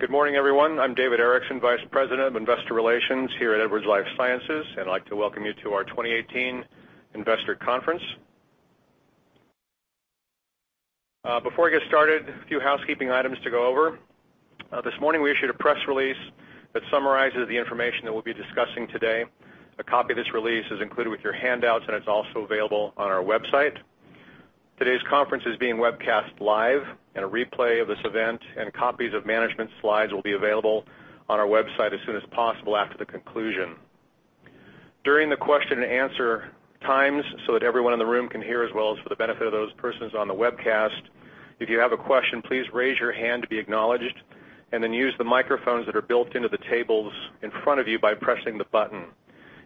Good morning, everyone. I'm David Erickson, Vice President of Investor Relations here at Edwards Lifesciences, I'd like to welcome you to our 2018 investor conference. Before I get started, a few housekeeping items to go over. This morning, we issued a press release that summarizes the information that we'll be discussing today. A copy of this release is included with your handouts, it's also available on our website. Today's conference is being webcast live, a replay of this event and copies of management's slides will be available on our website as soon as possible after the conclusion. During the question and answer times, that everyone in the room can hear as well as for the benefit of those persons on the webcast, if you have a question, please raise your hand to be acknowledged, then use the microphones that are built into the tables in front of you by pressing the button.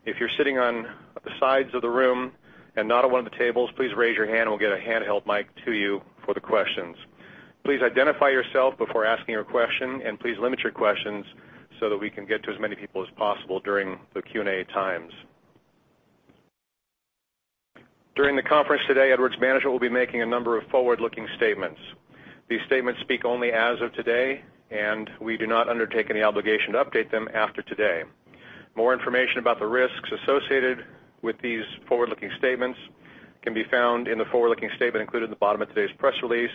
If you're sitting on the sides of the room not at one of the tables, please raise your hand, we'll get a handheld mic to you for the questions. Please identify yourself before asking your question, please limit your questions so that we can get to as many people as possible during the Q&A times. During the conference today, Edwards management will be making a number of forward-looking statements. These statements speak only as of today, we do not undertake any obligation to update them after today. More information about the risks associated with these forward-looking statements can be found in the forward-looking statement included in the bottom of today's press release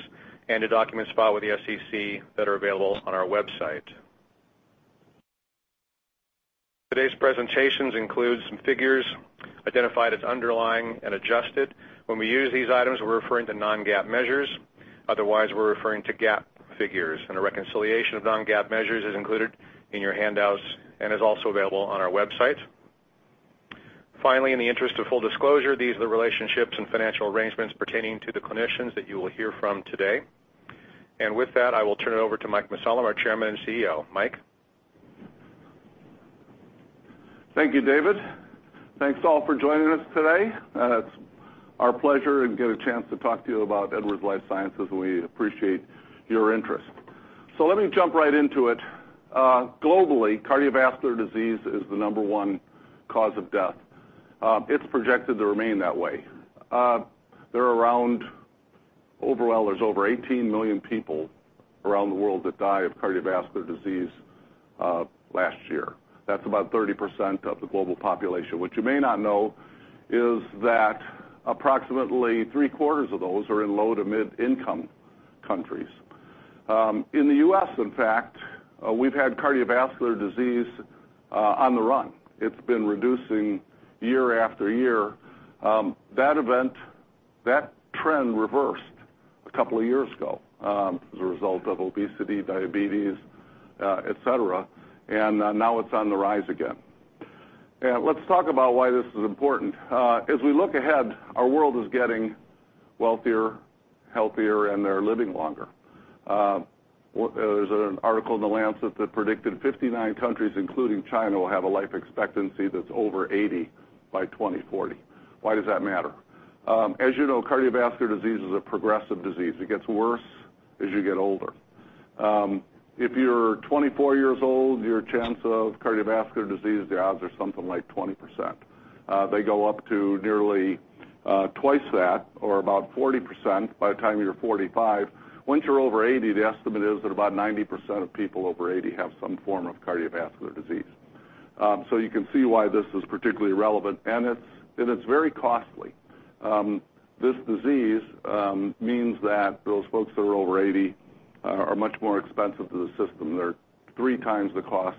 and in documents filed with the SEC that are available on our website. Today's presentations include some figures identified as underlying and adjusted. When we use these items, we're referring to non-GAAP measures. Otherwise, we're referring to GAAP figures. A reconciliation of non-GAAP measures is included in your handouts and is also available on our website. Finally, in the interest of full disclosure, these are the relationships and financial arrangements pertaining to the clinicians that you will hear from today. With that, I will turn it over to Mike Mussallem, our Chairman and Chief Executive Officer. Mike? Thank you, David. Thanks, all, for joining us today. It's our pleasure to get a chance to talk to you about Edwards Lifesciences. We appreciate your interest. Let me jump right into it. Globally, cardiovascular disease is the number one cause of death. It's projected to remain that way. There are around, overall, there's over 18 million people around the world that died of cardiovascular disease last year. That's about 30% of the global population. What you may not know is that approximately three-quarters of those are in low to mid-income countries. In the U.S., in fact, we've had cardiovascular disease on the run. It's been reducing year after year. That trend reversed a couple of years ago as a result of obesity, diabetes, et cetera, now it's on the rise again. Let's talk about why this is important. We look ahead, our world is getting wealthier, healthier, and they're living longer. There's an article in The Lancet that predicted 59 countries, including China, will have a life expectancy that's over 80 by 2040. Why does that matter? As you know, cardiovascular disease is a progressive disease. It gets worse as you get older. If you're 24 years old, your chance of cardiovascular disease, the odds are something like 20%. They go up to nearly twice that, or about 40%, by the time you're 45. Once you're over 80, the estimate is that about 90% of people over 80 have some form of cardiovascular disease. You can see why this is particularly relevant, and it's very costly. This disease means that those folks that are over 80 are much more expensive to the system. They're three times the cost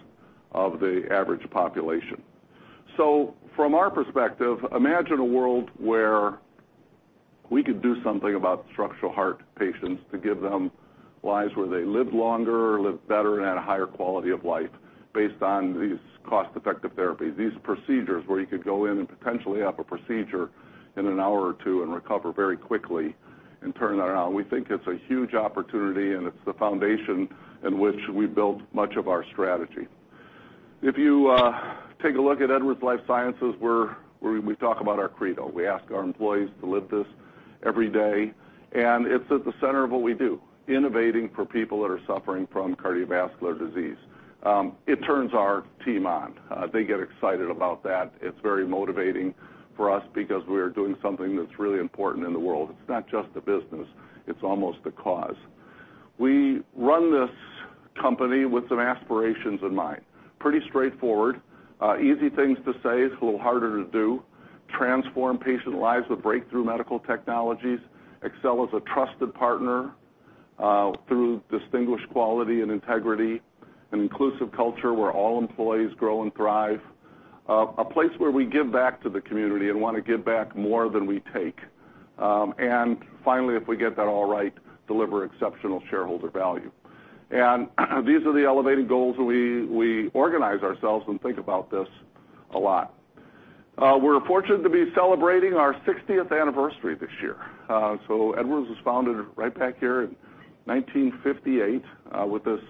of the average population. From our perspective, imagine a world where we could do something about structural heart patients to give them lives where they live longer, live better, and at a higher quality of life based on these cost-effective therapies, these procedures where you could go in and potentially have a procedure in an hour or two and recover very quickly and turn that around. We think it's a huge opportunity, and it's the foundation in which we build much of our strategy. If you take a look at Edwards Lifesciences, we talk about our credo. We ask our employees to live this every day, and it's at the center of what we do, innovating for people that are suffering from cardiovascular disease. It turns our team on. They get excited about that. It's very motivating for us because we are doing something that's really important in the world. It's not just a business. It's almost a cause. We run this company with some aspirations in mind. Pretty straightforward. Easy things to say. It's a little harder to do. Transform patient lives with breakthrough medical technologies, excel as a trusted partner through distinguished quality and integrity, an inclusive culture where all employees grow and thrive, a place where we give back to the community and want to give back more than we take. Finally, if we get that all right, deliver exceptional shareholder value. These are the elevating goals, and we organize ourselves and think about this a lot. We're fortunate to be celebrating our 60th anniversary this year. Edwards was founded right back here in 1958 with this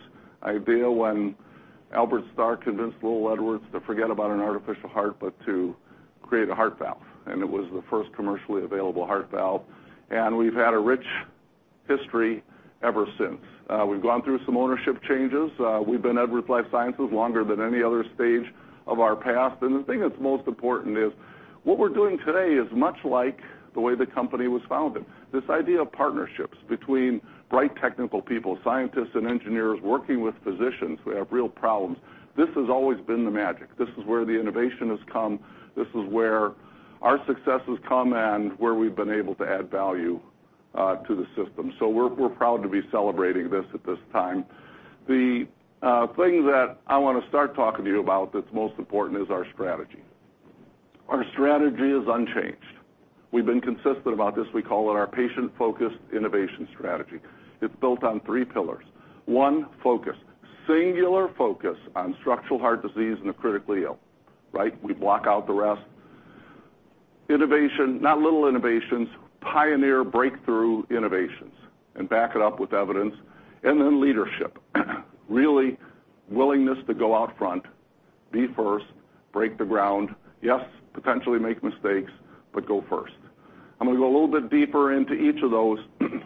idea when Albert Starr convinced Lowell Edwards to forget about an artificial heart, but to create a heart valve, and it was the first commercially available heart valve, and we've had a rich history ever since. We've gone through some ownership changes. We've been Edwards Lifesciences longer than any other stage of our past. The thing that's most important is. What we're doing today is much like the way the company was founded. This idea of partnerships between bright technical people, scientists and engineers, working with physicians who have real problems, this has always been the magic. This is where the innovation has come. This is where our successes come and where we've been able to add value to the system. We're proud to be celebrating this at this time. The thing that I want to start talking to you about that's most important is our strategy. Our strategy is unchanged. We've been consistent about this. We call it our patient-focused innovation strategy. It's built on three pillars. One, focus. Singular focus on structural heart disease in the critically ill, right? We block out the rest. Innovation, not little innovations, pioneer breakthrough innovations, and back it up with evidence. Leadership, really willingness to go out front, be first, break the ground. Yes, potentially make mistakes, but go first. I'm going to go a little bit deeper into each of those.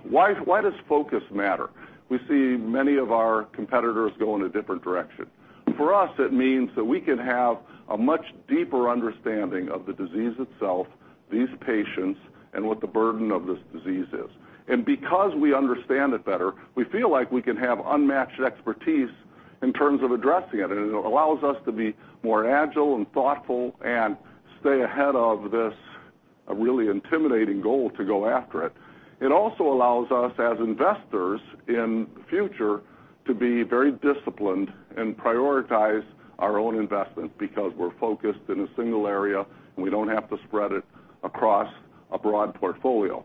Why does focus matter? We see many of our competitors go in a different direction. For us, it means that we can have a much deeper understanding of the disease itself, these patients, and what the burden of this disease is. Because we understand it better, we feel like we can have unmatched expertise in terms of addressing it, and it allows us to be more agile and thoughtful and stay ahead of this really intimidating goal to go after it. It also allows us, as investors in the future, to be very disciplined and prioritize our own investments because we're focused in a single area, and we don't have to spread it across a broad portfolio.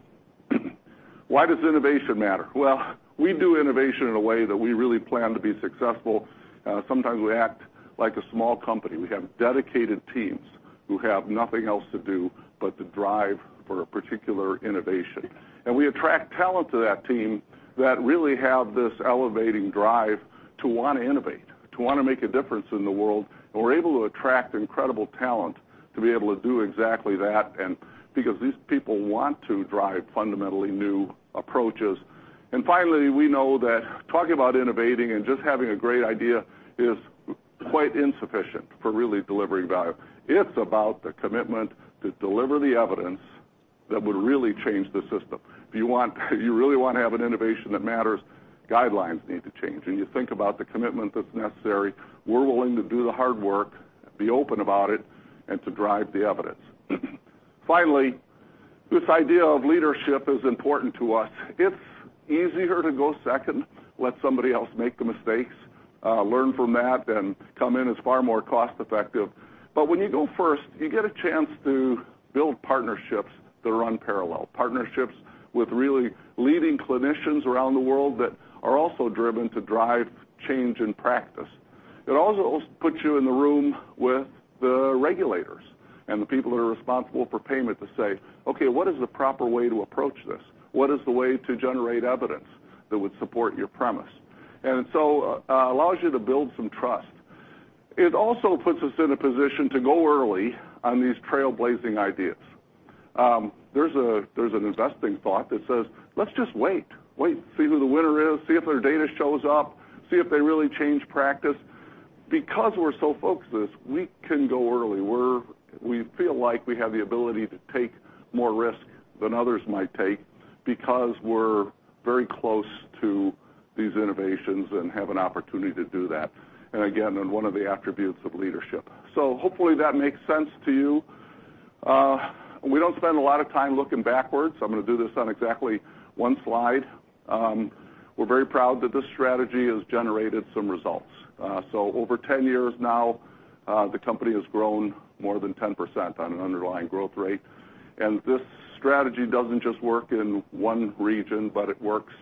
Why does innovation matter? Well, we do innovation in a way that we really plan to be successful. Sometimes we act like a small company. We have dedicated teams who have nothing else to do but to drive for a particular innovation. We attract talent to that team that really have this elevating drive to want to innovate, to want to make a difference in the world. We're able to attract incredible talent to be able to do exactly that, and because these people want to drive fundamentally new approaches. Finally, we know that talking about innovating and just having a great idea is quite insufficient for really delivering value. It's about the commitment to deliver the evidence that would really change the system. If you really want to have an innovation that matters, guidelines need to change. You think about the commitment that's necessary. We're willing to do the hard work, be open about it, and to drive the evidence. Finally, this idea of leadership is important to us. It's easier to go second, let somebody else make the mistakes, learn from that, and come in as far more cost-effective. When you go first, you get a chance to build partnerships that are unparalleled. Partnerships with really leading clinicians around the world that are also driven to drive change in practice. It also puts you in the room with the regulators and the people that are responsible for payment to say, "Okay, what is the proper way to approach this? What is the way to generate evidence that would support your premise?" Allows you to build some trust. It also puts us in a position to go early on these trailblazing ideas. There's an investing thought that says, "Let's just wait. Wait, see who the winner is, see if their data shows up, see if they really change practice." Because we're so focused, we can go early. We feel like we have the ability to take more risk than others might take because we're very close to these innovations and have an opportunity to do that. Again, one of the attributes of leadership. Hopefully, that makes sense to you. We don't spend a lot of time looking backwards. I'm going to do this on exactly one slide. We're very proud that this strategy has generated some results. Over 10 years now, the company has grown more than 10% on an underlying growth rate. This strategy doesn't just work in one region, but it works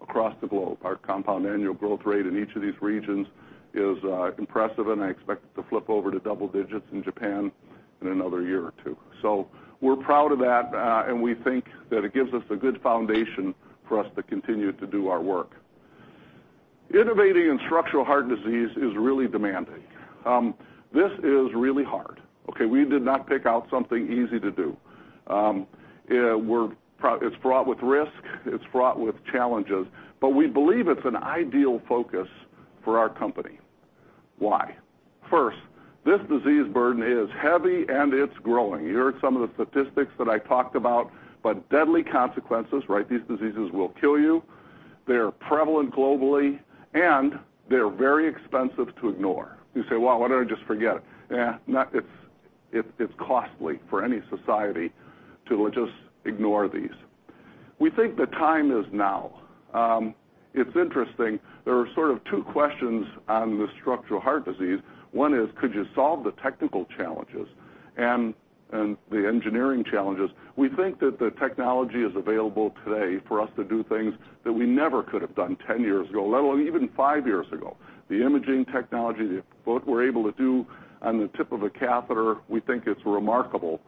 across the globe. Our compound annual growth rate in each of these regions is impressive, and I expect it to flip over to double digits in Japan in another year or two. We're proud of that, and we think that it gives us a good foundation for us to continue to do our work. Innovating in structural heart disease is really demanding. This is really hard. Okay, we did not pick out something easy to do. It's fraught with risk. It's fraught with challenges. We believe it's an ideal focus for our company. Why? First, this disease burden is heavy, and it's growing. You heard some of the statistics that I talked about, deadly consequences, right? These diseases will kill you. They're prevalent globally, and they're very expensive to ignore. You say, "Well, why don't I just forget it?" It's costly for any society to just ignore these. We think the time is now. It's interesting. There are sort of two questions on the structural heart disease. One is, could you solve the technical challenges and the engineering challenges? We think that the technology is available today for us to do things that we never could have done 10 years ago, let alone even five years ago. The imaging technology, what we're able to do on the tip of a catheter, we think it's remarkable.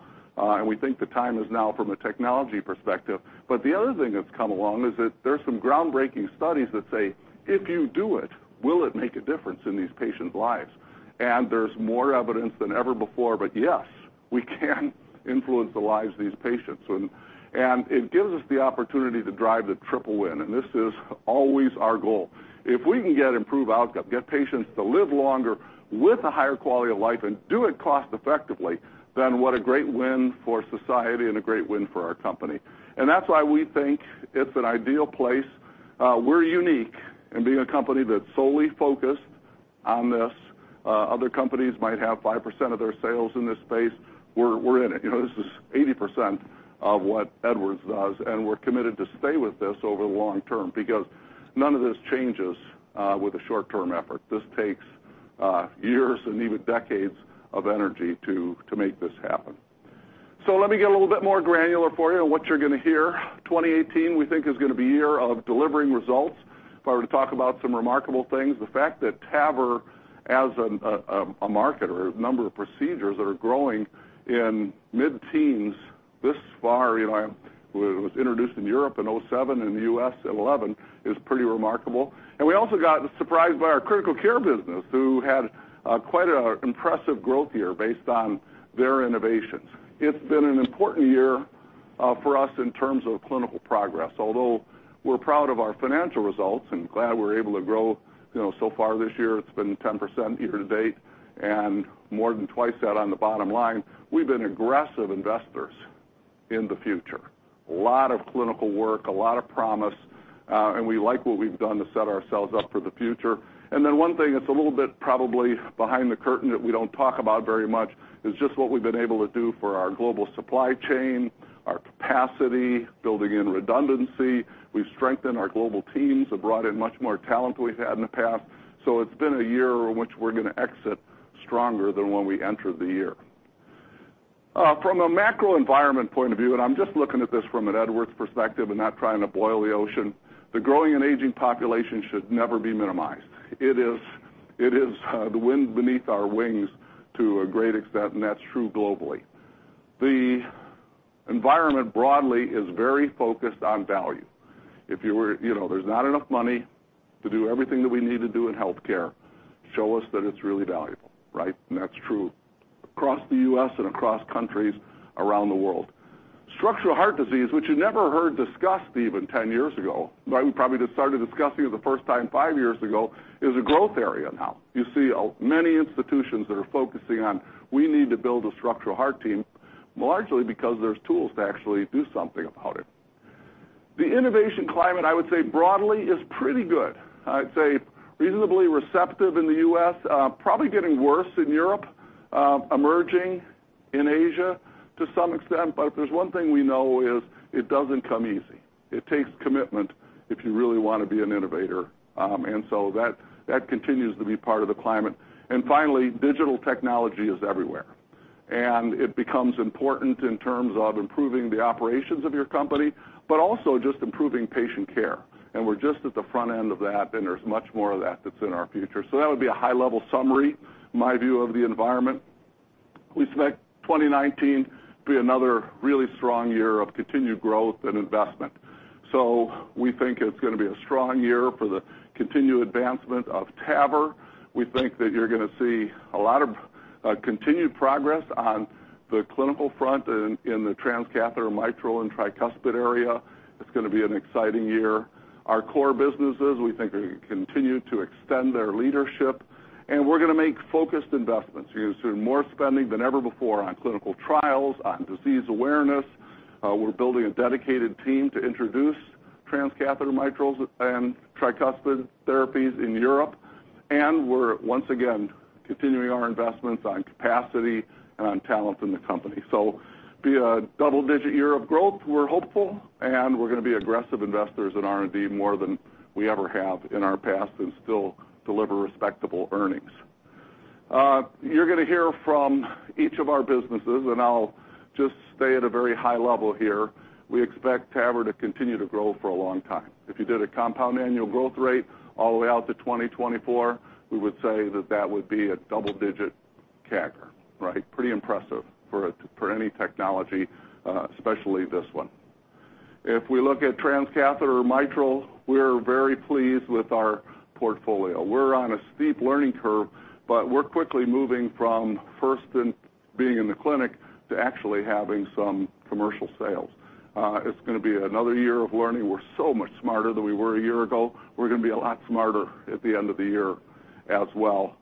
We think the time is now from a technology perspective. The other thing that's come along is that there's some groundbreaking studies that say, if you do it, will it make a difference in these patients' lives? There's more evidence than ever before, but yes. We can influence the lives of these patients. It gives us the opportunity to drive the triple win, and this is always our goal. If we can get improved outcome, get patients to live longer with a higher quality of life and do it cost-effectively, then what a great win for society and a great win for our company. That's why we think it's an ideal place. We're unique in being a company that's solely focused on this. Other companies might have 5% of their sales in this space. We're in it. This is 80% of what Edwards does, and we're committed to stay with this over the long term because none of this changes with a short-term effort. This takes years and even decades of energy to make this happen. Let me get a little bit more granular for you on what you're going to hear. 2018, we think, is going to be a year of delivering results. If I were to talk about some remarkable things, the fact that TAVR as a market or a number of procedures that are growing in mid-teens this far, it was introduced in Europe in 2007 and the U.S. in 2011, is pretty remarkable. We also got surprised by our Critical Care business, who had quite an impressive growth year based on their innovations. It's been an important year for us in terms of clinical progress. Although we're proud of our financial results and glad we're able to grow, so far this year it's been 10% year to date and more than twice that on the bottom line, we've been aggressive investors in the future. A lot of clinical work, a lot of promise, we like what we've done to set ourselves up for the future. One thing that's a little bit probably behind the curtain that we don't talk about very much is just what we've been able to do for our global supply chain, our capacity, building in redundancy. We've strengthened our global teams, have brought in much more talent than we've had in the past. It's been a year in which we're going to exit stronger than when we entered the year. From a macro environment point of view, and I'm just looking at this from an Edwards perspective and not trying to boil the ocean, the growing and aging population should never be minimized. It is the wind beneath our wings to a great extent, and that's true globally. The environment broadly is very focused on value. There's not enough money to do everything that we need to do in healthcare. Show us that it's really valuable, right? That's true across the U.S. and across countries around the world. Structural heart disease, which you never heard discussed even 10 years ago, but we probably just started discussing it the first time five years ago, is a growth area now. You see many institutions that are focusing on we need to build a structural heart team, largely because there's tools to actually do something about it. The innovation climate, I would say broadly, is pretty good. I'd say reasonably receptive in the U.S., probably getting worse in Europe, emerging in Asia to some extent. If there's one thing we know is it doesn't come easy. It takes commitment if you really want to be an innovator. That continues to be part of the climate. Finally, digital technology is everywhere. It becomes important in terms of improving the operations of your company, but also just improving patient care. We're just at the front end of that, and there's much more of that that's in our future. That would be a high-level summary, my view of the environment. We expect 2019 to be another really strong year of continued growth and investment. We think it's going to be a strong year for the continued advancement of TAVR. We think that you're going to see a lot of continued progress on the clinical front in the Transcatheter Mitral and Tricuspid area. It's going to be an exciting year. Our core businesses, we think, are going to continue to extend their leadership, and we're going to make focused investments. You're going to see more spending than ever before on clinical trials, on disease awareness. We're building a dedicated team to introduce transcatheter mitrals and tricuspid therapies in Europe. We're once again continuing our investments on capacity and on talent in the company. It'll be a double-digit year of growth, we're hopeful, and we're going to be aggressive investors in R&D more than we ever have in our past and still deliver respectable earnings. You're going to hear from each of our businesses, and I'll just stay at a very high level here. We expect TAVR to continue to grow for a long time. If you did a compound annual growth rate all the way out to 2024, we would say that that would be a double-digit CAGR, right? Pretty impressive for any technology, especially this one. If we look at transcatheter mitral, we are very pleased with our portfolio. We're on a steep learning curve, but we're quickly moving from first being in the clinic to actually having some commercial sales. It's going to be another year of learning. We're so much smarter than we were a year ago. We're going to be a lot smarter at the end of the year as well.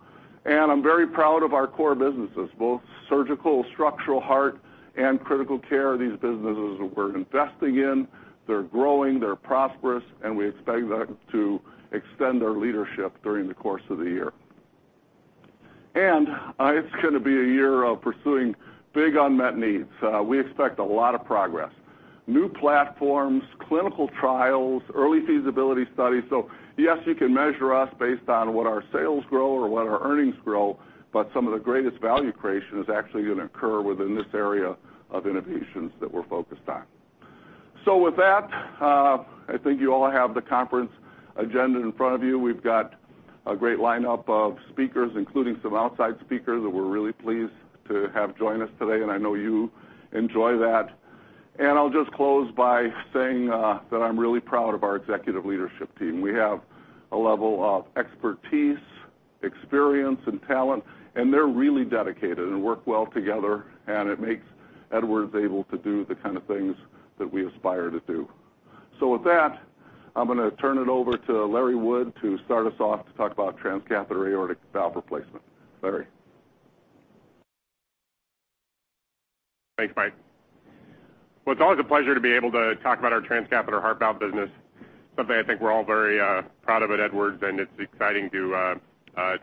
I'm very proud of our core businesses, both Surgical Structural Heart and Critical Care. These businesses we're investing in, they're growing, they're prosperous, and we expect them to extend their leadership during the course of the year. It's going to be a year of pursuing big unmet needs. We expect a lot of progress. New platforms, clinical trials, early feasibility studies. Yes, you can measure us based on what our sales grow or what our earnings grow, but some of the greatest value creation is actually going to occur within this area of innovations that we're focused on. With that, I think you all have the conference agenda in front of you. We've got a great lineup of speakers, including some outside speakers that we're really pleased to have join us today, and I know you enjoy that. I'll just close by saying that I'm really proud of our executive leadership team. We have a level of expertise, experience, and talent, and they're really dedicated and work well together, and it makes Edwards able to do the kind of things that we aspire to do. With that, I'm going to turn it over to Larry Wood to start us off to talk about transcatheter aortic valve replacement. Larry. Thanks, Mike. Well, it's always a pleasure to be able to talk about our transcatheter heart valve business. Something I think we're all very proud of at Edwards, and it's exciting to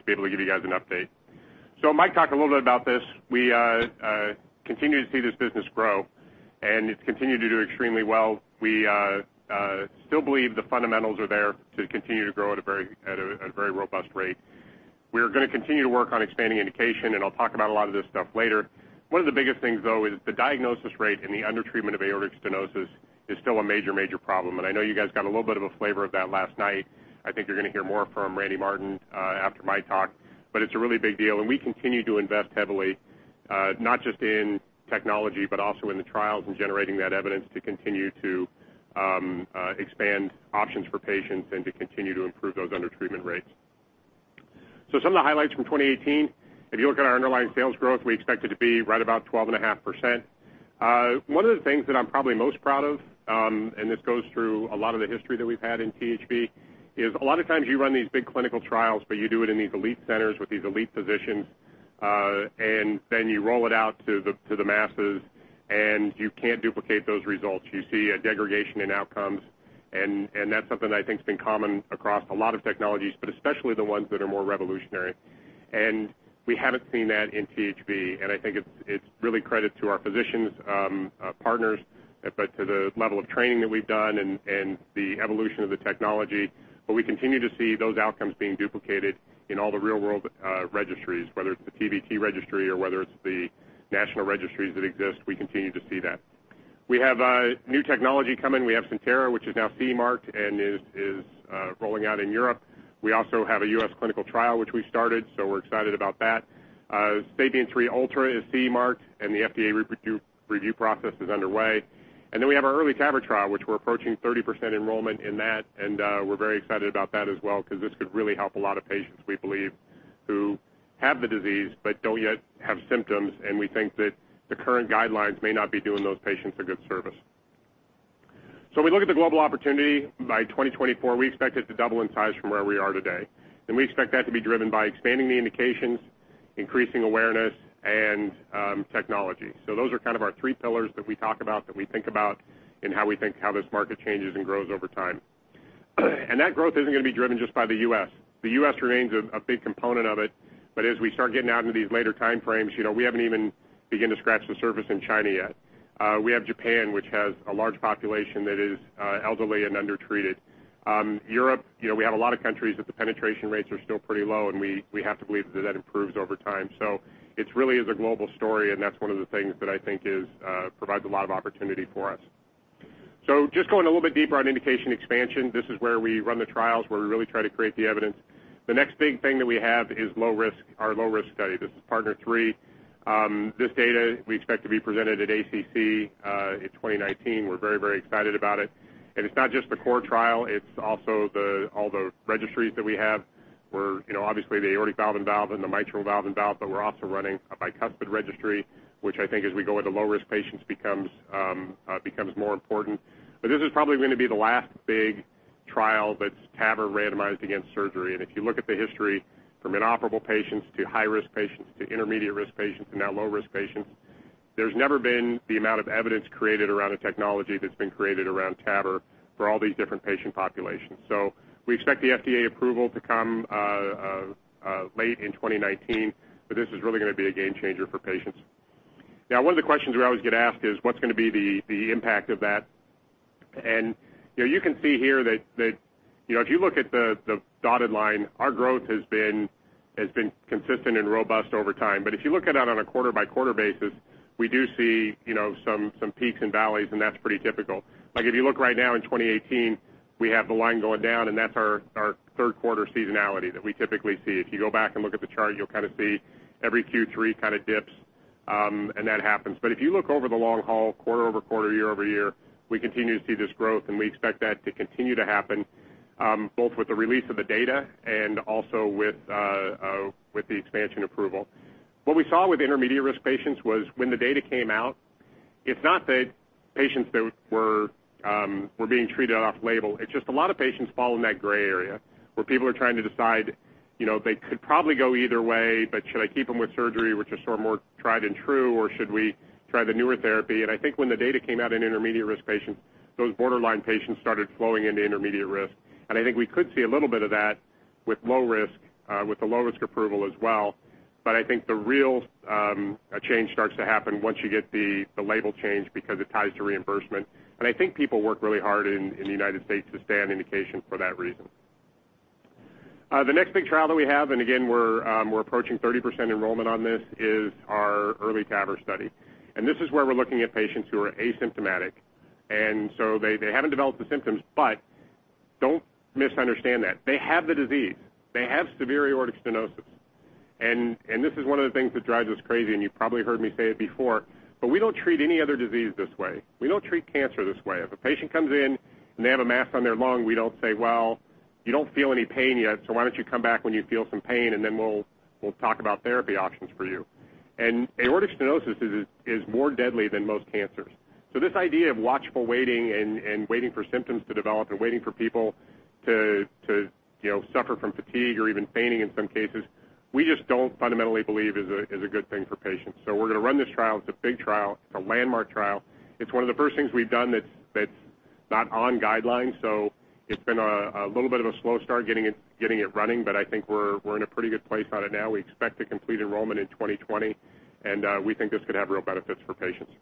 be able to give you guys an update. Mike talked a little bit about this. We continue to see this business grow, and it's continued to do extremely well. We still believe the fundamentals are there to continue to grow at a very robust rate. We're going to continue to work on expanding indication, and I'll talk about a lot of this stuff later. One of the biggest things, though, is the diagnosis rate and the undertreatment of aortic stenosis is still a major problem. I know you guys got a little bit of a flavor of that last night. I think you're going to hear more from Randy Martin after my talk, but it's a really big deal, and we continue to invest heavily, not just in technology, but also in the trials and generating that evidence to continue to expand options for patients and to continue to improve those undertreatment rates. Some of the highlights from 2018. If you look at our underlying sales growth, we expect it to be right about 12.5%. One of the things that I'm probably most proud of, and this goes through a lot of the history that we've had in THV, is a lot of times you run these big clinical trials, but you do it in these elite centers with these elite physicians, and then you roll it out to the masses, and you can't duplicate those results. You see a degradation in outcomes, and that's something that I think has been common across a lot of technologies, but especially the ones that are more revolutionary. We haven't seen that in THV, and I think it's really credit to our physicians, partners, but to the level of training that we've done and the evolution of the technology. We continue to see those outcomes being duplicated in all the real-world registries. Whether it's the TVT registry or whether it's the national registries that exist, we continue to see that. We have new technology coming. We have Centera, which is now CE marked and is rolling out in Europe. We also have a U.S. clinical trial, which we started, so we're excited about that. SAPIEN 3 Ultra is CE marked, and the FDA review process is underway. We have our EARLY TAVR trial, which we're approaching 30% enrollment in that, and we're very excited about that as well because this could really help a lot of patients, we believe, who have the disease but don't yet have symptoms, and we think that the current guidelines may not be doing those patients a good service. We look at the global opportunity. By 2024, we expect it to double in size from where we are today. We expect that to be driven by expanding the indications, increasing awareness, and technology. Those are kind of our three pillars that we talk about, that we think about, and how we think how this market changes and grows over time. That growth isn't going to be driven just by the U.S. The U.S. remains a big component of it, but as we start getting out into these later time frames, we haven't even begun to scratch the surface in China yet. We have Japan, which has a large population that is elderly and undertreated. Europe, we have a lot of countries that the penetration rates are still pretty low, and we have to believe that that improves over time. It really is a global story, and that's one of the things that I think provides a lot of opportunity for us. Just going a little bit deeper on indication expansion. This is where we run the trials, where we really try to create the evidence. The next big thing that we have is our low-risk study. This is PARTNER 3. This data we expect to be presented at ACC in 2019. We're very excited about it. It's not just the core trial, it's also all the registries that we have. Obviously the aortic valve-in-valve and the mitral valve-in-valve, but we're also running a bicuspid registry, which I think as we go into low-risk patients, becomes more important. This is probably going to be the last big trial that's TAVR randomized against surgery. If you look at the history from inoperable patients to high-risk patients to intermediate-risk patients and now low-risk patients, there's never been the amount of evidence created around a technology that's been created around TAVR for all these different patient populations. We expect the FDA approval to come late in 2019, but this is really going to be a game changer for patients. Now, one of the questions we always get asked is what's going to be the impact of that. You can see here that if you look at the dotted line, our growth has been consistent and robust over time. If you look at that on a quarter-by-quarter basis, we do see some peaks and valleys, and that's pretty typical. If you look right now in 2018, we have the line going down, and that's our third-quarter seasonality that we typically see. If you go back and look at the chart, you'll kind of see every Q3 kind of dips, and that happens. If you look over the long haul, quarter-over-quarter, year-over-year, we continue to see this growth, and we expect that to continue to happen both with the release of the data and also with the expansion approval. What we saw with intermediate-risk patients was when the data came out, it's not that patients were being treated off-label. It's just a lot of patients fall in that gray area where people are trying to decide they could probably go either way, but should I keep them with surgery, which is sort of more tried and true, or should we try the newer therapy? I think when the data came out in intermediate-risk patients, those borderline patients started flowing into intermediate risk. I think the real change starts to happen once you get the label change because it ties to reimbursement. I think people work really hard in the U.S. to stay on indication for that reason. The next big trial that we have, and again, we're approaching 30% enrollment on this, is our EARLY TAVR study. This is where we're looking at patients who are asymptomatic. They haven't developed the symptoms, but Don't misunderstand that. They have the disease. They have severe aortic stenosis. This is one of the things that drives us crazy, and you've probably heard me say it before, but we don't treat any other disease this way. We don't treat cancer this way. If a patient comes in and they have a mass on their lung, we don't say, "Well, you don't feel any pain yet, so why don't you come back when you feel some pain, and then we'll talk about therapy options for you." Aortic stenosis is more deadly than most cancers. This idea of watchful waiting and waiting for symptoms to develop and waiting for people to suffer from fatigue or even fainting in some cases, we just don't fundamentally believe is a good thing for patients. We're going to run this trial. It's a big trial. It's a landmark trial. It's one of the first things we've done that's not on guidelines. It's been a little bit of a slow start getting it running, but I think we're in a pretty good place on it now. We expect to complete enrollment in 2020, and we think this could have real benefits for patients.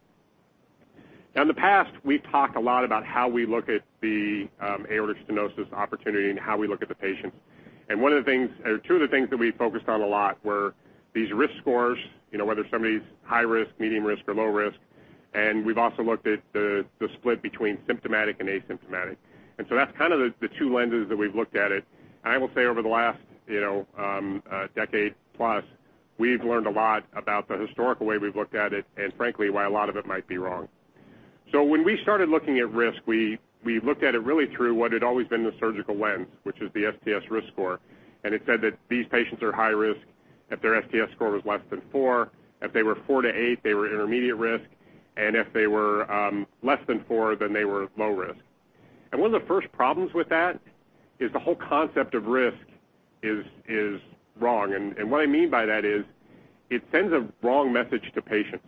Now, in the past, we've talked a lot about how we look at the aortic stenosis opportunity and how we look at the patients. Two of the things that we focused on a lot were these risk scores, whether somebody's high risk, medium risk, or low risk. We've also looked at the split between symptomatic and asymptomatic. That's kind of the two lenses that we've looked at it. I will say over the last decade plus, we've learned a lot about the historical way we've looked at it and frankly, why a lot of it might be wrong. When we started looking at risk, we looked at it really through what had always been the surgical lens, which is the STS risk score. It said that these patients are high risk if their STS score was less than four, if they were four to eight, they were intermediate risk, and if they were less than four, then they were low risk. One of the first problems with that is the whole concept of risk is wrong. What I mean by that is it sends a wrong message to patients.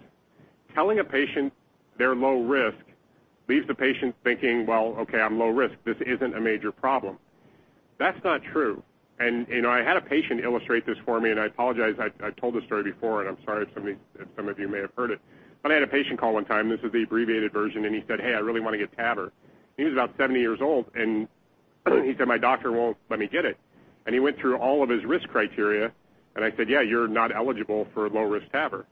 Telling a patient they're low risk leaves the patient thinking, "Well, okay, I'm low risk. This isn't a major problem." That's not true. I had a patient illustrate this for me, and I apologize, I've told this story before, and I'm sorry if some of you may have heard it. I had a patient call one time, this is the abbreviated version, and he said, "Hey, I really want to get TAVR." He was about 70 years old, and he said, "My doctor won't let me get it." He went through all of his risk criteria, and I said, "Yeah, you're not eligible for a low-risk TAVR."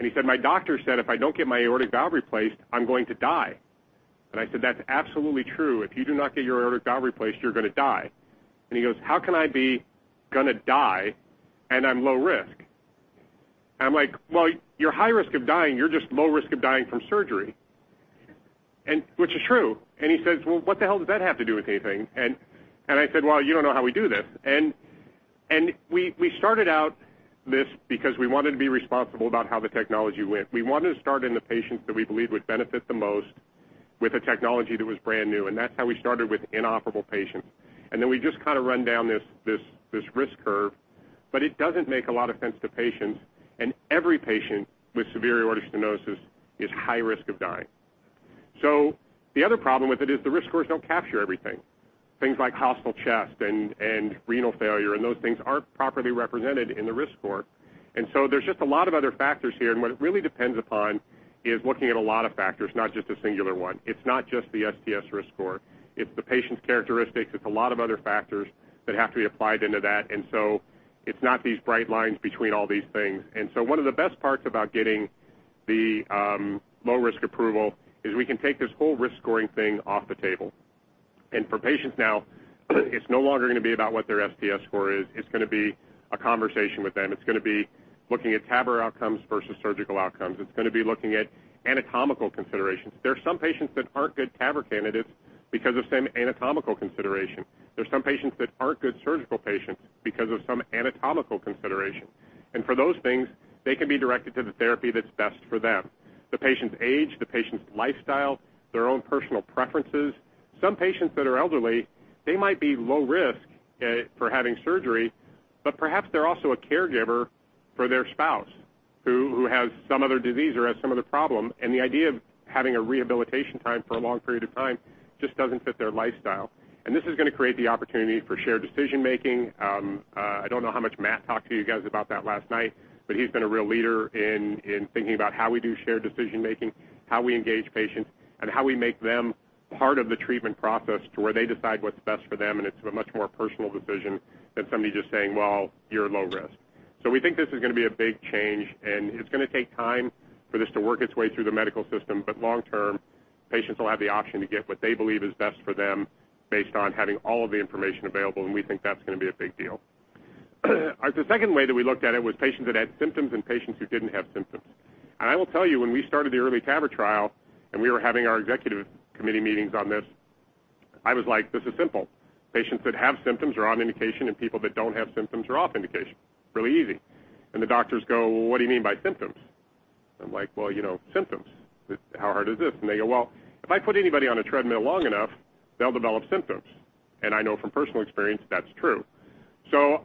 He said, "My doctor said if I don't get my aortic valve replaced, I'm going to die." I said, "That's absolutely true. If you do not get your aortic valve replaced, you're going to die." He goes, "How can I be going to die, and I'm low risk?" I'm like, "Well, you're high risk of dying. You're just low risk of dying from surgery." Which is true. He says, "Well, what the hell does that have to do with anything?" I said, "Well, you don't know how we do this." We started out this because we wanted to be responsible about how the technology went. We wanted to start in the patients that we believed would benefit the most with a technology that was brand new, and that's how we started with inoperable patients. We just kind of run down this risk curve, but it doesn't make a lot of sense to patients, and every patient with severe aortic stenosis is high risk of dying. The other problem with it is the risk scores don't capture everything. Things like hostile chest and renal failure, and those things aren't properly represented in the risk score. There's just a lot of other factors here, and what it really depends upon is looking at a lot of factors, not just a singular one. It's not just the STS risk score. It's the patient's characteristics. It's a lot of other factors that have to be applied into that. It's not these bright lines between all these things. One of the best parts about getting the low risk approval is we can take this whole risk scoring thing off the table. For patients now, it's no longer going to be about what their STS score is. It's going to be a conversation with them. It's going to be looking at TAVR outcomes versus surgical outcomes. It's going to be looking at anatomical considerations. There are some patients that aren't good TAVR candidates because of some anatomical consideration. There's some patients that aren't good surgical patients because of some anatomical consideration. For those things, they can be directed to the therapy that's best for them. The patient's age, the patient's lifestyle, their own personal preferences. Some patients that are elderly, they might be low risk for having surgery, but perhaps they're also a caregiver for their spouse who has some other disease or has some other problem, and the idea of having a rehabilitation time for a long period of time just doesn't fit their lifestyle. This is going to create the opportunity for shared decision-making. I don't know how much Matt talked to you guys about that last night, but he's been a real leader in thinking about how we do shared decision-making, how we engage patients, and how we make them part of the treatment process to where they decide what's best for them, and it's a much more personal decision than somebody just saying, "Well, you're low risk." We think this is going to be a big change, and it's going to take time for this to work its way through the medical system, but long term, patients will have the option to get what they believe is best for them based on having all of the information available, and we think that's going to be a big deal. The second way that we looked at it was patients that had symptoms and patients who didn't have symptoms. I will tell you, when we started the EARLY TAVR trial and we were having our executive committee meetings on this, I was like, "This is simple. Patients that have symptoms are on indication, and people that don't have symptoms are off indication. Really easy." The doctors go, "Well, what do you mean by symptoms?" I'm like, "Well, symptoms. How hard is this?" They go, "Well, if I put anybody on a treadmill long enough, they'll develop symptoms." I know from personal experience, that's true.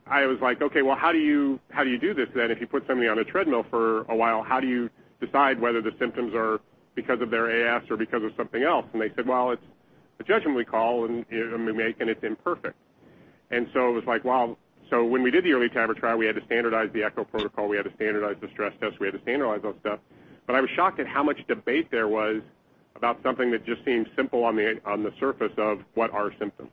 I was like, "Okay, well, how do you do this then? If you put somebody on a treadmill for a while, how do you decide whether the symptoms are because of their AS or because of something else?" They said, "Well, it's a judgment we call and we make, and it's imperfect." It was like, wow. When we did the EARLY TAVR trial, we had to standardize the echo protocol, we had to standardize the stress test, we had to standardize all the stuff. I was shocked at how much debate there was about something that just seemed simple on the surface of what are symptoms.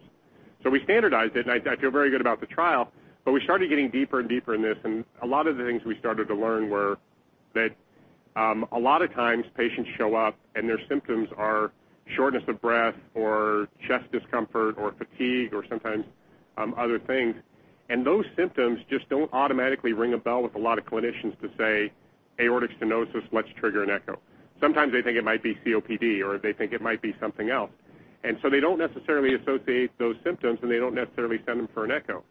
We standardized it, and I feel very good about the trial, but we started getting deeper and deeper in this, and a lot of the things we started to learn were that a lot of times patients show up and their symptoms are shortness of breath or chest discomfort or fatigue or sometimes other things. Those symptoms just don't automatically ring a bell with a lot of clinicians to say, "Aortic stenosis, let's trigger an echo." Sometimes they think it might be COPD or they think it might be something else. They don't necessarily associate those symptoms, and they don't necessarily send them for an echo.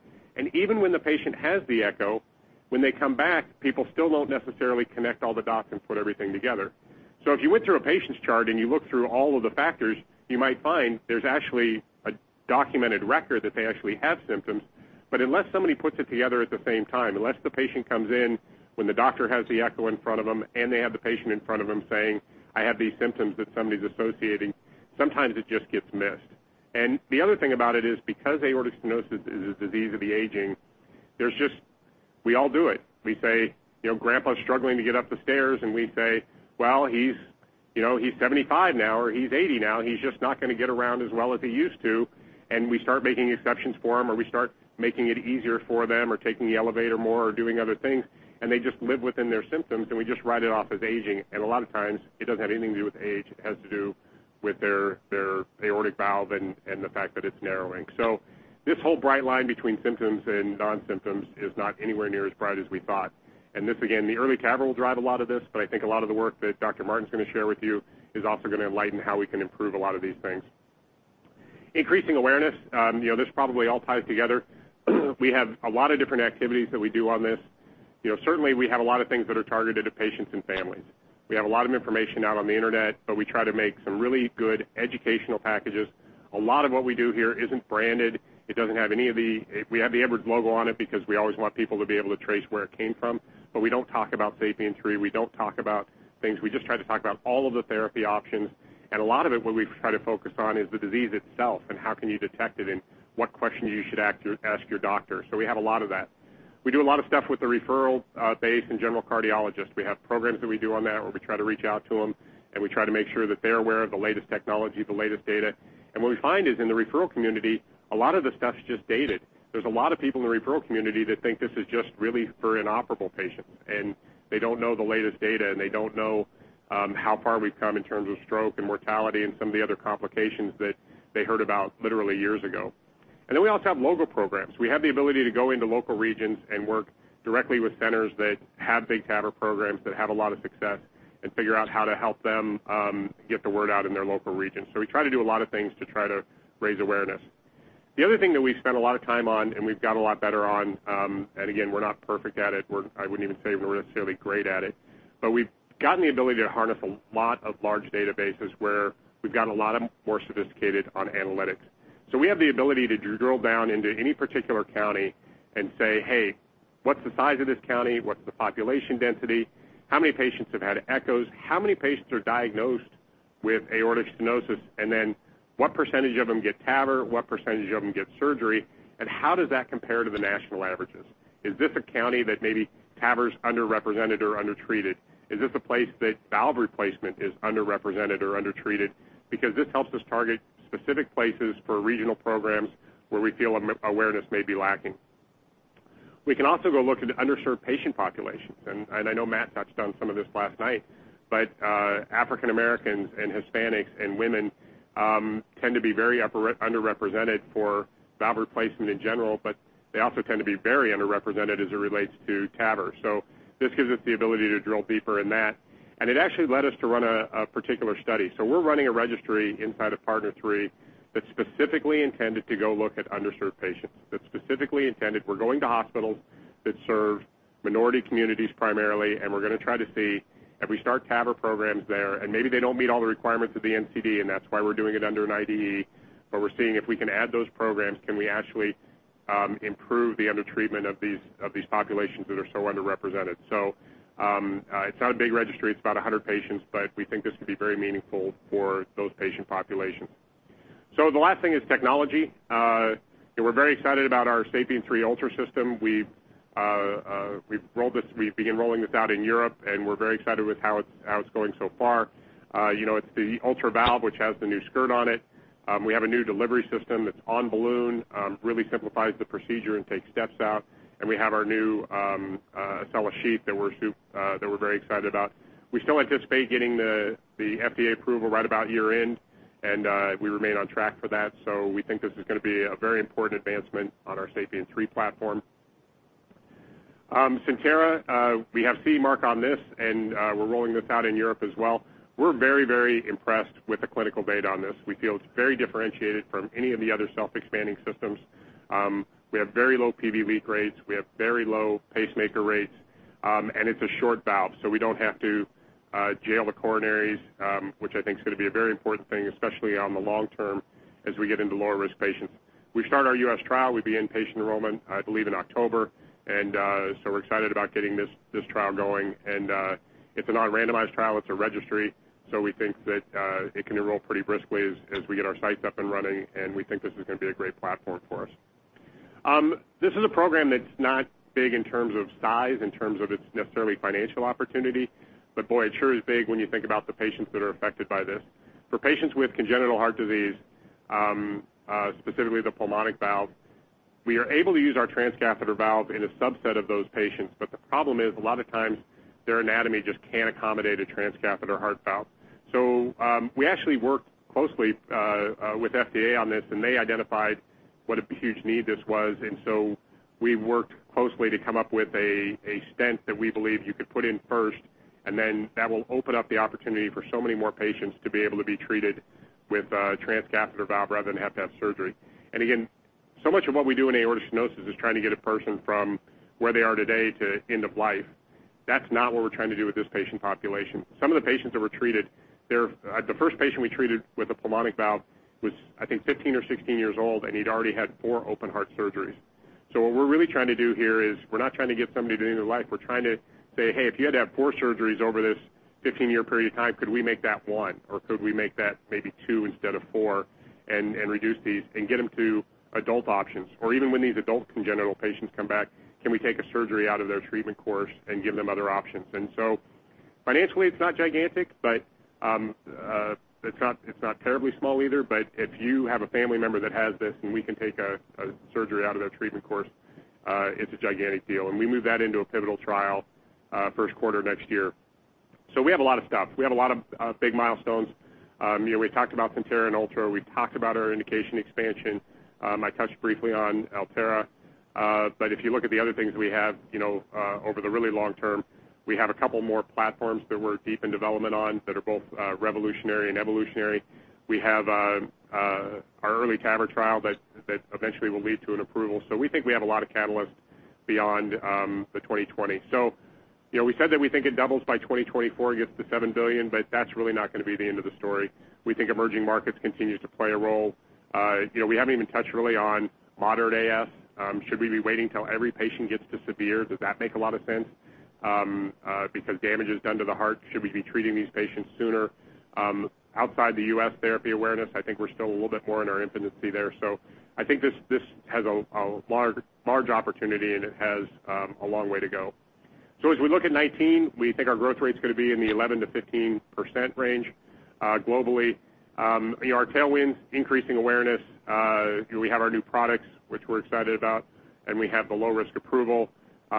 Even when the patient has the echo, when they come back, people still don't necessarily connect all the dots and put everything together. If you went through a patient's chart and you look through all of the factors, you might find there's actually a documented record that they actually have symptoms. Unless somebody puts it together at the same time, unless the patient comes in when the doctor has the echo in front of them and they have the patient in front of them saying, "I have these symptoms that somebody's associating," sometimes it just gets missed. The other thing about it is because aortic stenosis is a disease of the aging, we all do it. Grandpa's struggling to get up the stairs, and we say, "Well, he's 75 now," or, "He's 80 now. He's just not going to get around as well as he used to." We start making exceptions for them, or we start making it easier for them or taking the elevator more or doing other things, and they just live within their symptoms, and we just write it off as aging. A lot of times it doesn't have anything to do with age. It has to do with their aortic valve and the fact that it's narrowing. This whole bright line between symptoms and non-symptoms is not anywhere near as bright as we thought. This again, the EARLY TAVR will drive a lot of this, I think a lot of the work that Dr. Martin's going to share with you is also going to enlighten how we can improve a lot of these things. Increasing awareness. This probably all ties together. We have a lot of different activities that we do on this. Certainly, we have a lot of things that are targeted at patients and families. We have a lot of information out on the internet, we try to make some really good educational packages. A lot of what we do here isn't branded. We have the Edwards logo on it because we always want people to be able to trace where it came from. We don't talk about SAPIEN 3. We don't talk about things. We just try to talk about all of the therapy options. A lot of it, what we try to focus on is the disease itself and how can you detect it and what questions you should ask your doctor. We have a lot of that. We do a lot of stuff with the referral base and general cardiologists. We have programs that we do on that, where we try to reach out to them, and we try to make sure that they're aware of the latest technology, the latest data. What we find is in the referral community, a lot of the stuff's just dated. There's a lot of people in the referral community that think this is just really for inoperable patients, and they don't know the latest data, and they don't know how far we've come in terms of stroke and mortality and some of the other complications that they heard about literally years ago. We also have local programs. We have the ability to go into local regions and work directly with centers that have big TAVR programs that have a lot of success and figure out how to help them get the word out in their local region. We try to do a lot of things to try to raise awareness. The other thing that we've spent a lot of time on and we've got a lot better on, and again, we're not perfect at it. I wouldn't even say we're necessarily great at it, but we've gotten the ability to harness a lot of large databases where we've got a lot more sophisticated on analytics. We have the ability to drill down into any particular county and say, "Hey, what's the size of this county? What's the population density? How many patients have had echos? How many patients are diagnosed with aortic stenosis? What percentage of them get TAVR? What percentage of them get surgery? How does that compare to the national averages? Is this a county that maybe TAVR is underrepresented or undertreated? Is this a place that valve replacement is underrepresented or undertreated? This helps us target specific places for regional programs where we feel awareness may be lacking. We can also go look into underserved patient populations. I know Matt touched on some of this last night. African Americans and Hispanics and women tend to be very underrepresented for valve replacement in general, but they also tend to be very underrepresented as it relates to TAVR. This gives us the ability to drill deeper in that, and it actually led us to run a particular study. We're running a registry inside of PARTNER 3 that's specifically intended to go look at underserved patients. We're going to hospitals that serve minority communities primarily, we're going to try to see if we start TAVR programs there, maybe they don't meet all the requirements of the NCD, that's why we're doing it under an IDE. We're seeing if we can add those programs, can we actually improve the undertreatment of these populations that are so underrepresented. It's not a big registry. It's about 100 patients, we think this could be very meaningful for those patient populations. The last thing is technology. We're very excited about our SAPIEN 3 Ultra system. We've begun rolling this out in Europe, we're very excited with how it's going so far. It's the Ultra valve, which has the new skirt on it. We have a new delivery system that's on balloon. Really simplifies the procedure and takes steps out. We have our new Ecela sheath that we're very excited about. We still anticipate getting the FDA approval right about year-end, and we remain on track for that. We think this is going to be a very important advancement on our SAPIEN 3 platform. Centera, we have CE mark on this, and we're rolling this out in Europe as well. We're very impressed with the clinical data on this. We feel it's very differentiated from any of the other self-expanding systems. We have very low PV leak rates, we have very low pacemaker rates, and it's a short valve, so we don't have to jail the coronaries, which I think is going to be a very important thing, especially on the long term as we get into lower-risk patients. We start our U.S. trial. We begin patient enrollment, I believe, in October, we're excited about getting this trial going. It's a non-randomized trial. It's a registry, we think that it can enroll pretty briskly as we get our sites up and running, and we think this is going to be a great platform for us. This is a program that's not big in terms of size, in terms of its necessarily financial opportunity. Boy, it sure is big when you think about the patients that are affected by this. For patients with congenital heart disease, specifically the pulmonic valve. We are able to use our transcatheter valve in a subset of those patients, but the problem is a lot of times their anatomy just can't accommodate a transcatheter heart valve. We actually worked closely with FDA on this, and they identified what a huge need this was. We worked closely to come up with a stent that we believe you could put in first, and then that will open up the opportunity for so many more patients to be able to be treated with a transcatheter valve rather than have to have surgery. Again, so much of what we do in aortic stenosis is trying to get a person from where they are today to end of life. That's not what we're trying to do with this patient population. Some of the patients that were treated, the first patient we treated with a pulmonic valve was, I think, 15 or 16 years old, and he'd already had four open heart surgeries. What we're really trying to do here is we're not trying to get somebody to the end of life. We're trying to say, "Hey, if you had to have four surgeries over this 15-year period of time, could we make that one, or could we make that maybe two instead of four and reduce these and get them to adult options?" Even when these adult congenital patients come back, can we take a surgery out of their treatment course and give them other options? Financially, it's not gigantic, but it's not terribly small either. If you have a family member that has this and we can take a surgery out of their treatment course, it's a gigantic deal. We move that into a pivotal trial first quarter next year. We have a lot of stuff. We have a lot of big milestones. We talked about Centera and Ultra. We talked about our indication expansion. I touched briefly on Alterra. If you look at the other things we have over the really long term, we have a couple more platforms that we're deep in development on that are both revolutionary and evolutionary. We have our EARLY TAVR trial that eventually will lead to an approval. We think we have a lot of catalysts beyond 2020. We said that we think it doubles by 2024, gets to $7 billion, but that's really not going to be the end of the story. We think emerging markets continue to play a role. We haven't even touched really on moderate AS. Should we be waiting till every patient gets to severe? Does that make a lot of sense? Because damage is done to the heart, should we be treating these patients sooner? Outside the U.S. therapy awareness, I think we're still a little bit more in our infancy there. I think this has a large opportunity, and it has a long way to go. As we look at 2019, we think our growth rate's going to be in the 11%-15% range globally. Our tailwinds, increasing awareness. We have our new products, which we're excited about, and we have the low-risk approval.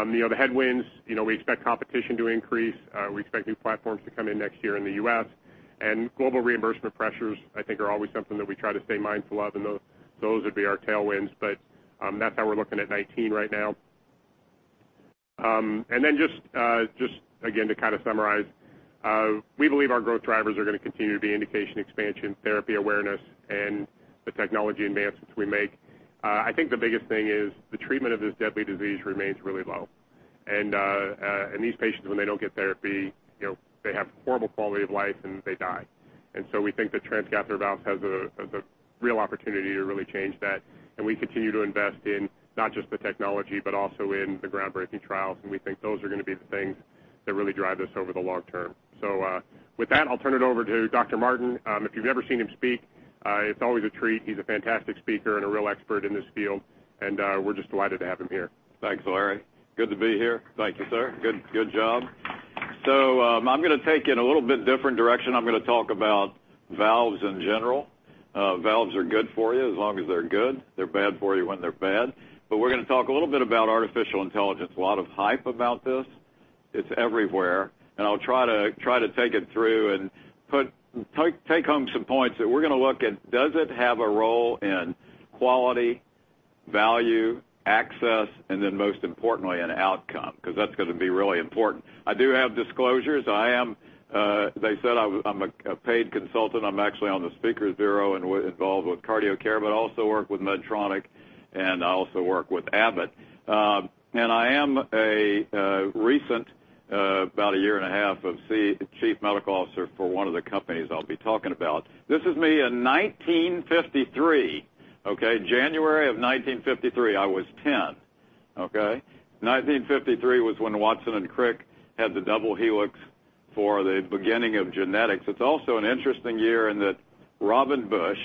The headwinds, we expect competition to increase. We expect new platforms to come in next year in the U.S. Global reimbursement pressures, I think, are always something that we try to stay mindful of, and those would be our tailwinds. That's how we're looking at 2019 right now. Just again, to kind of summarize, we believe our growth drivers are going to continue to be indication expansion, therapy awareness, and the technology advancements we make. I think the biggest thing is the treatment of this deadly disease remains really low. These patients, when they don't get therapy, they have horrible quality of life, and they die. We think the transcatheter valve has a real opportunity to really change that. We continue to invest in not just the technology, but also in the groundbreaking trials. We think those are going to be the things that really drive this over the long term. With that, I'll turn it over to Dr. Martin. If you've ever seen him speak, it's always a treat. He's a fantastic speaker and a real expert in this field, and we're just delighted to have him here. Thanks, Larry. Good to be here. Thank you, sir. Good job. I'm going to take you in a little bit different direction. I'm going to talk about valves in general. Valves are good for you as long as they're good. They're bad for you when they're bad. We're going to talk a little bit about artificial intelligence. A lot of hype about this. It's everywhere. I'll try to take it through and take home some points that we're going to look at. Does it have a role in quality, value, access, and then most importantly, in outcome? That's going to be really important. I do have disclosures. They said I'm a paid consultant. I'm actually on the speakers bureau and involved with CardioCare, but I also work with Medtronic, and I also work with Abbott. I am a recent, about a year and a half, of chief medical officer for one of the companies I will be talking about. This is me in 1953, okay? January of 1953. I was 10, okay? 1953 was when Watson and Crick had the double helix for the beginning of genetics. It is also an interesting year in that Robin Bush,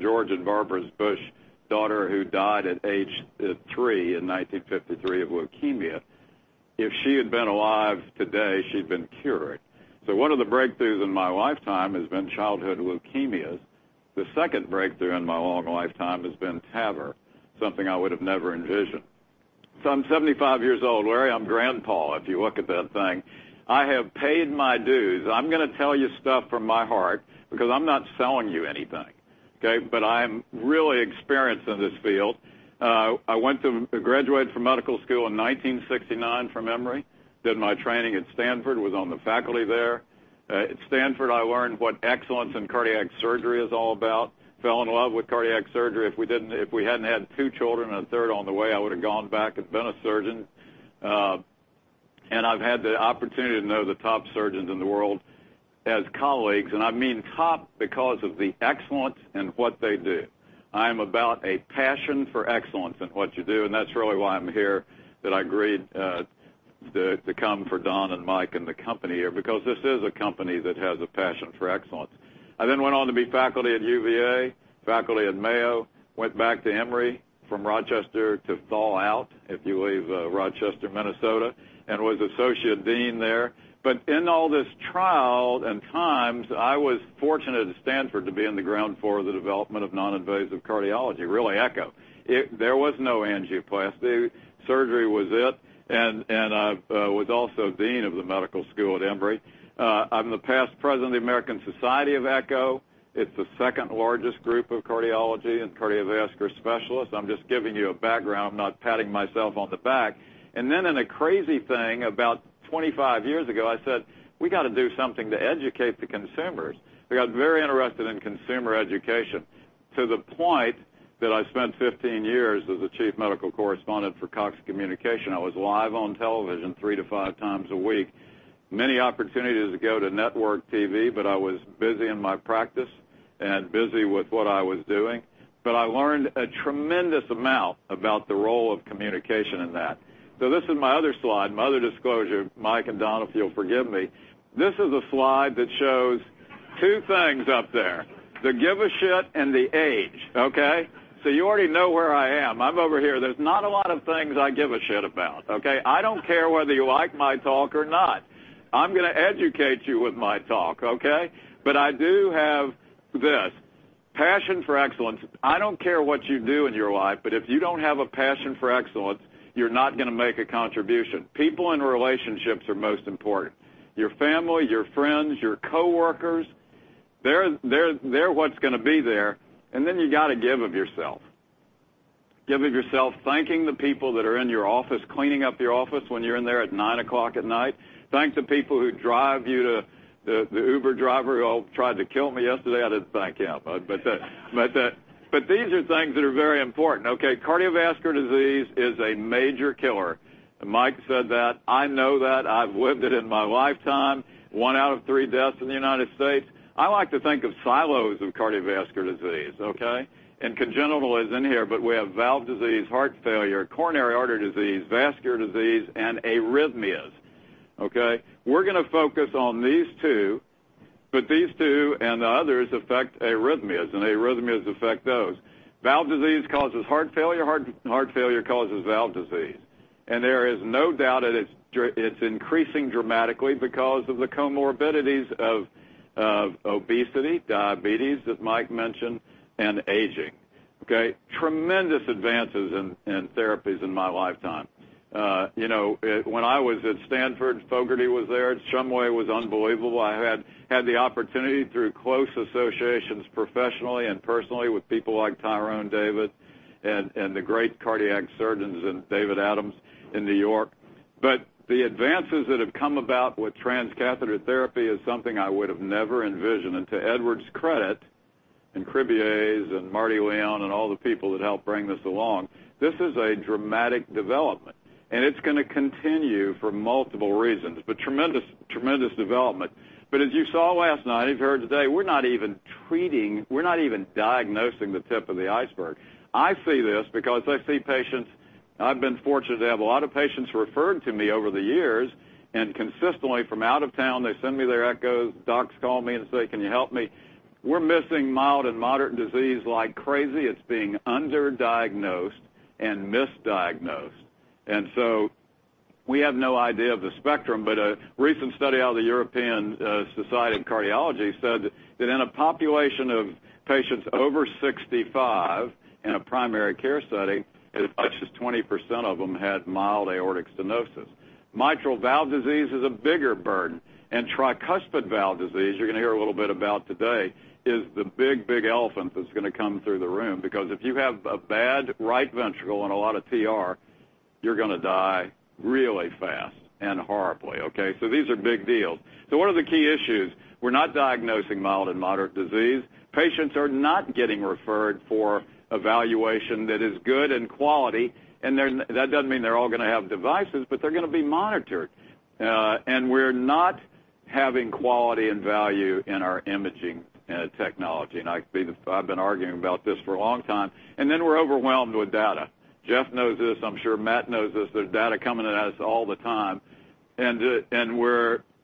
George and Barbara Bush's daughter, who died at age three in 1953 of leukemia. If she had been alive today, she had been cured. One of the breakthroughs in my lifetime has been childhood leukemias. The second breakthrough in my long lifetime has been TAVR, something I would have never envisioned. I am 75 years old. Larry, I am grandpa, if you look at that thing. I have paid my dues. I am going to tell you stuff from my heart because I am not selling you anything, okay? I am really experienced in this field. I graduated from medical school in 1969 from Emory, did my training at Stanford, was on the faculty there. At Stanford, I learned what excellence in cardiac surgery is all about. Fell in love with cardiac surgery. If we had not had two children and a third on the way, I would have gone back and been a surgeon. I have had the opportunity to know the top surgeons in the world as colleagues, and I mean top because of the excellence in what they do. I am about a passion for excellence in what you do, and that is really why I am here, that I agreed to come for Don and Mike and the company here, because this is a company that has a passion for excellence. I went on to be faculty at UVA, faculty at Mayo, went back to Emory from Rochester to thaw out, if you leave Rochester, Minnesota, and was associate dean there. In all this trial and times, I was fortunate at Stanford to be in the ground floor of the development of non-invasive cardiology, really echo. There was no angioplasty. Surgery was it, and I was also dean of the medical school at Emory. I am the past president of the American Society of Echo. It is the second largest group of cardiology and cardiovascular specialists. I am just giving you a background, not patting myself on the back. Then in a crazy thing about 25 years ago, I said, "We got to do something to educate the consumers." I got very interested in consumer education to the point that I spent 15 years as the chief medical correspondent for Cox Communications. I was live on television 3 to 5 times a week. Many opportunities to go to network TV, but I was busy in my practice and busy with what I was doing. I learned a tremendous amount about the role of communication in that. This is my other slide, my other disclosure. Mike and Donald, if you will forgive me. This is a slide that shows two things up there, the give a shit and the age. Okay? You already know where I am. I am over here. There is not a lot of things I give a shit about, okay? I don't care whether you like my talk or not. I'm going to educate you with my talk, okay? I do have this. Passion for excellence. I don't care what you do in your life, but if you don't have a passion for excellence, you're not going to make a contribution. People and relationships are most important. Your family, your friends, your coworkers, they're what's going to be there. Then you got to give of yourself. Give of yourself, thanking the people that are in your office, cleaning up your office when you're in there at 9:00 P.M. Thank the people who drive you to the Uber driver who tried to kill me yesterday, I didn't thank him. These are things that are very important. Okay. Cardiovascular disease is a major killer. Mike said that. I know that. I've lived it in my lifetime. One out of three deaths in the U.S. I like to think of silos of cardiovascular disease, okay? Congenital is in here, but we have valve disease, heart failure, coronary artery disease, vascular disease, and arrhythmias. Okay? We're going to focus on these two, but these two and the others affect arrhythmias, and arrhythmias affect those. Valve disease causes heart failure. Heart failure causes valve disease. There is no doubt that it's increasing dramatically because of the comorbidities of obesity, diabetes, as Mike mentioned, and aging. Okay? Tremendous advances in therapies in my lifetime. When I was at Stanford, Fogarty was there. Shumway was unbelievable. I had the opportunity through close associations, professionally and personally, with people like Tirone David and the great cardiac surgeons in David Adams in New York. The advances that have come about with transcatheter therapy is something I would have never envisioned. To Edwards' credit, and Cribier's and Marty Leon and all the people that helped bring this along, this is a dramatic development, and it's going to continue for multiple reasons. Tremendous development. As you saw last night and you've heard today, we're not even treating, we're not even diagnosing the tip of the iceberg. I see this because I see patients. I've been fortunate to have a lot of patients referred to me over the years, and consistently from out of town, they send me their echoes. Docs call me and say, "Can you help me?" We're missing mild and moderate disease like crazy. It's being underdiagnosed and misdiagnosed. We have no idea of the spectrum, but a recent study out of the European Society of Cardiology said that in a population of patients over 65 in a primary care setting, as much as 20% of them had mild aortic stenosis. Mitral valve disease is a bigger burden, and tricuspid valve disease, you're going to hear a little bit about today, is the big, big elephant that's going to come through the room. If you have a bad right ventricle and a lot of TR, you're going to die really fast and horribly, okay? These are big deals. What are the key issues? We're not diagnosing mild and moderate disease. Patients are not getting referred for evaluation that is good and quality. That doesn't mean they're all going to have devices, but they're going to be monitored. We're not having quality and value in our imaging technology. I've been arguing about this for a long time. We're overwhelmed with data. Jeff knows this. I'm sure Matt knows this. There's data coming at us all the time, and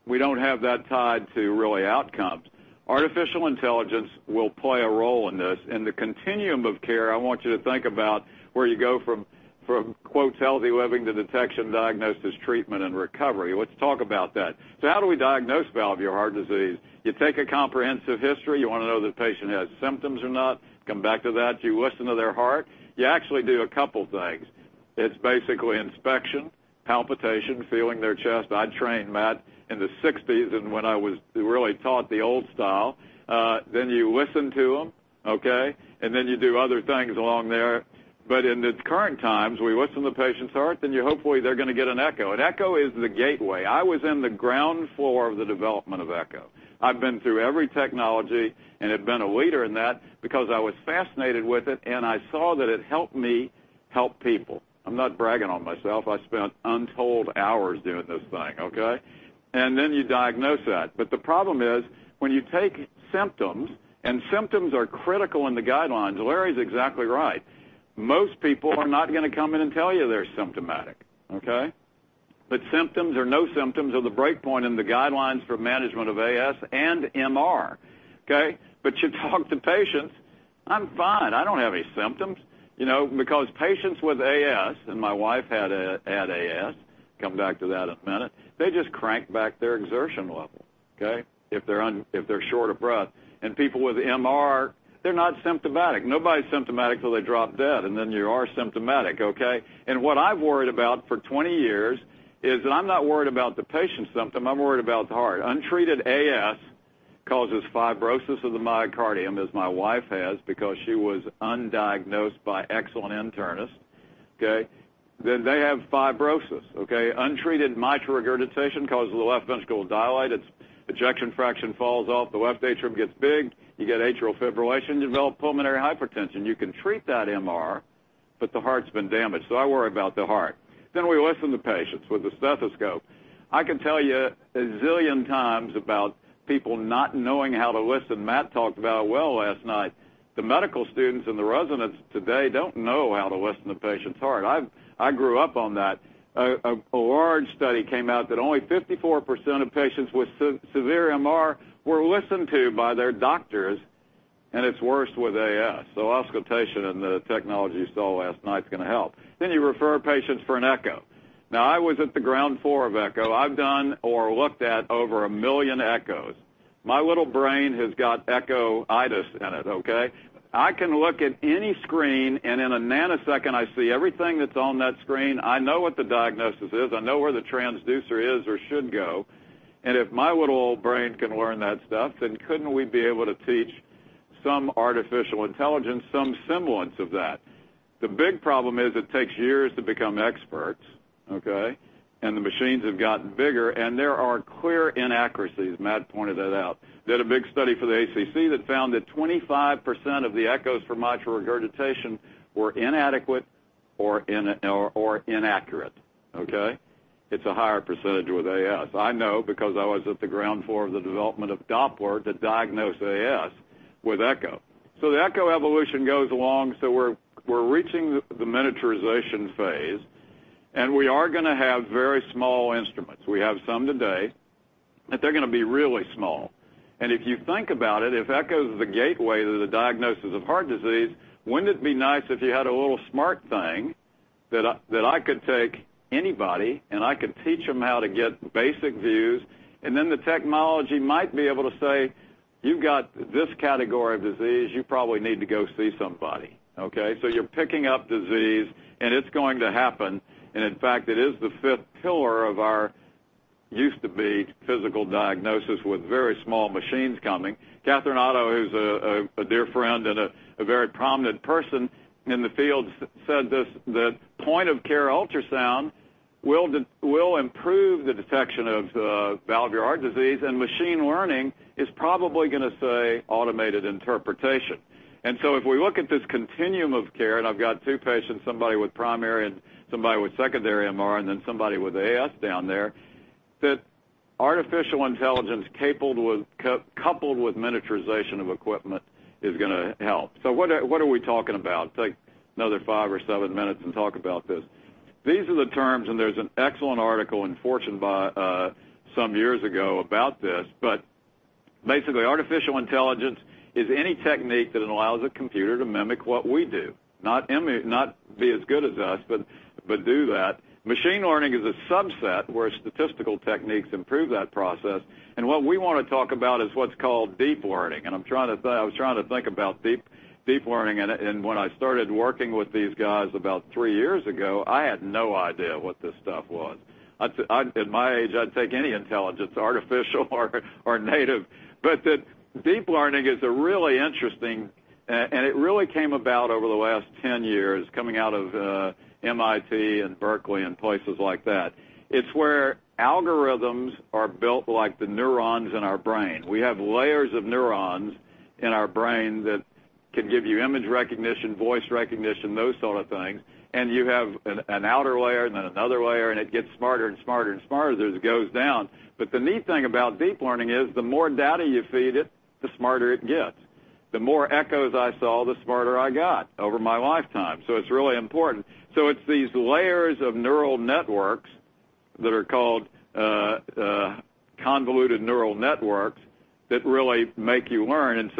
we don't have that tied to really outcomes. Artificial intelligence will play a role in this. In the continuum of care, I want you to think about where you go from "healthy living" to detection, diagnosis, treatment, and recovery. Let's talk about that. How do we diagnose valvular heart disease? You take a comprehensive history. You want to know if the patient has symptoms or not. Come back to that. You listen to their heart. You actually do a couple things. It's basically inspection, palpation, feeling their chest. I trained, Matt, in the '60s and when I was really taught the old style. You listen to them, okay, you do other things along there. In these current times, we listen to the patient's heart, then hopefully they're going to get an echo. An echo is the gateway. I was in the ground floor of the development of echo. I've been through every technology and have been a leader in that because I was fascinated with it and I saw that it helped me help people. I'm not bragging on myself. I spent untold hours doing this thing, okay? You diagnose that. The problem is, when you take symptoms are critical in the guidelines. Larry's exactly right. Most people are not going to come in and tell you they're symptomatic, okay? Symptoms or no symptoms are the breakpoint in the guidelines for management of AS and MR. Okay? You talk to patients, "I'm fine. I don't have any symptoms." Patients with AS, my wife had AS, come back to that in a 1 minute, they just crank back their exertion level if they're short of breath. People with MR, they're not symptomatic. Nobody's symptomatic till they drop dead, and then you are symptomatic, okay? What I worried about for 20 years is that I'm not worried about the patient's symptom, I'm worried about the heart. Untreated AS causes fibrosis of the myocardium, as my wife has, because she was undiagnosed by excellent internist. Okay? They have fibrosis. Untreated mitral regurgitation causes the left ventricle to dilate. Its ejection fraction falls off, the left atrium gets big. You get atrial fibrillation. You develop pulmonary hypertension. You can treat that MR, the heart's been damaged. I worry about the heart. We listen to patients with a stethoscope. I can tell you a zillion times about people not knowing how to listen. Matt talked about it well last night. The medical students and the residents today don't know how to listen to a patient's heart. I grew up on that. A large study came out that only 54% of patients with severe MR were listened to by their doctors, it's worse with AS. Auscultation and the technology you saw last night is going to help. You refer patients for an echo. I was at the ground floor of echo. I've done or looked at over 1 million echoes. My little brain has got echoitis in it, okay? I can look at any screen, in a nanosecond, I see everything that's on that screen. I know what the diagnosis is. I know where the transducer is or should go. If my little old brain can learn that stuff, then couldn't we be able to teach some artificial intelligence, some semblance of that? The big problem is it takes years to become experts. Okay? The machines have gotten bigger, and there are clear inaccuracies. Matt pointed that out. Did a big study for the ACC that found that 25% of the echoes for mitral regurgitation were inadequate or inaccurate. Okay? It's a higher percentage with AS. I know because I was at the ground floor of the development of Doppler to diagnose AS with echo. The echo evolution goes along. We're reaching the miniaturization phase, and we are going to have very small instruments. We have some today, but they're going to be really small. If you think about it, if echo is the gateway to the diagnosis of heart disease, wouldn't it be nice if you had a little smart thing that I could take anybody, and I could teach them how to get basic views? Then the technology might be able to say, "You've got this category of disease. You probably need to go see somebody." Okay? You're picking up disease, and it's going to happen. In fact, it is the fifth pillar of our used to be physical diagnosis with very small machines coming. Catherine Otto, who's a dear friend and a very prominent person in the field, said this, that point-of-care ultrasound will improve the detection of valvular heart disease and machine learning is probably going to say automated interpretation. If we look at this continuum of care and I've got two patients, somebody with primary and somebody with secondary MR, then somebody with AS down there, that artificial intelligence coupled with miniaturization of equipment is going to help. What are we talking about? Take another five or seven minutes and talk about this. These are the terms, and there's an excellent article in Fortune some years ago about this. Basically, artificial intelligence is any technique that allows a computer to mimic what we do. Not be as good as us, but do that. Machine learning is a subset where statistical techniques improve that process. What we want to talk about is what's called deep learning. I was trying to think about deep learning. When I started working with these guys about three years ago, I had no idea what this stuff was. At my age, I'd take any intelligence, artificial or native. Deep learning is a really interesting-- it really came about over the last 10 years, coming out of MIT and Berkeley and places like that. It's where algorithms are built like the neurons in our brain. We have layers of neurons in our brain that can give you image recognition, voice recognition, those sort of things. You have an outer layer, then another layer, and it gets smarter and smarter and smarter as it goes down. The neat thing about deep learning is the more data you feed it, the smarter it gets. The more echoes I saw, the smarter I got over my lifetime. It's really important. It's these layers of neural networks that are called convoluted neural networks that really make you learn. It's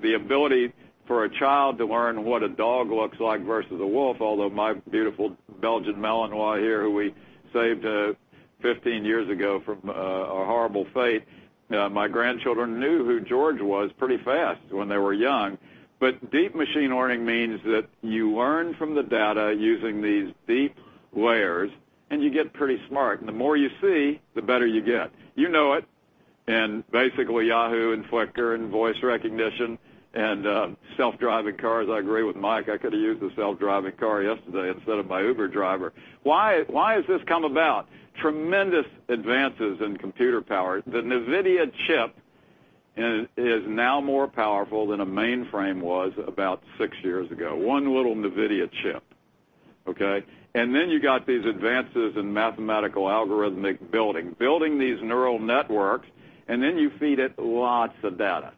the ability for a child to learn what a dog looks like versus a wolf. Although my beautiful Belgian Malinois here, who we saved 15 years ago from a horrible fate, my grandchildren knew who George was pretty fast when they were young. Deep machine learning means that you learn from the data using these deep layers, and you get pretty smart. The more you see, the better you get. You know it. Basically Yahoo and Flickr and voice recognition and self-driving cars. I agree with Mike. I could have used a self-driving car yesterday instead of my Uber driver. Why has this come about? Tremendous advances in computer power. The Nvidia chip is now more powerful than a mainframe was about six years ago. One little Nvidia chip. Okay? You got these advances in mathematical algorithmic building. Building these neural networks, you feed it lots of data.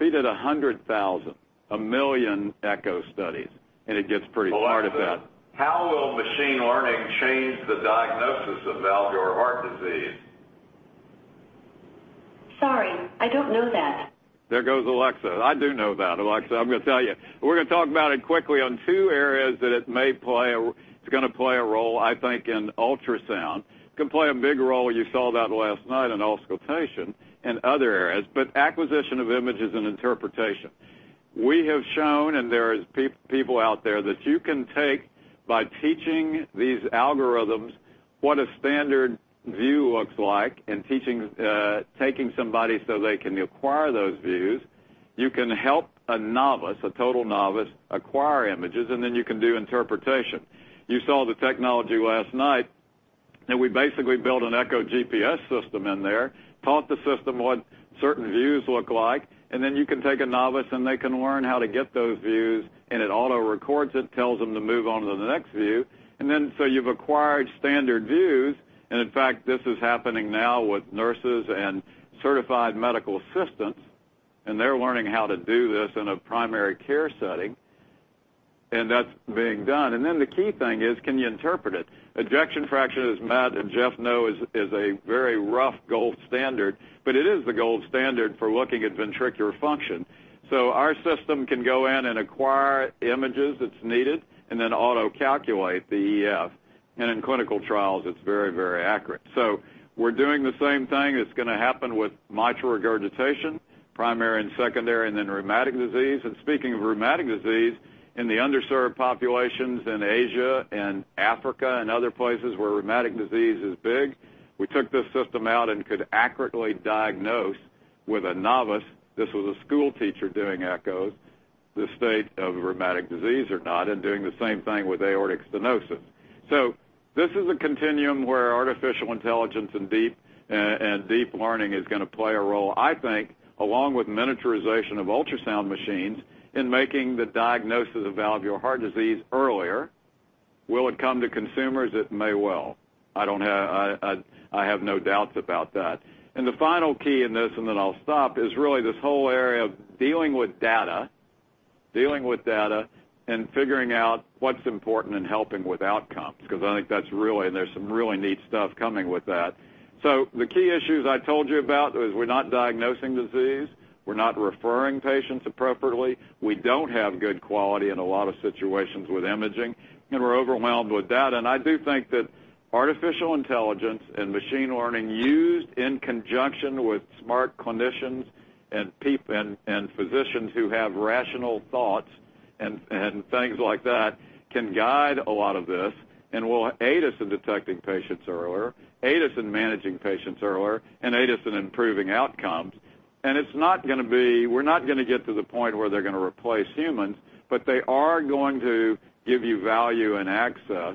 Feed it 100,000, a million echo studies, it gets pretty smart about- Alexa, how will machine learning change the diagnosis of valvular heart disease? Sorry, I don't know that. There goes Alexa. I do know that, Alexa. I'm going to tell you. We're going to talk about it quickly on two areas that it's going to play a role, I think, in ultrasound. It can play a big role, you saw that last night on auscultation and other areas. Acquisition of images and interpretation. We have shown, and there's people out there, that you can take by teaching these algorithms what a standard view looks like, and taking somebody so they can acquire those views. You can help a novice, a total novice, acquire images, and then you can do interpretation. You saw the technology last night. We basically built an echo GPS system in there, taught the system what certain views look like, and then you can take a novice and they can learn how to get those views, and it auto records it, tells them to move on to the next view. You've acquired standard views, and in fact, this is happening now with nurses and certified medical assistants, and they're learning how to do this in a primary care setting. That's being done. The key thing is, can you interpret it? Ejection fraction, as Matt and Jeff know, is a very rough gold standard, but it is the gold standard for looking at ventricular function. Our system can go in and acquire images that's needed, and then auto-calculate the EF. In clinical trials, it's very, very accurate. We're doing the same thing. It's going to happen with mitral regurgitation, primary and secondary, and then rheumatic disease. Speaking of rheumatic disease, in the underserved populations in Asia and Africa and other places where rheumatic disease is big, we took this system out and could accurately diagnose with a novice. This was a school teacher doing echoes, the state of rheumatic disease or not, and doing the same thing with aortic stenosis. This is a continuum where artificial intelligence and deep learning is going to play a role. I think, along with miniaturization of ultrasound machines, in making the diagnosis of valvular heart disease earlier. Will it come to consumers? It may well. I have no doubts about that. The final key in this, and then I'll stop, is really this whole area of dealing with data. Dealing with data and figuring out what's important and helping with outcomes, because I think there's some really neat stuff coming with that. The key issues I told you about is we're not diagnosing disease. We're not referring patients appropriately. We don't have good quality in a lot of situations with imaging. We're overwhelmed with data. I do think that artificial intelligence and machine learning used in conjunction with smart clinicians and physicians who have rational thoughts, and things like that, can guide a lot of this and will aid us in detecting patients earlier, aid us in managing patients earlier, and aid us in improving outcomes. We're not going to get to the point where they're going to replace humans, but they are going to give you value and access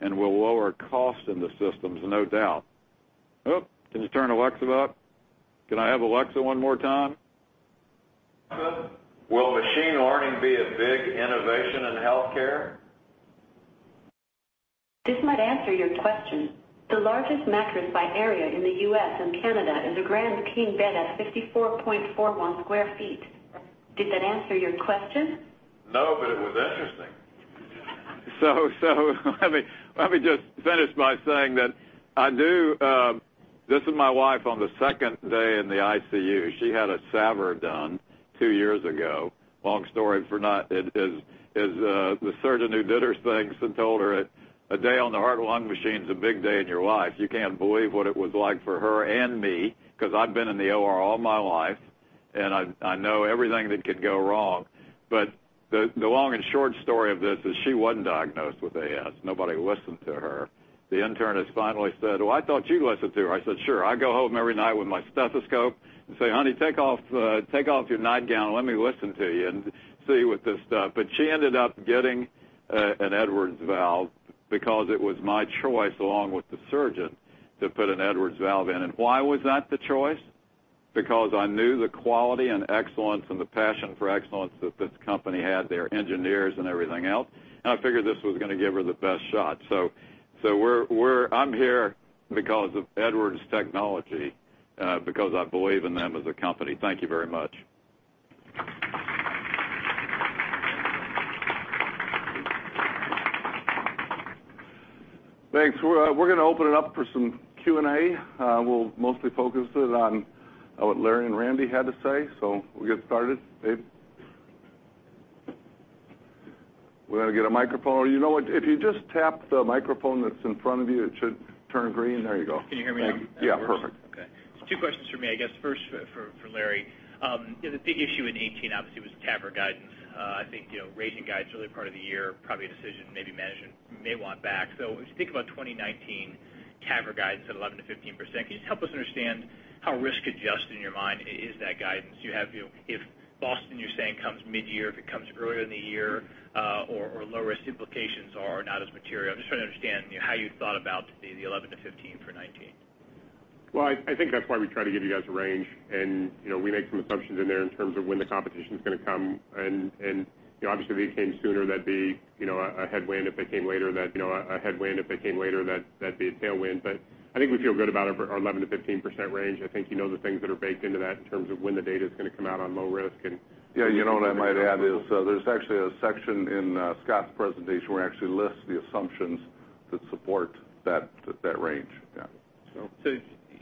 and will lower costs in the systems, no doubt. Oh, can you turn Alexa up? Can I have Alexa one more time? Alexa, will machine learning be a big innovation in healthcare? This might answer your question. The largest mattress by area in the U.S. and Canada is a grand king bed at 54.41 sq ft. Did that answer your question? No, it was interesting. Let me just finish by saying that this is my wife on the second day in the ICU. She had a SAVR done two years ago. Long story for another day. The surgeon who did her thinks and told her, "A day on the heart and lung machine's a big day in your life." You can't believe what it was like for her and me, because I've been in the OR all my life and I know everything that could go wrong. The long and short story of this is she wasn't diagnosed with AS. Nobody listened to her. The internist finally said, "Well, I thought you listened to her." I said, "Sure, I go home every night with my stethoscope and say, 'Honey, take off your nightgown and let me listen to you and see with this stuff.'" She ended up getting an Edwards valve because it was my choice, along with the surgeon, to put an Edwards valve in. Why was that the choice? I knew the quality and excellence and the passion for excellence that this company had, their engineers and everything else, and I figured this was going to give her the best shot. I'm here because of Edwards technology, because I believe in them as a company. Thank you very much. Thanks. We're going to open it up for some Q&A. We'll mostly focus it on what Larry and Randy had to say. We'll get started. Dave. We got to get a microphone. You know what, if you just tap the microphone that's in front of you, it should turn green. There you go. Can you hear me now? Yeah. Perfect. Two questions from me. First for Larry. The big issue in 2018 obviously was TAVR guidance. I think raising guides early part of the year, probably a decision maybe management may want back. As you think about 2019 TAVR guidance at 11%-15%, can you just help us understand how risk-adjusted in your mind is that guidance? If Boston Scientific, you're saying, comes mid-year, if it comes earlier in the year, or what low-risk implications are, or not as material. I'm just trying to understand how you thought about the 11%-15% for 2019. I think that's why we try to give you guys a range. We make some assumptions in there in terms of when the competition is going to come. Obviously, if it came sooner, that'd be a headwind. If it came later, that'd be a tailwind. I think we feel good about our 11%-15% range. I think you know the things that are baked into that in terms of when the data's going to come out on low risk. You know what I might add is, there's actually a section in Scott's presentation where it actually lists the assumptions that support that range.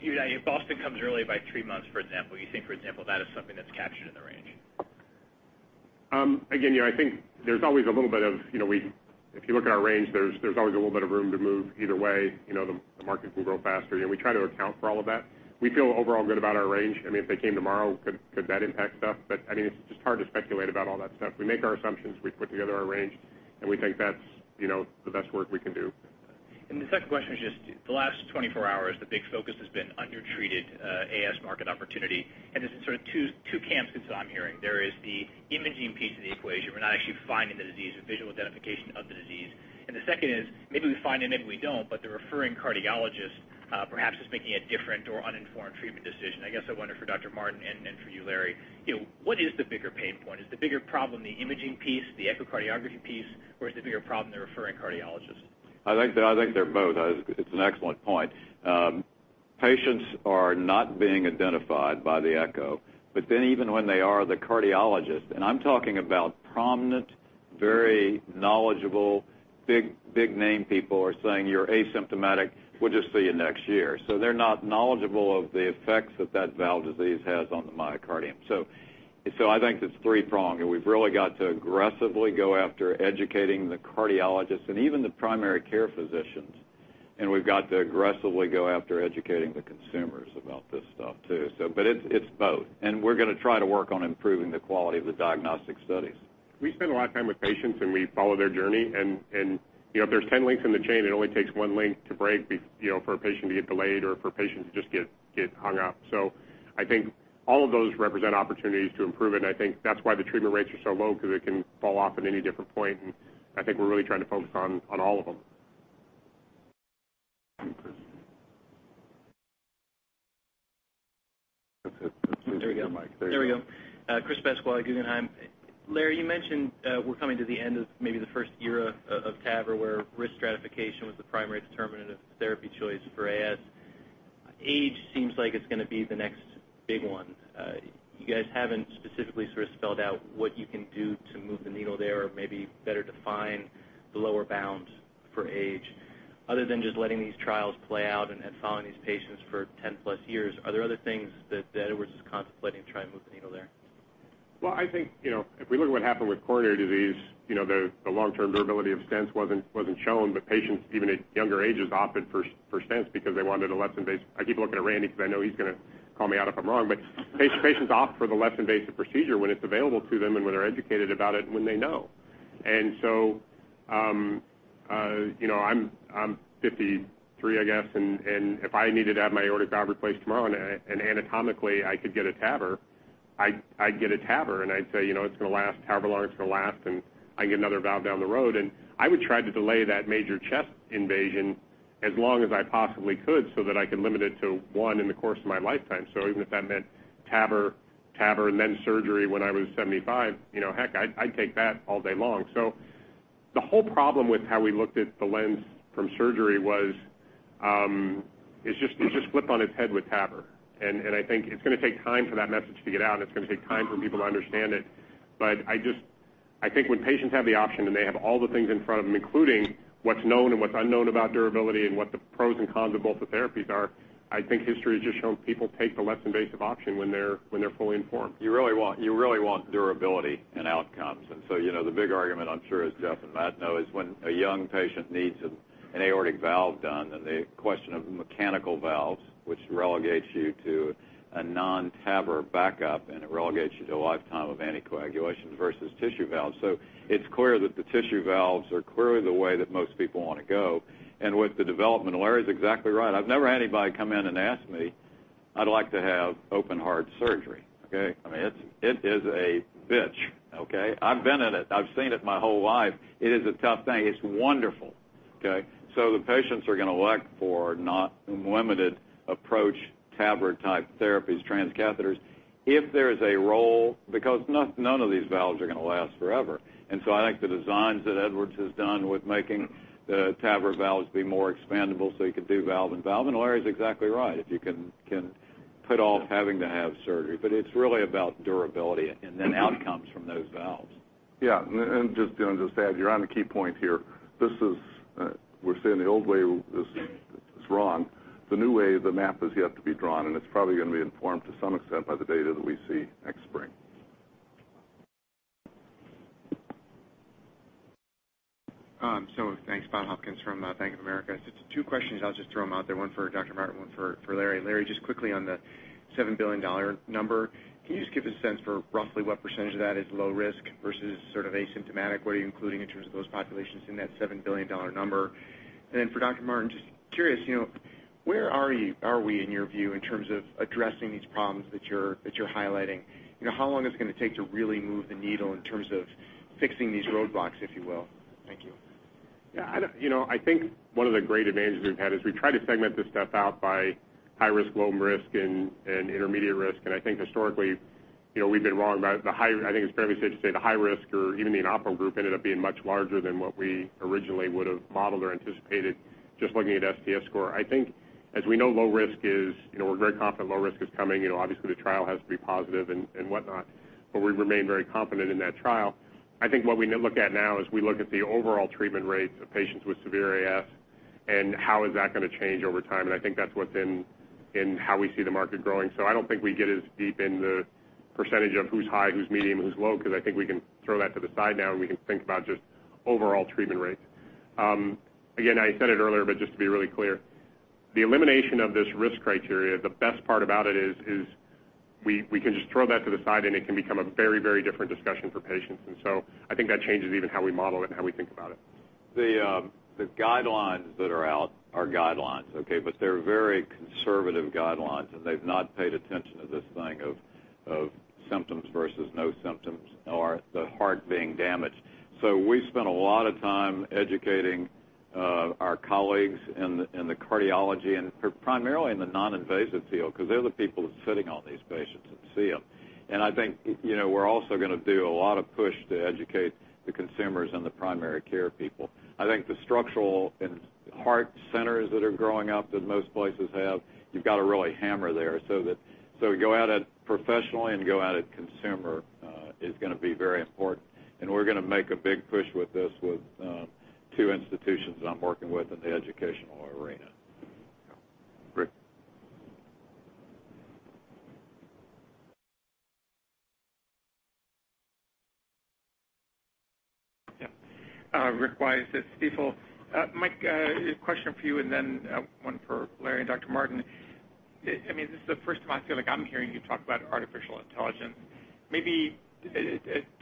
If Boston comes early by three months, for example, you think, for example, that is something that's captured in the range? I think there's always a little bit of If you look at our range, there's always a little bit of room to move either way. The market can grow faster. We try to account for all of that. We feel overall good about our range. If they came tomorrow, could that impact stuff? It's just hard to speculate about all that stuff. We make our assumptions, we put together our range, and we think that's the best work we can do. The second question is just, the last 24 hours, the big focus has been undertreated AS market opportunity, and there's sort of two camps that I'm hearing. There is the imaging piece of the equation. We're not actually finding the disease with visual identification of the disease. The second is, maybe we find it, maybe we don't, but the referring cardiologist perhaps is making a different or uninformed treatment decision. I guess I wonder for Dr. Martin and for you, Larry, what is the bigger pain point? Is the bigger problem the imaging piece, the echocardiography piece, or is the bigger problem the referring cardiologist? I think they're both. It's an excellent point. Patients are not being identified by the echo. Even when they are, the cardiologist, and I'm talking about prominent, very knowledgeable, big-name people are saying, "You're asymptomatic. We'll just see you next year." They're not knowledgeable of the effects that that valve disease has on the myocardium. I think it's three-pronged, and we've really got to aggressively go after educating the cardiologists and even the primary care physicians. We've got to aggressively go after educating the consumers about this stuff, too. It's both, and we're going to try to work on improving the quality of the diagnostic studies. We spend a lot of time with patients, and we follow their journey. If there's 10 links in the chain, it only takes one link to break for a patient to get delayed or for a patient to just get hung up. I think all of those represent opportunities to improve it, and I think that's why the treatment rates are so low because it can fall off at any different point. I think we're really trying to focus on all of them. Chris. That's it. That's your other mic. There you go. There we go. Chris Pasquale, Guggenheim. Larry, you mentioned we're coming to the end of maybe the first era of TAVR, where risk stratification was the primary determinant of therapy choice for AS. Age seems like it's going to be the next big one. You guys haven't specifically sort of spelled out what you can do to move the needle there or maybe better define the lower bounds for age. Other than just letting these trials play out and following these patients for 10+ years, are there other things that Edwards is contemplating to try and move the needle there? I think if we look at what happened with coronary disease, the long-term durability of stents wasn't shown, but patients, even at younger ages, opted for stents because they wanted a less invasive. I keep looking at Randy because I know he's going to call me out if I'm wrong. Patients opt for the less invasive procedure when it's available to them and when they're educated about it and when they know. I'm 53, I guess, and if I needed to have my aortic valve replaced tomorrow and anatomically I could get a TAVR, I'd get a TAVR. I'd say, "It's going to last however long it's going to last, and I can get another valve down the road." I would try to delay that major chest invasion as long as I possibly could so that I can limit it to one in the course of my lifetime. Even if that meant TAVR and then surgery when I was 75, heck, I'd take that all day long. The whole problem with how we looked at the lens from surgery was it's just flipped on its head with TAVR. I think it's going to take time for that message to get out, and it's going to take time for people to understand it. I think when patients have the option and they have all the things in front of them, including what's known and what's unknown about durability and what the pros and cons of both the therapies are, I think history has just shown people take the less invasive option when they're fully informed. You really want durability and outcomes. The big argument, I'm sure as Jeff and Matt know, is when a young patient needs an aortic valve done, then the question of mechanical valves, which relegates you to a non-TAVR backup, and it relegates you to a lifetime of anticoagulation versus tissue valves. It's clear that the tissue valves are clearly the way that most people want to go. With the development, Larry's exactly right. I've never had anybody come in and ask me, "I'd like to have open heart surgery." Okay? It is a bitch, okay? I've been in it. I've seen it my whole life. It is a tough thing. It's wonderful, okay? The patients are going to elect for not limited approach TAVR-type therapies, transcatheters. If there is a role, because none of these valves are going to last forever. I think the designs that Edwards has done with making the TAVR valves be more expandable so you could do valve-in-valve, and Larry's exactly right. If you can put off having to have surgery. It's really about durability and then outcomes from those valves. Just to add, you're on a key point here. We're saying the old way is wrong. The new way, the map has yet to be drawn, and it's probably going to be informed to some extent by the data that we see next spring. Thanks. Bob Hopkins from Bank of America. Just two questions, I'll just throw them out there. One for Dr. Martin, one for Larry. Larry, just quickly on the $7 billion number. Can you just give a sense for roughly what % of that is low risk versus sort of asymptomatic? What are you including in terms of those populations in that $7 billion number? For Dr. Martin, just curious, where are we in your view in terms of addressing these problems that you're highlighting? How long is it going to take to really move the needle in terms of fixing these roadblocks, if you will? Thank you. Yeah, I think one of the great advantages we've had is we try to segment this stuff out by high risk, low risk, and intermediate risk. I think historically, we've been wrong about the high. I think it's fairly safe to say the high risk or even the inoperable group ended up being much larger than what we originally would've modeled or anticipated, just looking at STS score. I think as we know, low risk is, we're very confident low risk is coming. Obviously, the trial has to be positive and whatnot, but we remain very confident in that trial. I think what we now look at now is we look at the overall treatment rates of patients with severe AS, and how is that going to change over time. I think that's within how we see the market growing. I don't think we get as deep in the % of who's high, who's medium, who's low, because I think we can throw that to the side now, and we can think about just overall treatment rates. Again, I said it earlier, but just to be really clear. The elimination of this risk criteria, the best part about it is we can just throw that to the side, and it can become a very different discussion for patients. I think that changes even how we model it and how we think about it. The guidelines that are out are guidelines. They're very conservative guidelines, they've not paid attention to this thing of symptoms versus no symptoms or the heart being damaged. We've spent a lot of time educating our colleagues in the cardiology and primarily in the non-invasive field, because they're the people that's sitting on these patients and see them. I think, we're also going to do a lot of push to educate the consumers and the primary care people. I think the structural and heart centers that are growing up that most places have, you've got to really hammer there. Go at it professionally and go at it consumer is going to be very important. We're going to make a big push with this with two institutions that I'm working with in the educational arena. Yeah. Rick. Rick Wise at Stifel. Mike, a question for you and then one for Larry and Dr. Martin. This is the first time I feel like I'm hearing you talk about artificial intelligence.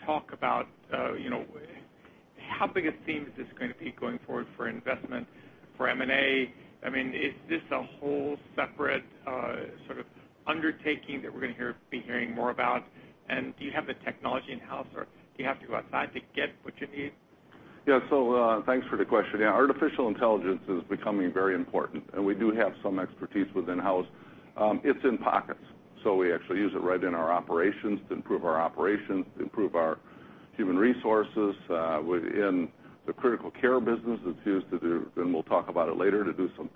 Talk about how big a theme is this going to be going forward for investment for M&A? Is this a whole separate sort of undertaking that we're going to be hearing more about? Do you have the technology in-house, or do you have to go outside to get what you need? Thanks for the question. Artificial intelligence is becoming very important, and we do have some expertise within house. It's in pockets. We actually use it right in our operations to improve our operations, to improve our human resources within the critical care business. It's used, and we'll talk about it later, to do some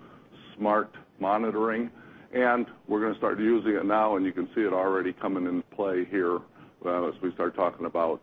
smart monitoring. We're going to start using it now, and you can see it already coming into play here as we start talking about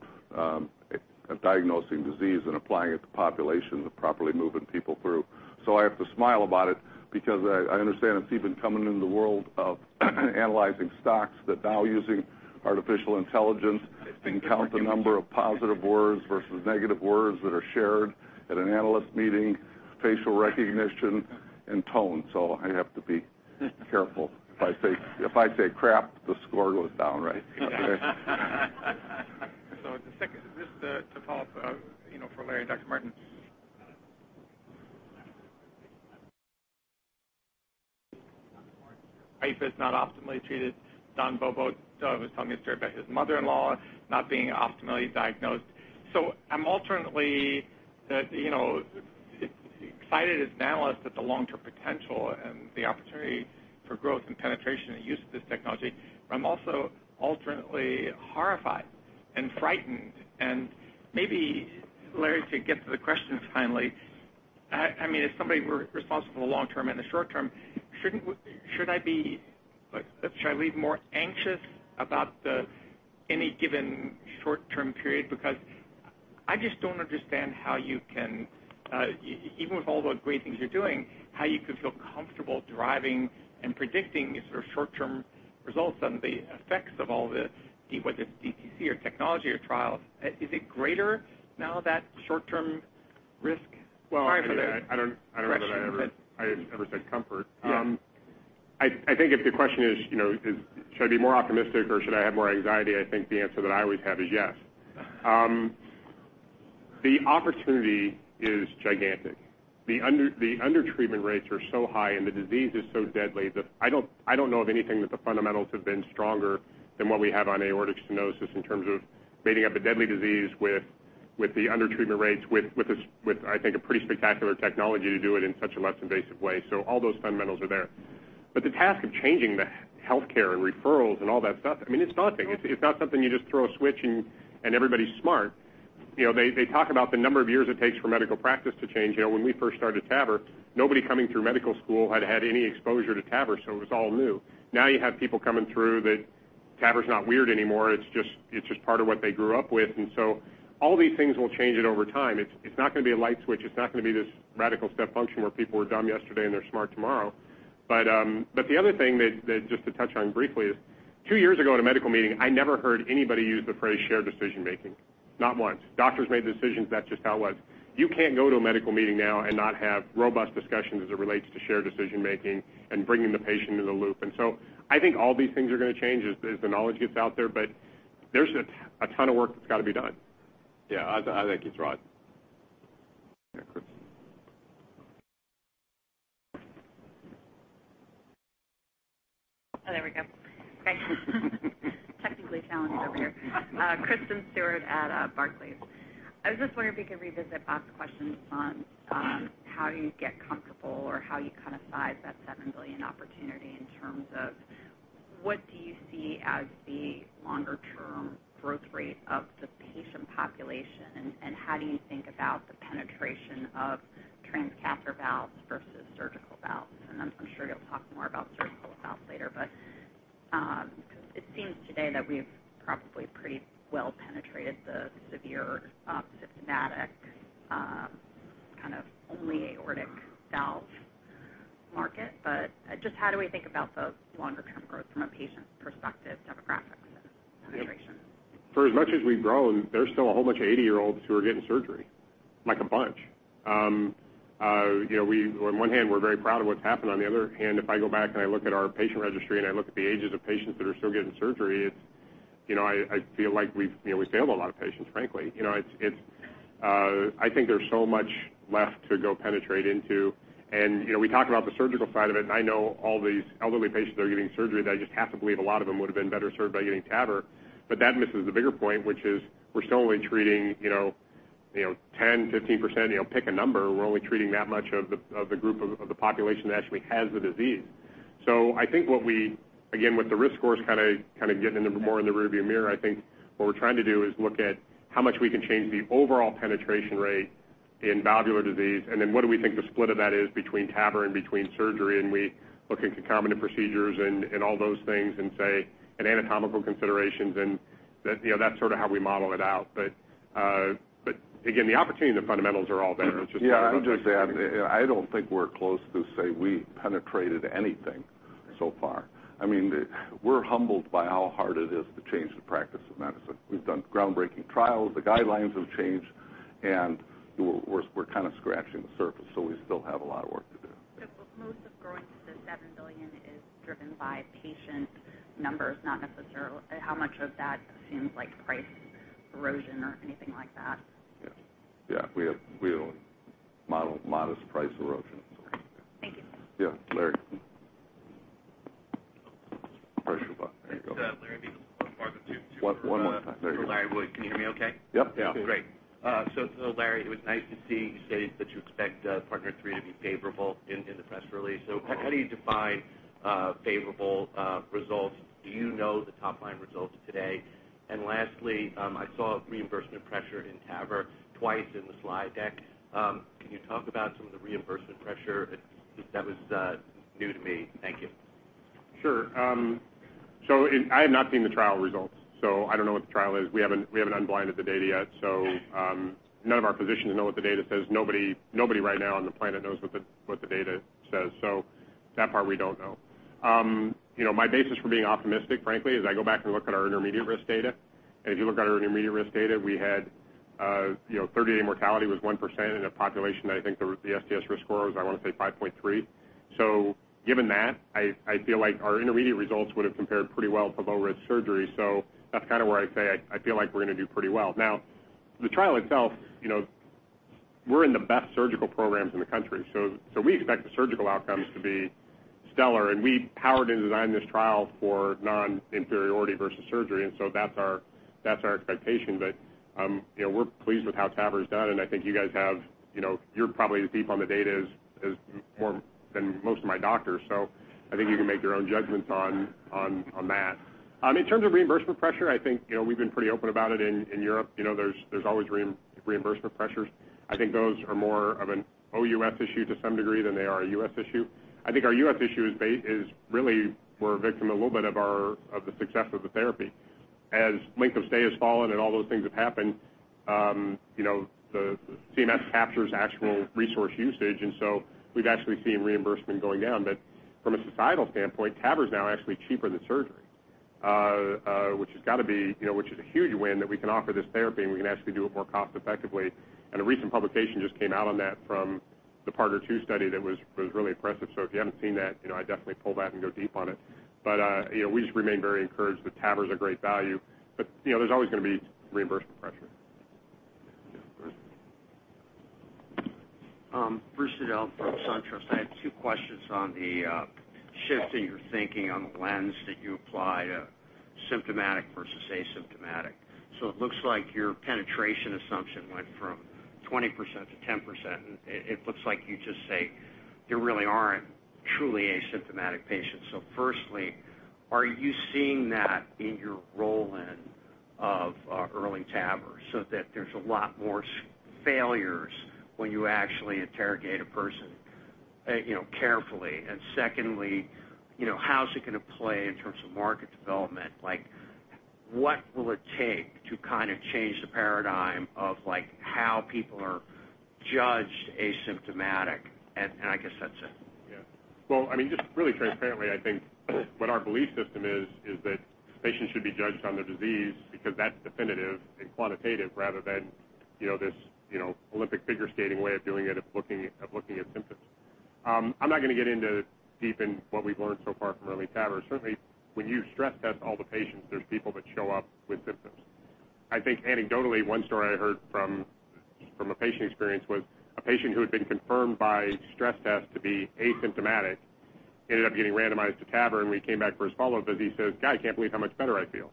diagnosing disease and applying it to populations and properly moving people through. I have to smile about it because I understand it's even coming into the world of analyzing stocks that now using artificial intelligence can count the number of positive words versus negative words that are shared at an analyst meeting, facial recognition, and tone. I have to be careful. If I say crap, the score goes down. The second, just to follow up for Larry and Dr. Martin. AFib is not optimally treated. Don Bobo was telling me a story about his mother-in-law not being optimally diagnosed. I'm alternately excited as an analyst at the long-term potential and the opportunity for growth and penetration and use of this technology. I'm also alternately horrified and frightened. Maybe, Larry, to get to the questions finally, as somebody responsible for the long-term and the short-term, should I leave more anxious about any given short-term period? I just don't understand how you can, even with all the great things you're doing, how you can feel comfortable driving and predicting sort of short-term results on the effects of all this, be it whether it's DTC or technology or trials. Is it greater now, that short-term risk? I don't know that I ever said comfort. Yeah. I think if the question is, should I be more optimistic or should I have more anxiety? I think the answer that I always have is yes. The opportunity is gigantic. The under-treatment rates are so high and the disease is so deadly that I don't know of anything that the fundamentals have been stronger than what we have on aortic stenosis in terms of meeting up a deadly disease with the under-treatment rates, with I think, a pretty spectacular technology to do it in such a less invasive way. All those fundamentals are there. The task of changing the healthcare and referrals and all that stuff, it's nothing. It's not something you just throw a switch and everybody's smart. They talk about the number of years it takes for medical practice to change. When we first started TAVR, nobody coming through medical school had had any exposure to TAVR, so it was all new. Now you have people coming through that TAVR's not weird anymore. It's just part of what they grew up with. All these things will change it over time. It's not going to be a light switch. It's not going to be this radical step function where people were dumb yesterday and they're smart tomorrow. The other thing that, just to touch on briefly is, 2 years ago at a medical meeting, I never heard anybody use the phrase shared decision-making. Not once. Doctors made the decisions. That's just how it was. You can't go to a medical meeting now and not have robust discussions as it relates to shared decision-making and bringing the patient into the loop. I think all these things are going to change as the knowledge gets out there. There's a ton of work that's got to be done. Yeah, I think he's right. Yeah, Chris. There we go. Great. Technically challenged over here. Kristen Stewart at Barclays. I was just wondering if you could revisit Bob's questions on how you get comfortable or how you kind of size that $7 billion opportunity in terms of what do you see as the longer-term growth rate of the patient population, and how do you think about the penetration of transcatheter valves versus surgical valves? I'm sure you'll talk more about surgical valves later, but it seems today that we've probably pretty well penetrated the severe symptomatic kind of only aortic valve market. Just how do we think about the longer-term growth from a patient perspective, demographics, and penetration? For as much as we've grown, there's still a whole bunch of 80-year-olds who are getting surgery. Like, a bunch. On one hand, we're very proud of what's happened. On the other hand, if I go back and I look at our patient registry and I look at the ages of patients that are still getting surgery, I feel like we've failed a lot of patients, frankly. I think there's so much left to go penetrate into. We talked about the surgical side of it. I know all these elderly patients that are getting surgery that I just have to believe a lot of them would've been better served by getting TAVR. That misses the bigger point, which is we're still only treating 10%, 15%, pick a number. We're only treating that much of the group, of the population that actually has the disease. I think what we, again, with the risk scores kind of getting more in the rear view mirror, I think what we're trying to do is look at how much we can change the overall penetration rate in valvular disease, then what do we think the split of that is between TAVR and between surgery. We look into concomitant procedures and all those things, and anatomical considerations, and that's sort of how we model it out. Again, the opportunity and the fundamentals are all there. Yeah, I would just add, I don't think we're close to say we penetrated anything so far. I mean, we're humbled by how hard it is to change the practice of medicine. We've done groundbreaking trials. The guidelines have changed, and we're kind of scratching the surface, so we still have a lot of work to do. Yeah. Most of growing to the $7 billion is driven by patient numbers, not necessarily how much of that seems like price erosion or anything like that. Yeah. We have model modest price erosion. Thank you. Yeah. Larry. Pressure button, there you go. Larry Biegelsen with Wells Fargo. Two- One more time. There you go. Larry Wood. Can you hear me okay? Yep. Yeah. Great. Larry, it was nice to see you say that you expect PARTNER 3 to be favorable in the press release. How do you define favorable results? Do you know the top-line results today? Lastly, I saw reimbursement pressure in TAVR twice in the slide deck. Can you talk about some of the reimbursement pressure? That was new to me. Thank you. Sure. I have not seen the trial results. I don't know what the trial is. We haven't unblinded the data yet, so none of our physicians know what the data says. Nobody right now on the planet knows what the data says. That part, we don't know. My basis for being optimistic, frankly, is I go back and look at our intermediate risk data. If you look at our intermediate risk data, we had 30-day mortality was 1% in a population that I think the STS risk score was, I want to say 5.3. Given that, I feel like our intermediate results would've compared pretty well to low-risk surgery. That's kind of where I say I feel like we're going to do pretty well. The trial itself, we're in the best surgical programs in the country. We expect the surgical outcomes to be stellar, and we powered and designed this trial for non-inferiority versus surgery. That's our expectation. We're pleased with how TAVR's done, and I think you guys, you're probably as deep on the data as more than most of my doctors. I think you can make your own judgments on that. In terms of reimbursement pressure, I think we've been pretty open about it. In Europe, there's always reimbursement pressures. I think those are more of an OUS issue to some degree than they are a U.S. issue. I think our U.S. issue is really we're a victim a little bit of the success of the therapy. As length of stay has fallen and all those things have happened, the CMS captures actual resource usage, and so we've actually seen reimbursement going down. From a societal standpoint, TAVR is now actually cheaper than surgery, which is a huge win that we can offer this therapy, and we can actually do it more cost-effectively. A recent publication just came out on that from the PARTNER II study that was really impressive. If you haven't seen that, I'd definitely pull that and go deep on it. We just remain very encouraged that TAVR's a great value, but there's always going to be reimbursement pressure. Yeah. Go ahead. Bruce Nudell from SunTrust. I have two questions on the shift in your thinking on the lens that you apply to symptomatic versus asymptomatic. It looks like your penetration assumption went from 20% to 10%, and it looks like you just say there really aren't truly asymptomatic patients. Firstly, are you seeing that in your roll-in of EARLY TAVRs, so that there's a lot more failures when you actually interrogate a person carefully? Secondly, how's it going to play in terms of market development? What will it take to kind of change the paradigm of how people are judged asymptomatic? I guess that's it. Well, just really transparently, I think what our belief system is that patients should be judged on their disease because that's definitive and quantitative rather than this Olympic figure skating way of doing it, of looking at symptoms. I'm not going to get deep into what we've learned so far from EARLY TAVR. Certainly, when you stress test all the patients, there's people that show up with symptoms. I think anecdotally, one story I heard from a patient experience was a patient who had been confirmed by stress test to be asymptomatic, ended up getting randomized to TAVR, and when he came back for his follow-up visit, he says, "God, I can't believe how much better I feel."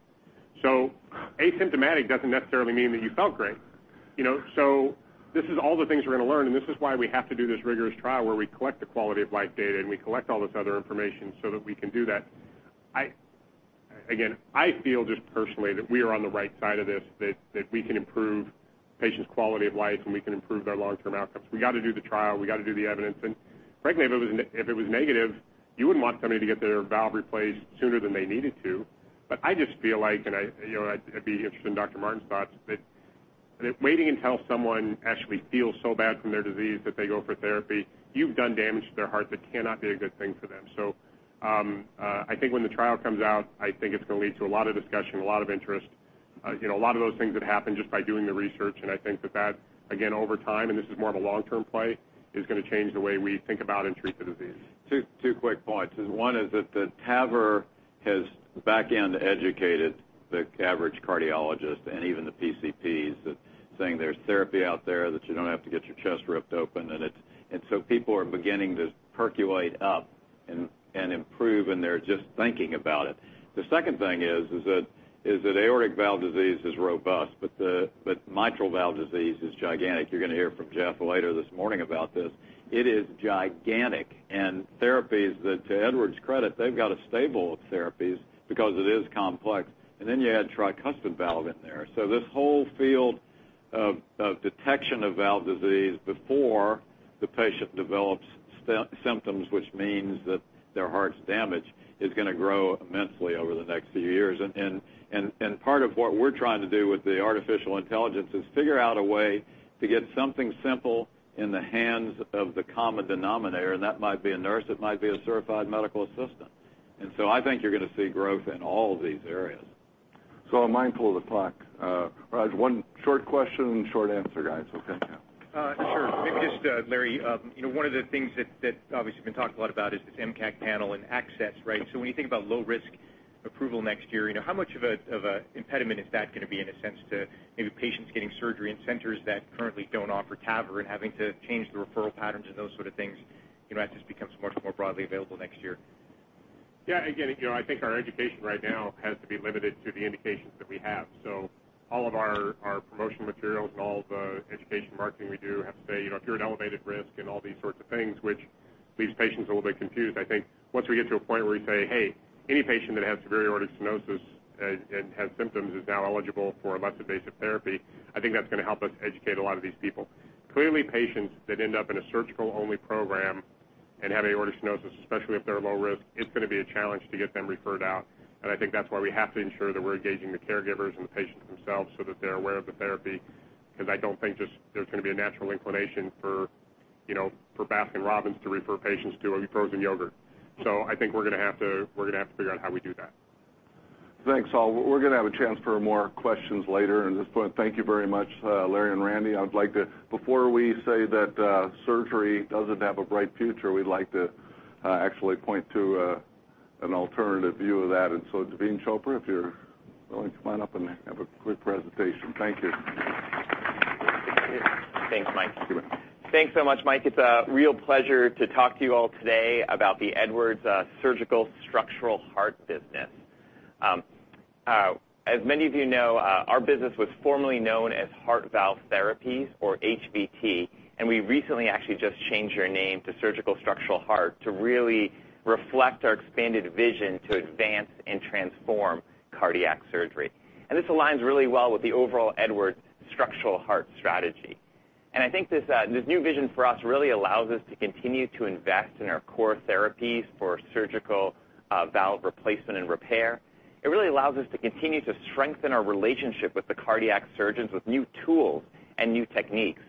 Asymptomatic doesn't necessarily mean that you felt great. These are all the things we're going to learn, this is why we have to do this rigorous trial where we collect the quality-of-life data and we collect all this other information that we can do that. Again, I feel just personally that we are on the right side of this, that we can improve patients' quality of life and we can improve their long-term outcomes. We got to do the trial. We got to do the evidence. Frankly, if it was negative, you wouldn't want somebody to get their valve replaced sooner than they needed to. I just feel like, and I'd be interested in Dr. Martin's thoughts, that waiting until someone actually feels so bad from their disease that they go for therapy, you've done damage to their heart that cannot be a good thing for them. I think when the trial comes out, I think it's going to lead to a lot of discussion, a lot of interest, a lot of those things that happen just by doing the research. I think that that, again, over time, and this is more of a long-term play, is going to change the way we think about and treat the disease. Two quick points. One is that the TAVR has backend educated the average cardiologist and even the PCPs that saying there's therapy out there, that you don't have to get your chest ripped open, people are beginning to percolate up and improve, and they're just thinking about it. The second thing is that aortic valve disease is robust, but mitral valve disease is gigantic. You're going to hear from Jeff later this morning about this. It is gigantic. Therapies that, to Edwards' credit, they've got a stable of therapies because it is complex. You add tricuspid valve in there. This whole field of detection of valve disease before the patient develops symptoms, which means that their heart's damaged, is going to grow immensely over the next few years. Part of what we're trying to do with the artificial intelligence is figure out a way to get something simple in the hands of the common denominator, that might be a nurse, it might be a certified medical assistant. I think you're going to see growth in all these areas. I'm mindful of the clock. Raj, one short question, short answer, guys. Okay, yeah. Sure. Maybe just, Larry, one of the things that obviously been talked a lot about is this MEDCAC panel and access, right? When you think about low risk approval next year, how much of a impediment is that going to be in a sense to maybe patients getting surgery in centers that currently don't offer TAVR and having to change the referral patterns and those sort of things as this becomes much more broadly available next year? Yeah, again, I think our education right now has to be limited to the indications that we have. All of our promotion materials and all the education marketing we do have to say, "If you're at elevated risk," and all these sorts of things, which leaves patients a little bit confused. I think once we get to a point where we say, "Hey, any patient that has severe Aortic Stenosis and has symptoms is now eligible for a less invasive therapy," I think that's going to help us educate a lot of these people. Clearly, patients that end up in a surgical-only program and have Aortic Stenosis, especially if they're low risk, it's going to be a challenge to get them referred out. I think that's why we have to ensure that we're engaging the caregivers and the patients themselves so that they're aware of the therapy, because I don't think there's going to be a natural inclination for Baskin-Robbins to refer patients to a frozen yogurt. I think we're going to have to figure out how we do that. Thanks, all. We're going to have a chance for more questions later. At this point, thank you very much, Larry and Randy. Before we say that surgery doesn't have a bright future, we'd like to actually point to an alternative view of that. Daveen Chopra, if you're willing to come on up and have a quick presentation. Thank you. Thanks, Mike. Thank you, man. Thanks so much, Mike. It's a real pleasure to talk to you all today about the Edwards Surgical Structural Heart business. As many of you know, our business was formerly known as Heart Valve Therapies or HVT, we recently actually just changed our name to Surgical Structural Heart to really reflect our expanded vision to advance and transform cardiac surgery. This aligns really well with the overall Edwards structural heart strategy. I think this new vision for us really allows us to continue to invest in our core therapies for surgical valve replacement and repair. It really allows us to continue to strengthen our relationship with the cardiac surgeons with new tools and new techniques.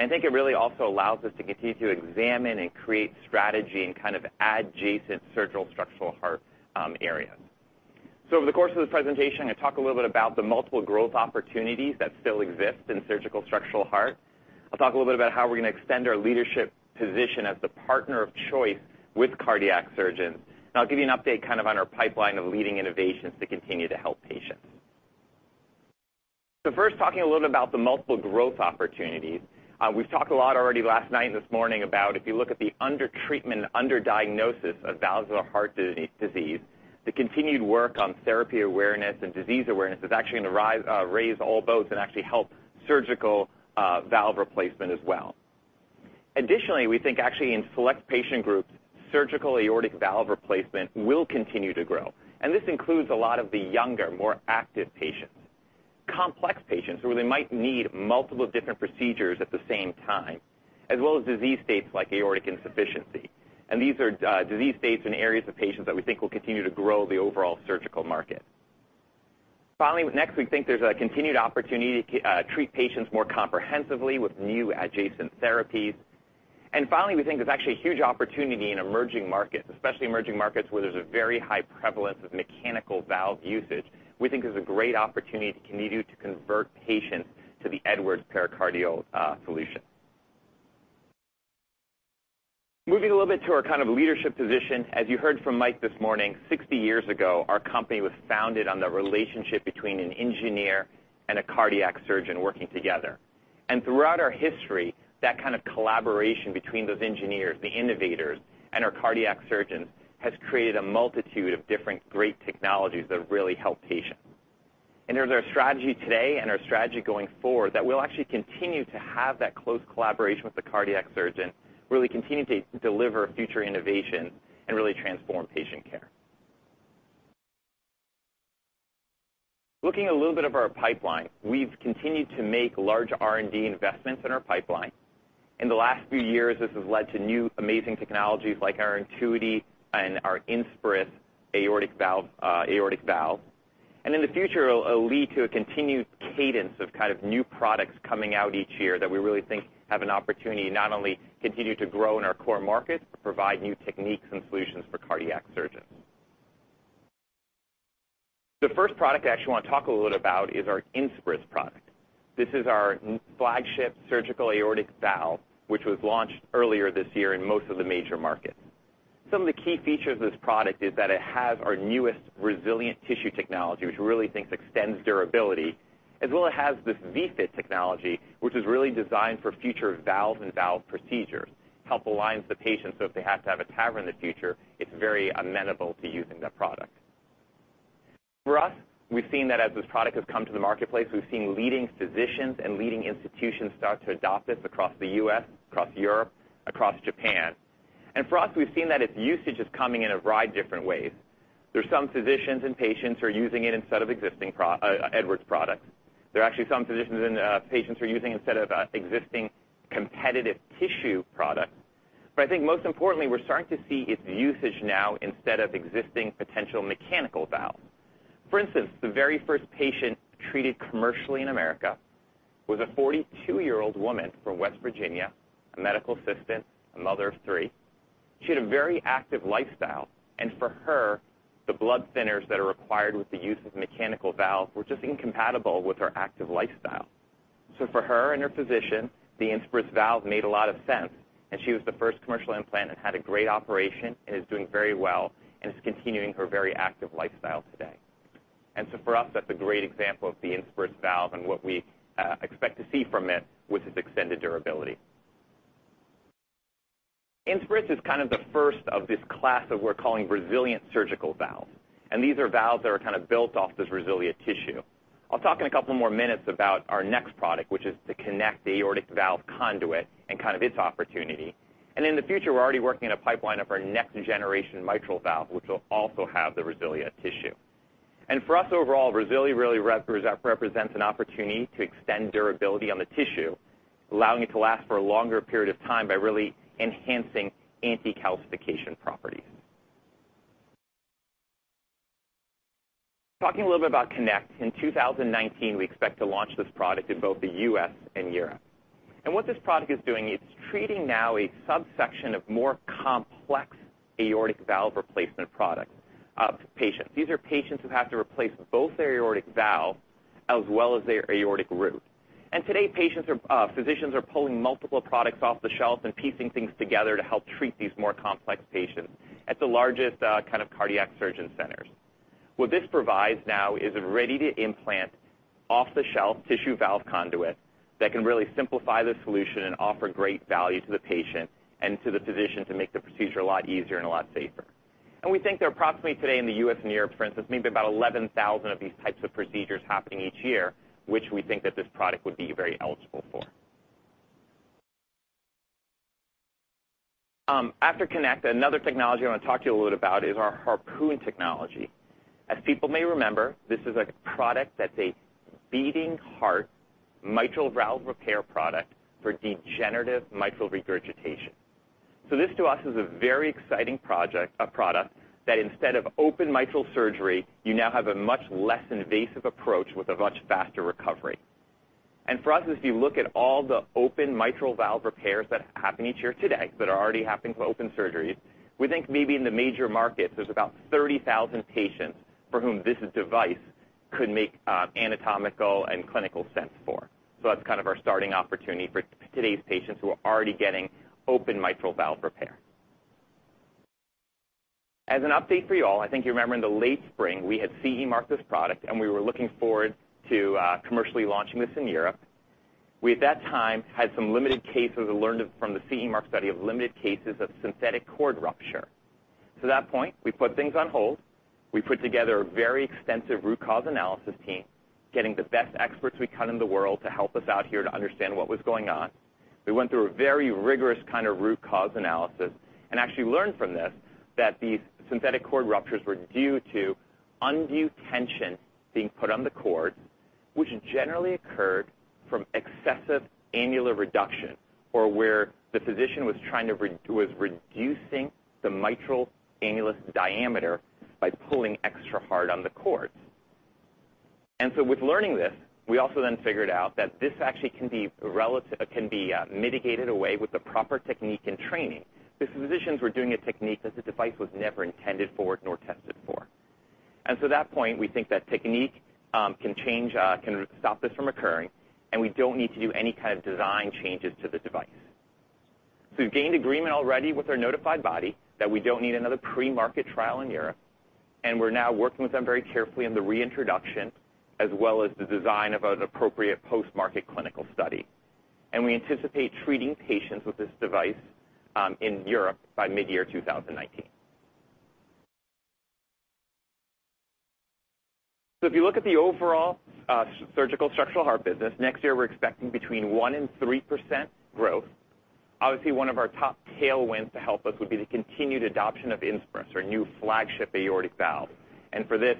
I think it really also allows us to continue to examine and create strategy in kind of adjacent surgical structural heart areas. Over the course of the presentation, I'm going to talk a little bit about the multiple growth opportunities that still exist in Surgical Structural Heart. I'll talk a little bit about how we're going to extend our leadership position as the partner of choice with cardiac surgeons. I'll give you an update kind of on our pipeline of leading innovations to continue to help patients. First, talking a little bit about the multiple growth opportunities. We've talked a lot already last night and this morning about if you look at the undertreatment, underdiagnosis of valvular heart disease, the continued work on therapy awareness and disease awareness is actually going to raise all boats and actually help surgical valve replacement as well. Additionally, we think actually in select patient groups, surgical aortic valve replacement will continue to grow. This includes a lot of the younger, more active patients. Complex patients, where they might need multiple different procedures at the same time, as well as disease states like aortic insufficiency. These are disease states and areas of patients that we think will continue to grow the overall surgical market. Finally, next, we think there's a continued opportunity to treat patients more comprehensively with new adjacent therapies. Finally, we think there's actually a huge opportunity in emerging markets, especially emerging markets where there's a very high prevalence of mechanical valve usage. We think there's a great opportunity to continue to convert patients to the Edwards Pericardial solution. Moving a little bit to our kind of leadership position. As you heard from Mike this morning, 60 years ago, our company was founded on the relationship between an engineer and a cardiac surgeon working together. Throughout our history, that kind of collaboration between those engineers, the innovators, and our cardiac surgeons, has created a multitude of different great technologies that have really helped patients. It is our strategy today and our strategy going forward, that we'll actually continue to have that close collaboration with the cardiac surgeon, really continue to deliver future innovation and really transform patient care. Looking a little bit of our pipeline. We've continued to make large R&D investments in our pipeline. In the last few years, this has led to new amazing technologies like our INTUITY and our INSPIRIS aortic valve. In the future, it'll lead to a continued cadence of kind of new products coming out each year that we really think have an opportunity not only continue to grow in our core markets, but provide new techniques and solutions for cardiac surgeons. The first product I actually want to talk a little about is our INSPIRIS product. This is our flagship surgical aortic valve, which was launched earlier this year in most of the major markets. Some of the key features of this product is that it has our newest RESILIA Tissue Technology, which we really think extends durability, as well it has this VFit technology, which is really designed for future valve-in-valve procedures to help align the patient, so if they have to have a TAVR in the future, it's very amenable to using that product. For us, we've seen that as this product has come to the marketplace, we've seen leading physicians and leading institutions start to adopt this across the U.S., across Europe, across Japan. For us, we've seen that its usage is coming in a variety of different ways. There's some physicians and patients who are using it instead of existing Edwards products. There are actually some physicians and patients who are using it instead of existing competitive tissue products. I think most importantly, we're starting to see its usage now instead of existing potential mechanical valves. For instance, the very first patient treated commercially in the U.S. was a 42-year-old woman from West Virginia, a medical assistant, a mother of three. She had a very active lifestyle, and for her, the blood thinners that are required with the use of mechanical valves were just incompatible with her active lifestyle. For her and her physician, the INSPIRIS valve made a lot of sense, and she was the first commercial implant and had a great operation and is doing very well and is continuing her very active lifestyle today. For us, that's a great example of the INSPIRIS valve and what we expect to see from it with its extended durability. INSPIRIS is kind of the first of this class of what we're calling RESILIA surgical valves, and these are valves that are kind of built off this RESILIA tissue. I'll talk in a couple more minutes about our next product, which is the KONECT aortic valve conduit and kind of its opportunity. In the future, we're already working on a pipeline of our next generation mitral valve, which will also have the RESILIA tissue. For us, overall, RESILIA really represents an opportunity to extend durability on the tissue, allowing it to last for a longer period of time by really enhancing anti-calcification properties. Talking a little bit about KONECT. In 2019, we expect to launch this product in both the U.S. and Europe. What this product is doing, it's treating now a subsection of more complex aortic valve replacement patients. These are patients who have to replace both their aortic valve as well as their aortic root. Today, physicians are pulling multiple products off the shelf and piecing things together to help treat these more complex patients at the largest kind of cardiac surgeon centers. What this provides now is a ready-to-implant, off-the-shelf tissue valve conduit that can really simplify the solution and offer great value to the patient and to the physician to make the procedure a lot easier and a lot safer. We think there are approximately today in the U.S. and Europe, for instance, maybe about 11,000 of these types of procedures happening each year, which we think that this product would be very eligible for. After KONECT, another technology I want to talk to you a little about is our Harpoon technology. As people may remember, this is a product that's a beating heart mitral valve repair product for degenerative mitral regurgitation. This to us is a very exciting product, that instead of open mitral surgery, you now have a much less invasive approach with a much faster recovery. For us, as we look at all the open mitral valve repairs that happen each year today, that are already happening for open surgeries, we think maybe in the major markets, there's about 30,000 patients for whom this device could make anatomical and clinical sense for. That's kind of our starting opportunity for today's patients who are already getting open mitral valve repair. As an update for you all, I think you remember in the late spring, we had CE mark this product and we were looking forward to commercially launching this in Europe. We, at that time, had some limited cases and learned from the CE mark study of limited cases of synthetic cord rupture. At that point, we put things on hold. We put together a very extensive root cause analysis team, getting the best experts we could in the world to help us out here to understand what was going on. We went through a very rigorous kind of root cause analysis and actually learned from this that these synthetic cord ruptures were due to undue tension being put on the cord, which generally occurred from excessive annular reduction, or where the physician was reducing the mitral annulus diameter by pulling extra hard on the cords. With learning this, we also then figured out that this actually can be mitigated away with the proper technique and training. These physicians were doing a technique that the device was never intended for nor tested for. At that point, we think that technique can stop this from occurring, and we don't need to do any kind of design changes to the device. We've gained agreement already with our notified body that we don't need another pre-market trial in Europe, and we're now working with them very carefully on the reintroduction, as well as the design of an appropriate post-market clinical study. We anticipate treating patients with this device in Europe by mid-year 2019. If you look at the overall Surgical Structural Heart business, next year, we're expecting between 1% and 3% growth. Obviously, one of our top tailwinds to help us would be the continued adoption of INSPIRIS, our new flagship aortic valve. For this,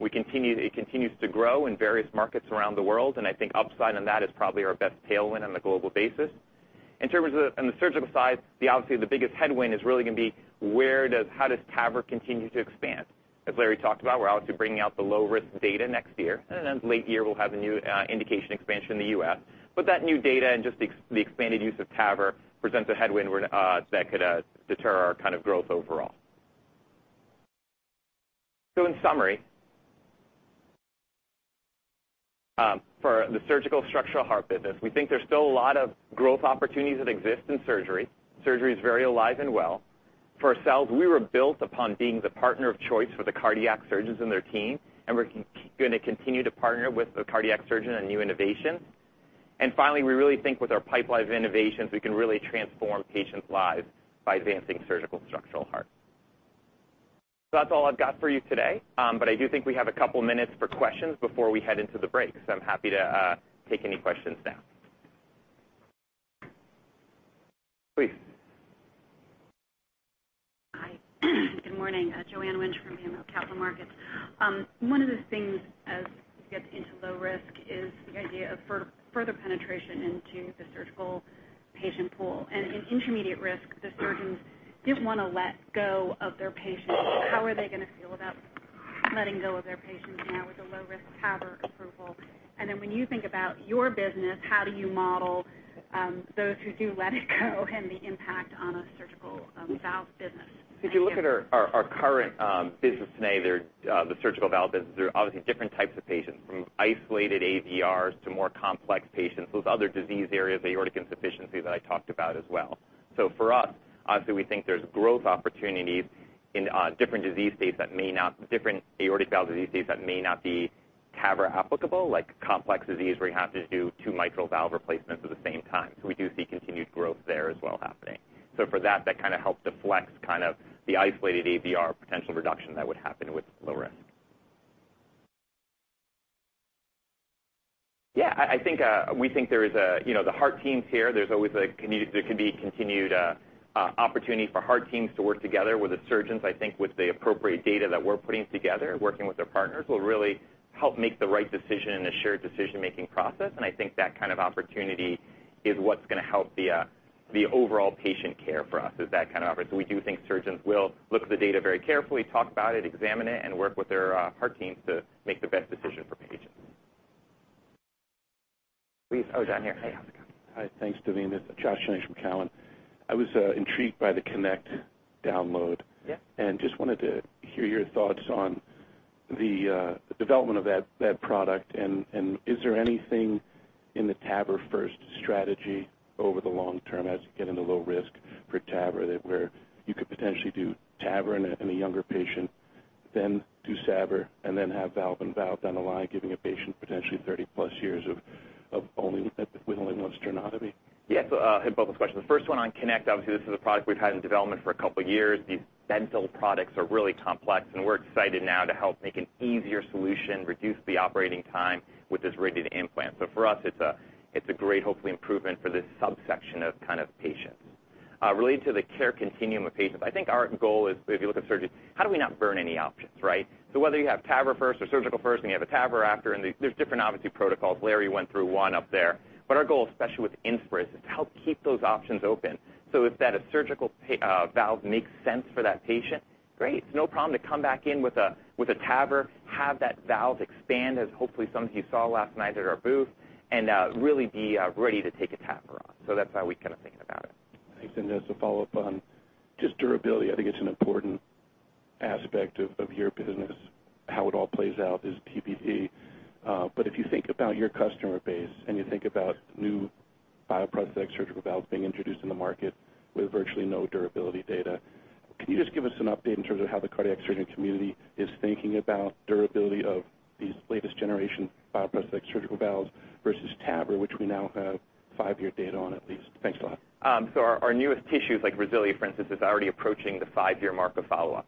it continues to grow in various markets around the world, and I think upside on that is probably our best tailwind on a global basis. In terms of on the surgical side, obviously, the biggest headwind is really going to be how does TAVR continue to expand? As Larry talked about, we're obviously bringing out the low-risk data next year, and then late year, we'll have a new indication expansion in the U.S. That new data and just the expanded use of TAVR presents a headwind that could deter our kind of growth overall. In summary, for the Surgical Structural Heart business, we think there's still a lot of growth opportunities that exist in surgery. Surgery is very alive and well. For ourselves, we were built upon being the partner of choice for the cardiac surgeons and their team, we're going to continue to partner with the cardiac surgeon on new innovations. Finally, we really think with our pipeline of innovations, we can really transform patients' lives by advancing Surgical Structural Heart. That's all I've got for you today, I do think we have a couple of minutes for questions before we head into the break, so I'm happy to take any questions now. Please. Hi. Good morning. Joanne Wuensch from BMO Capital Markets. One of the things as we get into low risk is the idea of further penetration into the surgical patient pool. In intermediate risk, the surgeons didn't want to let go of their patients. How are they going to feel about letting go of their patients now with a low-risk TAVR approval? When you think about your business, how do you model those who do let it go and the impact on a surgical valve business? If you look at our current business today, the surgical valve business, there are obviously different types of patients, from isolated AVRs to more complex patients, those other disease areas, aortic insufficiency that I talked about as well. For us, obviously, we think there's growth opportunities in different aortic valve disease states that may not be TAVR applicable, like complex disease where you have to do two mitral valve replacements at the same time. We do see continued growth there as well happening. For that kind of helps deflect kind of the isolated AVR potential reduction that would happen with low risk. We think the heart teams here, there can be continued opportunity for heart teams to work together with the surgeons, I think with the appropriate data that we're putting together, working with our partners, will really help make the right decision in a shared decision-making process. I think that kind of opportunity is what's going to help the overall patient care for us, is that kind of opportunity. We do think surgeons will look at the data very carefully, talk about it, examine it, and work with their heart teams to make the best decision for patients. Please. Oh, down here. Hey. Hi. Thanks, Daveen. It's Josh Jennings from Cowen. I was intrigued by the KONECT download. Yeah. Just wanted to hear your thoughts on the development of that product, and is there anything in the TAVR first strategy over the long term as you get into low risk for TAVR, where you could potentially do TAVR in a younger patient, then do SAVR, and then have valve-in-valve down the line, giving a patient potentially 30-plus years with only one sternotomy? Hit both those questions. The first one on KONECT RESILIA, obviously, this is a product we've had in development for a couple of years. These stental products are really complex, and we're excited now to help make an easier solution, reduce the operating time with this ready to implant. For us, it's a great, hopefully, improvement for this subsection of kind of patients. Related to the care continuum of patients, I think our goal is, if you look at surgeons, how do we not burn any options, right? Whether you have TAVR first or surgical first, and you have a TAVR after, and there's different, obviously, protocols. Larry went through one up there. Our goal, especially with INSPIRIS, is to help keep those options open. If that a surgical valve makes sense for that patient, great. It's no problem to come back in with a TAVR, have that valve expand as hopefully some of you saw last night at our booth, and really be ready to take a TAVR on. That's how we kind of think about it. Thanks. As a follow-up on just durability, I think it's an important aspect of your business, how it all plays out is VIV. If you think about your customer base and you think about new bioprosthetic surgical valves being introduced in the market with virtually no durability data, can you just give us an update in terms of how the cardiac surgeon community is thinking about durability of these latest generation bioprosthetic surgical valves versus TAVR, which we now have five-year data on at least? Thanks a lot. Our newest tissues, like RESILIA, for instance, is already approaching the five-year mark of follow-up.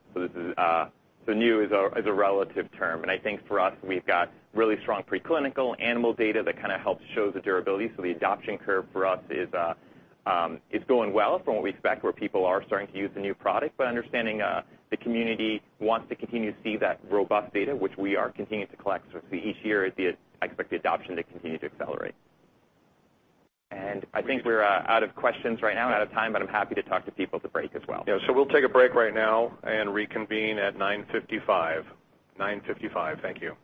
New is a relative term, and I think for us, we've got really strong preclinical animal data that kind of helps show the durability. The adoption curve for us is going well from what we expect, where people are starting to use the new product, but understanding the community wants to continue to see that robust data, which we are continuing to collect. Each year, I expect the adoption to continue to accelerate. I think we're out of questions right now, out of time, but I'm happy to talk to people at the break as well. Yeah. We'll take a break right now and reconvene at 9:55 A.M. 9:55 A.M. Thank you.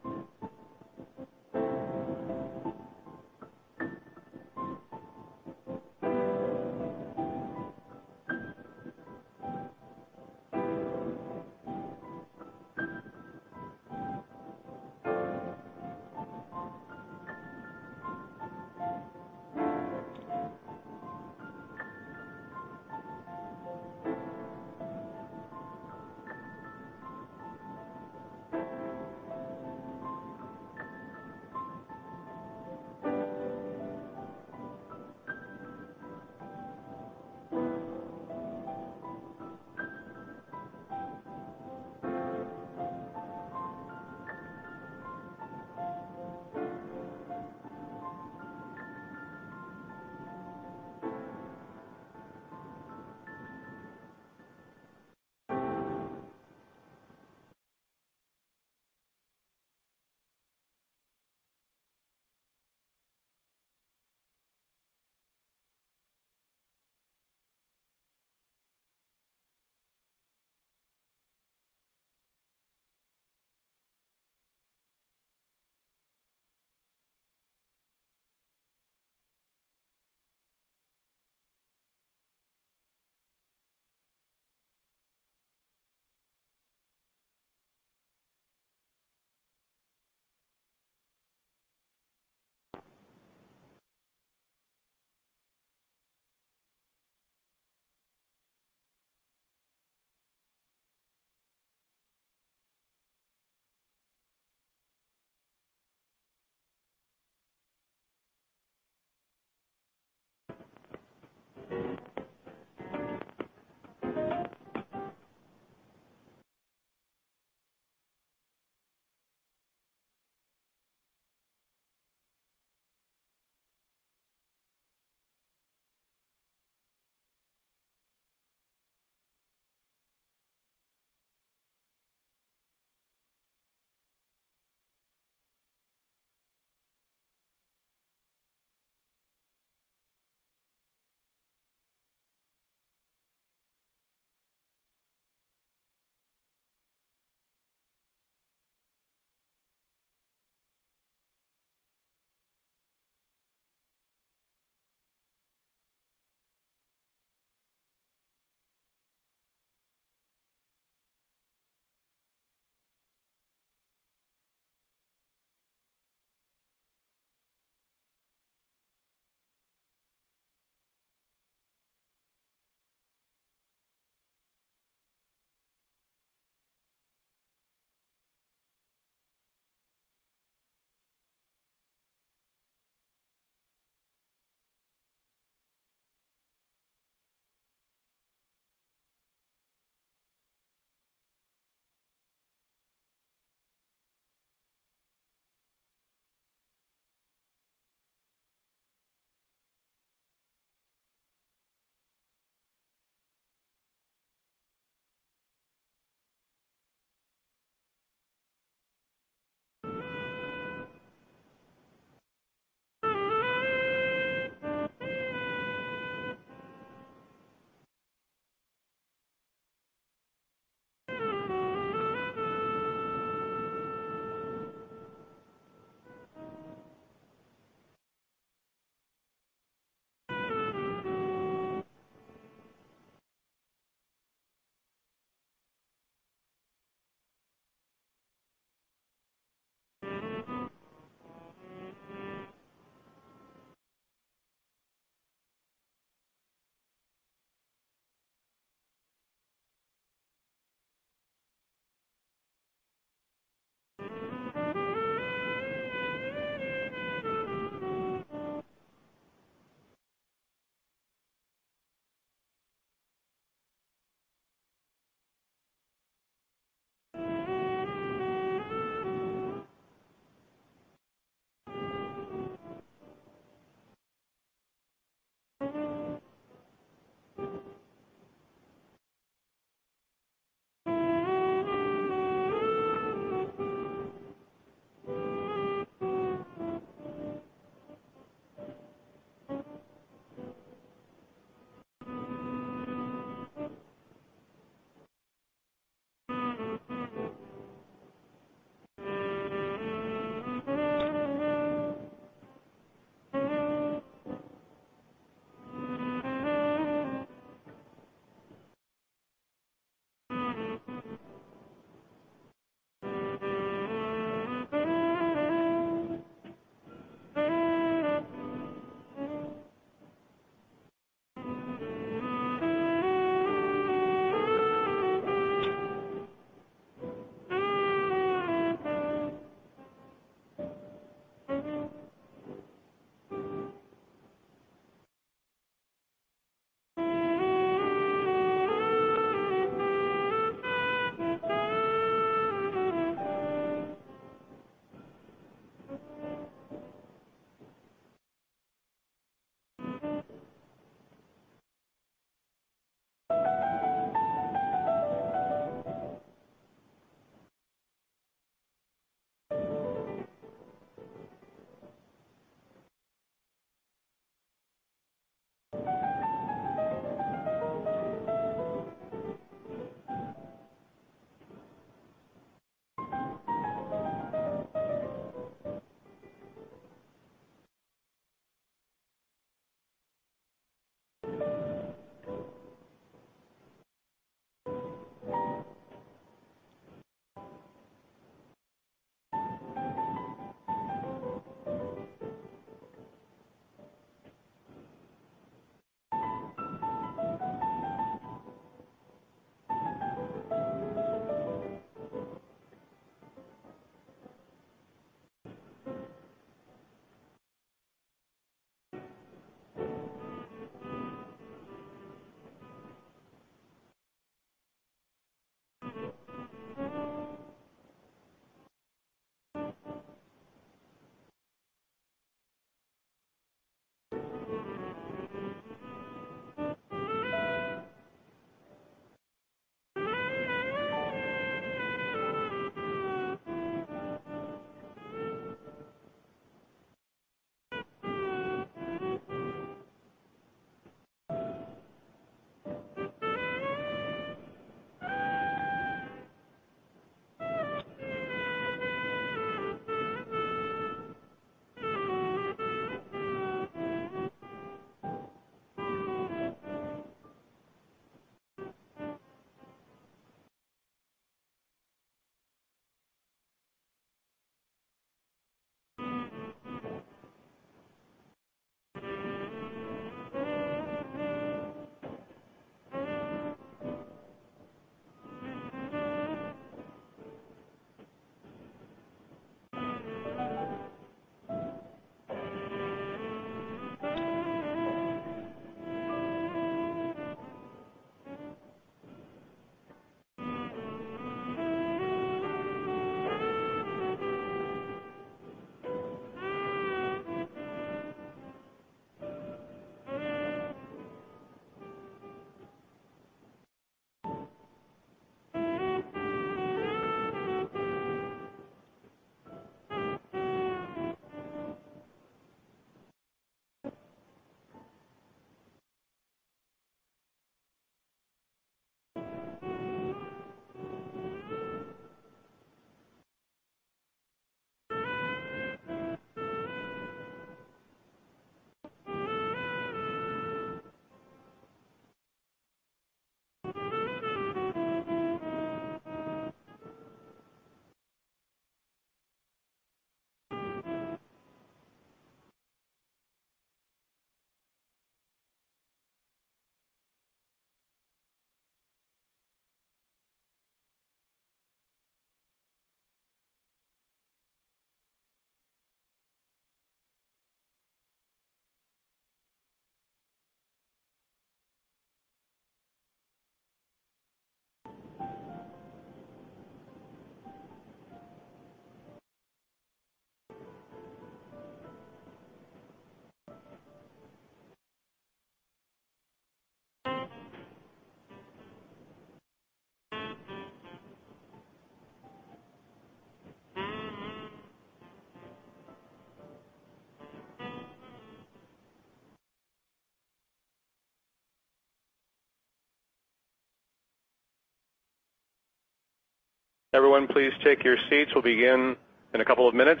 Everyone, please take your seats. We'll begin in a couple of minutes.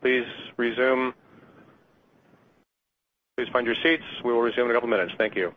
Please find your seats. We will resume in a couple of minutes. Thank you.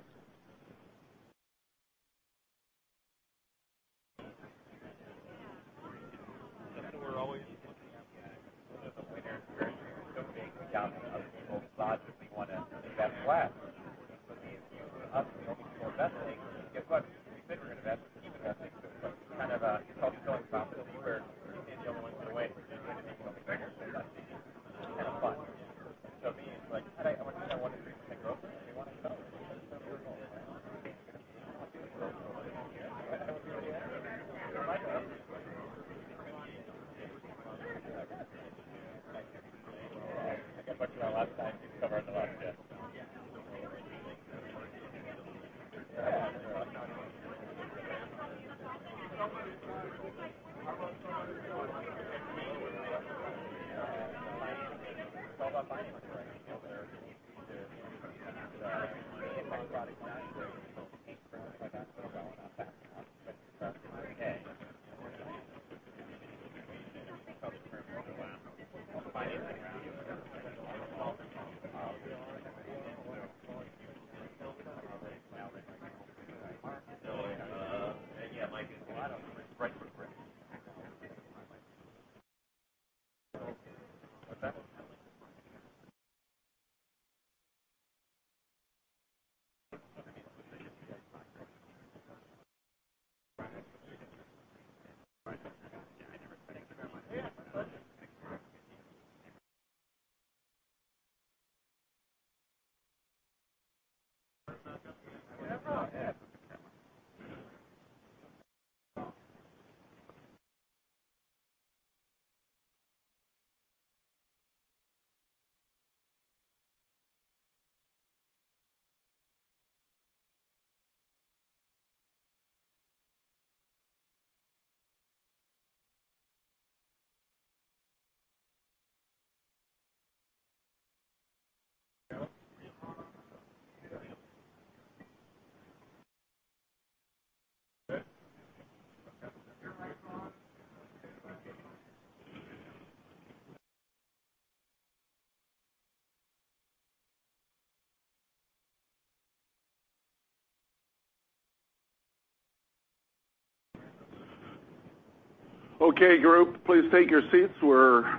Okay, group, please take your seats. We're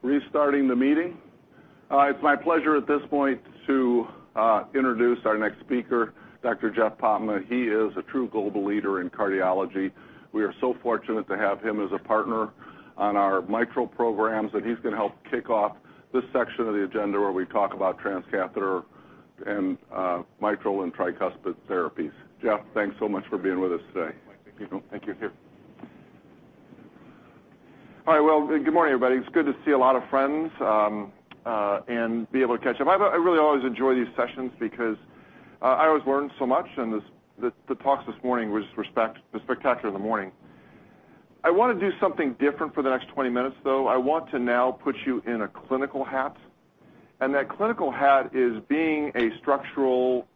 restarting the meeting. It's my pleasure at this point to introduce our next speaker, Dr. Jeff Popma. He is a true global leader in cardiology. We are so fortunate to have him as a partner on our mitral programs, and he's going to help kick off this section of the agenda where we talk about transcatheter and mitral and tricuspid therapies. Jeff, thanks so much for being with us today. Mike, thank you. Thank you. Here. All right, well, good morning, everybody. It's good to see a lot of friends and be able to catch up. I really always enjoy these sessions because I always learn so much, and the talks this morning were spectacular this morning. I want to do something different for the next 20 minutes, though. I want to now put you in a clinical hat. That clinical hat is being a structural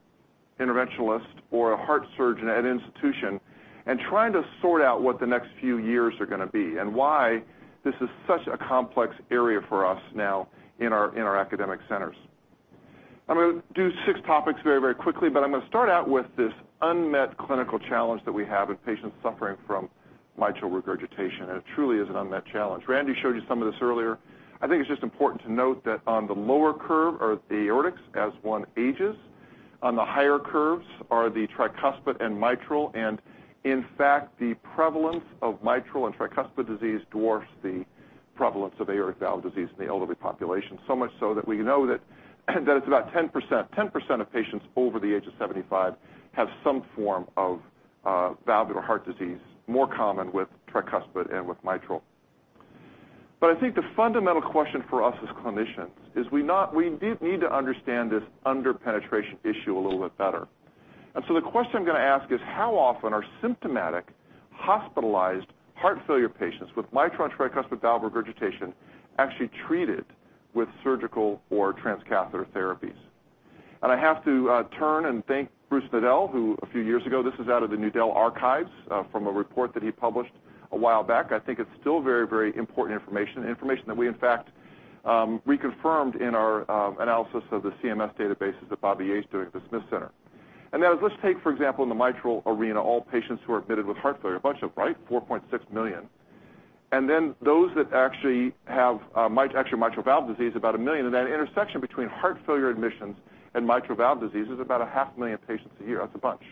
interventionalist or a heart surgeon at an institution and trying to sort out what the next few years are going to be and why this is such a complex area for us now in our academic centers. I'm going to do six topics very quickly, but I'm going to start out with this unmet clinical challenge that we have in patients suffering from mitral regurgitation, and it truly is an unmet challenge. Randy showed you some of this earlier. I think it's just important to note that on the lower curve are the aortic as one ages. On the higher curves are the tricuspid and mitral. In fact, the prevalence of mitral and tricuspid disease dwarfs the prevalence of aortic valve disease in the elderly population. Much so that we know that it's about 10% of patients over the age of 75 have some form of valvular heart disease, more common with tricuspid and with mitral. I think the fundamental question for us as clinicians is we need to understand this under-penetration issue a little bit better. The question I'm going to ask is how often are symptomatic hospitalized heart failure patients with mitral and tricuspid valve regurgitation actually treated with surgical or transcatheter therapies? I have to turn and thank Bruce Nudell, who a few years ago-- this is out of the Nudell archives from a report that he published a while back. I think it's still very important information that we, in fact, reconfirmed in our analysis of the CMS databases that Bobby Yates doing at the Smith Center. That is let's take, for example, in the mitral arena, all patients who are admitted with heart failure, a bunch of, right? 4.6 million. Then those that actually have mitral valve disease, about 1 million. That intersection between heart failure admissions and mitral valve disease is about a half a million patients a year. That's a bunch.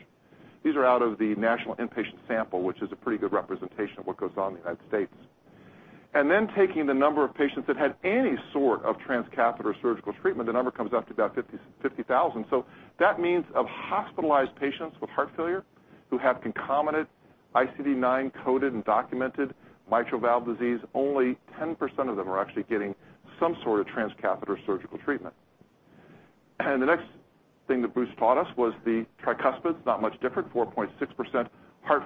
These are out of the national inpatient sample, which is a pretty good representation of what goes on in the U.S. Then taking the number of patients that had any sort of transcatheter surgical treatment, the number comes up to about 50,000. That means of hospitalized patients with heart failure who have concomitant ICD-9-coded and documented mitral valve disease, only 10% of them are actually getting some sort of transcatheter surgical treatment. The next thing that Bruce taught us was the tricuspid is not much different, 4.6 million heart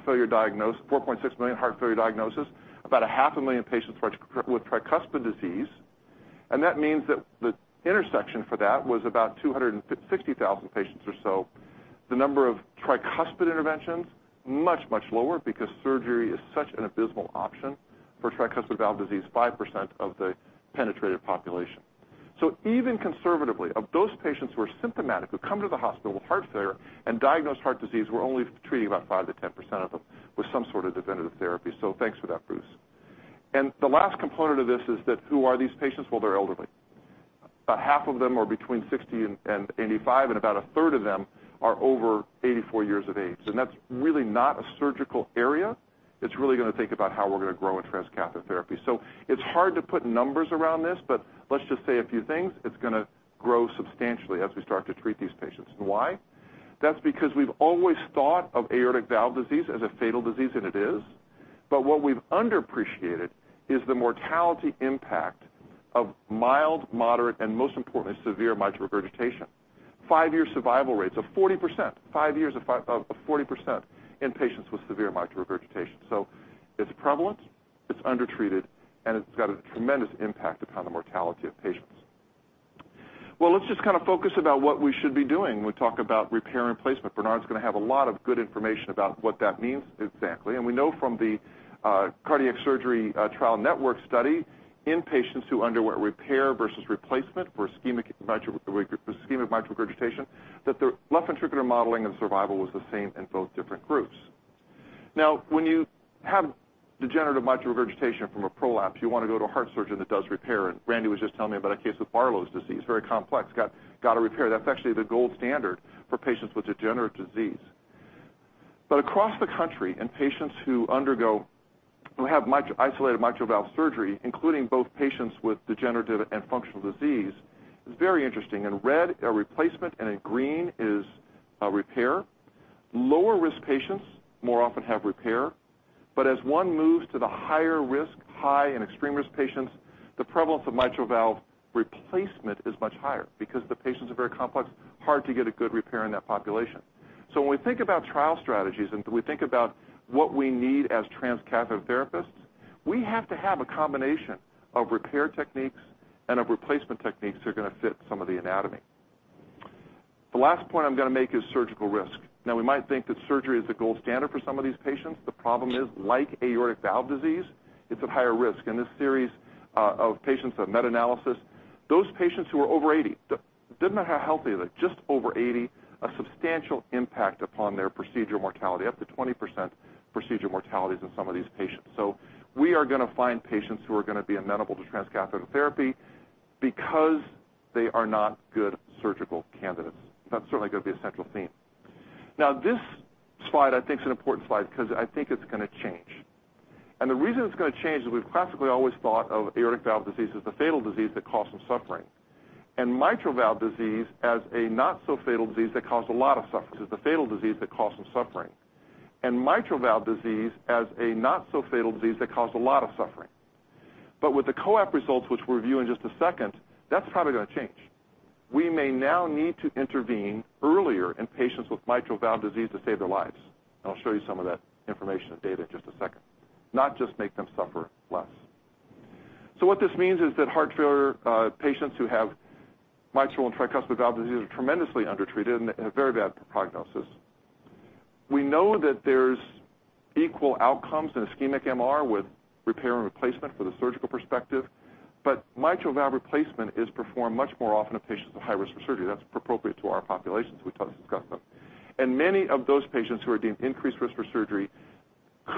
failure diagnoses, about a half a million patients with tricuspid disease. That means that the intersection for that was about 260,000 patients or so. The number of tricuspid interventions, much lower because surgery is such an abysmal option for tricuspid valve disease, 5% of the penetrative population. Even conservatively, of those patients who are symptomatic, who come to the hospital with heart failure and diagnosed heart disease, we're only treating about 5%-10% of them with some sort of definitive therapy. Thanks for that, Bruce. The last component of this is that who are these patients? Well, they're elderly. About half of them are between 60 and 85, and about a third of them are over 84 years of age. That's really not a surgical area. It's really going to think about how we're going to grow in transcatheter therapy. It's hard to put numbers around this, but let's just say a few things. It's going to grow substantially as we start to treat these patients. Why? That's because we've always thought of aortic valve disease as a fatal disease, and it is. What we've underappreciated is the mortality impact of mild, moderate, and most importantly, severe mitral regurgitation. Five-year survival rates of 40%, five years of 40% in patients with severe mitral regurgitation. It's prevalent, it's undertreated, and it's got a tremendous impact upon the mortality of patients. Let's just kind of focus about what we should be doing when we talk about repair and replacement. Bernard's going to have a lot of good information about what that means exactly. We know from the Cardiothoracic Surgical Trials Network study in patients who underwent repair versus replacement for ischemic mitral regurgitation, that the left ventricular modeling and survival was the same in both different groups. When you have degenerative mitral regurgitation from a prolapse, you want to go to a heart surgeon that does repair. Randy was just telling me about a case with Barlow's disease, very complex. Got to repair. That's actually the gold standard for patients with degenerative disease. Across the country in patients who have isolated mitral valve surgery, including both patients with degenerative and functional disease, it's very interesting. In red are replacement, and in green is repair. Lower-risk patients more often have repair. As one moves to the higher risk, high and extreme-risk patients, the prevalence of mitral valve replacement is much higher because the patients are very complex. Hard to get a good repair in that population. When we think about trial strategies and we think about what we need as transcatheter therapists, we have to have a combination of repair techniques and of replacement techniques that are going to fit some of the anatomy. The last point I'm going to make is surgical risk. We might think that surgery is the gold standard for some of these patients. The problem is, like aortic valve disease, it's of higher risk. In this series of patients of meta-analysis, those patients who are over 80, doesn't matter how healthy they are, just over 80, a substantial impact upon their procedure mortality, up to 20% procedure mortalities in some of these patients. We are going to find patients who are going to be amenable to transcatheter therapy because they are not good surgical candidates. That's certainly going to be a central theme. This slide I think is an important slide because I think it's going to change. The reason it's going to change is we've classically always thought of aortic valve disease as the fatal disease that causes suffering, and mitral valve disease as a not-so-fatal disease that caused a lot of suffering. With the COAPT results, which we'll review in just a second, that's probably going to change. We may now need to intervene earlier in patients with mitral valve disease to save their lives. I'll show you some of that information and data in just a second. Not just make them suffer less. What this means is that heart failure patients who have mitral and tricuspid valve disease are tremendously undertreated and have a very bad prognosis. We know that there's equal outcomes in ischemic MR with repair and replacement from the surgical perspective, but mitral valve replacement is performed much more often in patients with high risk for surgery. That's appropriate to our populations we discussed them. Many of those patients who are deemed increased risk for surgery